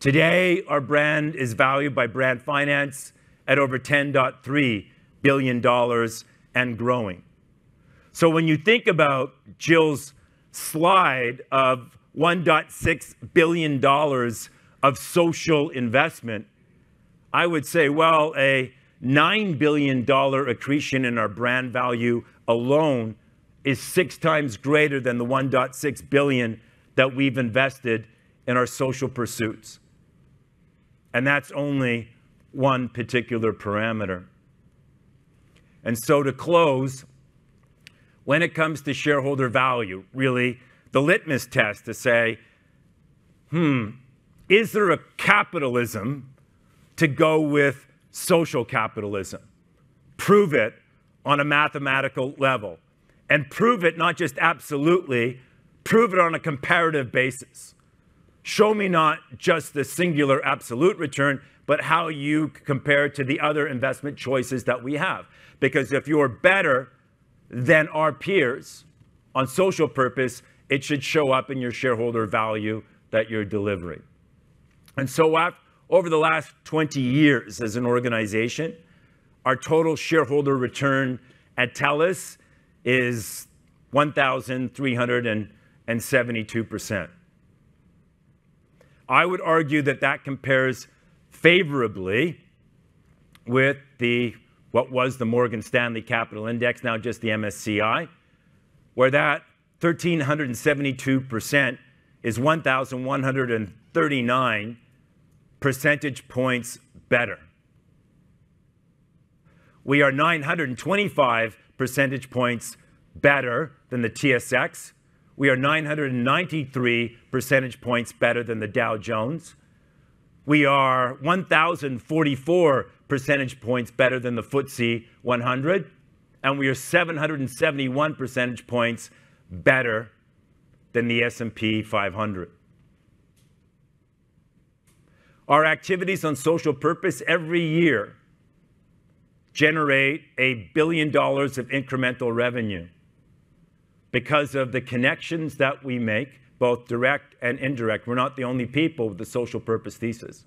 Today, our brand is valued by Brand Finance at over 10.3 billion dollars and growing. When you think about Jill's slide of 1.6 billion dollars of social investment, I would say, well, a 9 billion dollar accretion in our brand value alone is 6x greater than the 1.6 billion that we've invested in our social pursuits, and that's only one particular parameter. To close, when it comes to shareholder value, really the litmus test to say, "Hmm, is there a capitalism to go with social capitalism?" Prove it on a mathematical level, and prove it not just absolutely, prove it on a comparative basis. Show me not just the singular absolute return, but how you compare to the other investment choices that we have. If you're better than our peers on social purpose, it should show up in your shareholder value that you're delivering. Over the last 20 years as an organization, our total shareholder return at TELUS is 1,372%. I would argue that that compares favorably with the... what was the Morgan Stanley Capital Index, now just the MSCI, where that 1,372% is 1,139 percentage points better. We are 925 percentage points better than the TSX. We are 993 percentage points better than the Dow Jones. We are 1,044 percentage points better than the FTSE 100, and we are 771 percentage points better than the S&P 500. Our activities on social purpose every year generate 1 billion dollars of incremental revenue because of the connections that we make, both direct and indirect. We're not the only people with a social purpose thesis,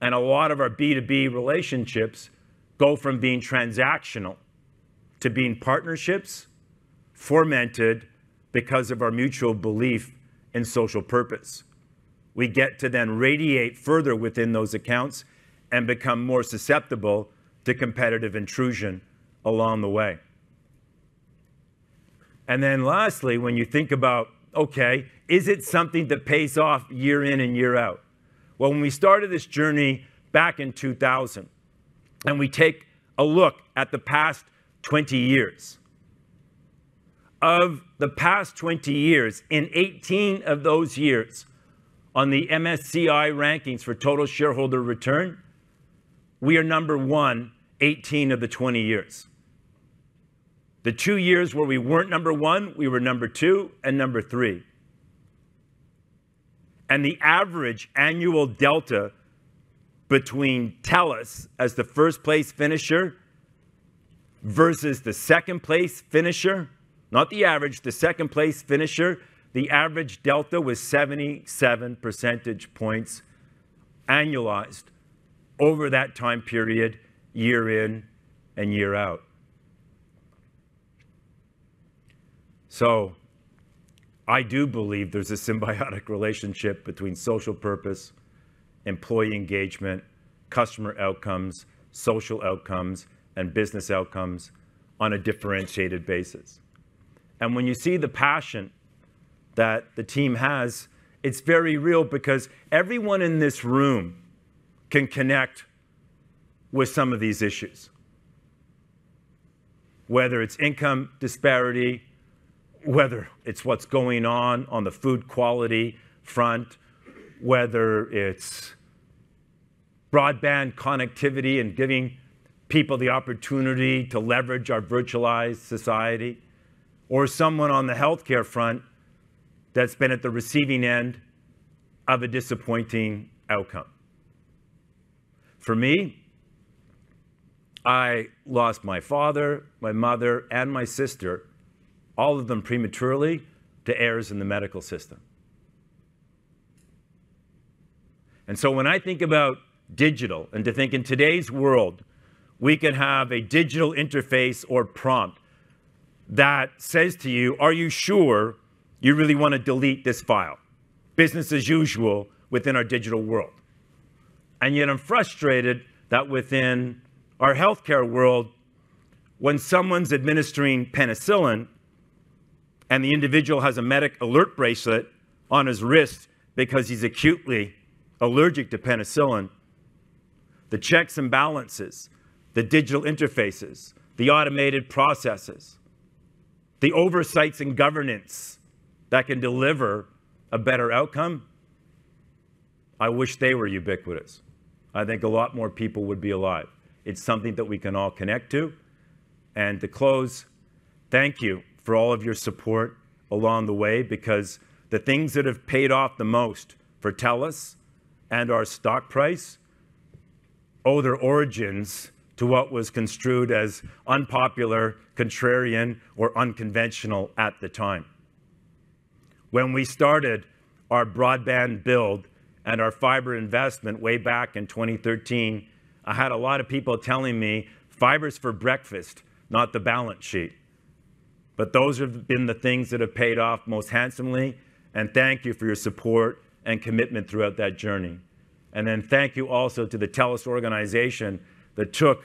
and a lot of our B2B relationships go from being transactional to being partnerships fomented because of our mutual belief in social purpose. We get to then radiate further within those accounts and become more susceptible to competitive intrusion along the way. Lastly, when you think about, okay, is it something that pays off year in and year out? Well, when we started this journey back in 2000, and we take a look at the past 20 years, of the past 20 years, in 18 of those years on the MSCI rankings for total shareholder return, we are number 1 18 of the 20 years. The 2 years where we weren't number 1, we were number 2 and number 3. The average annual delta between TELUS as the first-place finisher versus the second-place finisher, not the average, the average delta was 77 percentage points annualized over that time period, year in and year out. I do believe there's a symbiotic relationship between social purpose, employee engagement, customer outcomes, social outcomes, and business outcomes on a differentiated basis. When you see the passion that the team has, it's very real because everyone in this room can connect with some of these issues, whether it's income disparity, whether it's what's going on on the food quality front, whether it's broadband connectivity and giving people the opportunity to leverage our virtualized society, or someone on the healthcare front that's been at the receiving end of a disappointing outcome. For me, I lost my father, my mother, and my sister, all of them prematurely, to errors in the medical system. When I think about digital, and to think in today's world, we can have a digital interface or prompt that says to you, "Are you sure you really want to delete this file?" Business as usual within our digital world. Yet I'm frustrated that within our healthcare world, when someone's administering penicillin and the individual has a medic alert bracelet on his wrist because he's acutely allergic to penicillin, the checks and balances, the digital interfaces, the automated processes, the oversights and governance that can deliver a better outcome, I wish they were ubiquitous. I think a lot more people would be alive. It's something that we can all connect to. To close, thank you for all of your support along the way, because the things that have paid off the most for TELUS and our stock price owe their origins to what was construed as unpopular, contrarian, or unconventional at the time. When we started our broadband build and our fiber investment way back in 2013, I had a lot of people telling me, "Fiber's for breakfast, not the balance sheet." Those have been the things that have paid off most handsomely, and thank you for your support and commitment throughout that journey. Thank you also to the TELUS organization that took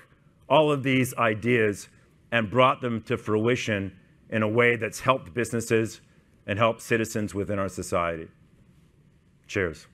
all of these ideas and brought them to fruition in a way that's helped businesses and helped citizens within our society. Cheers!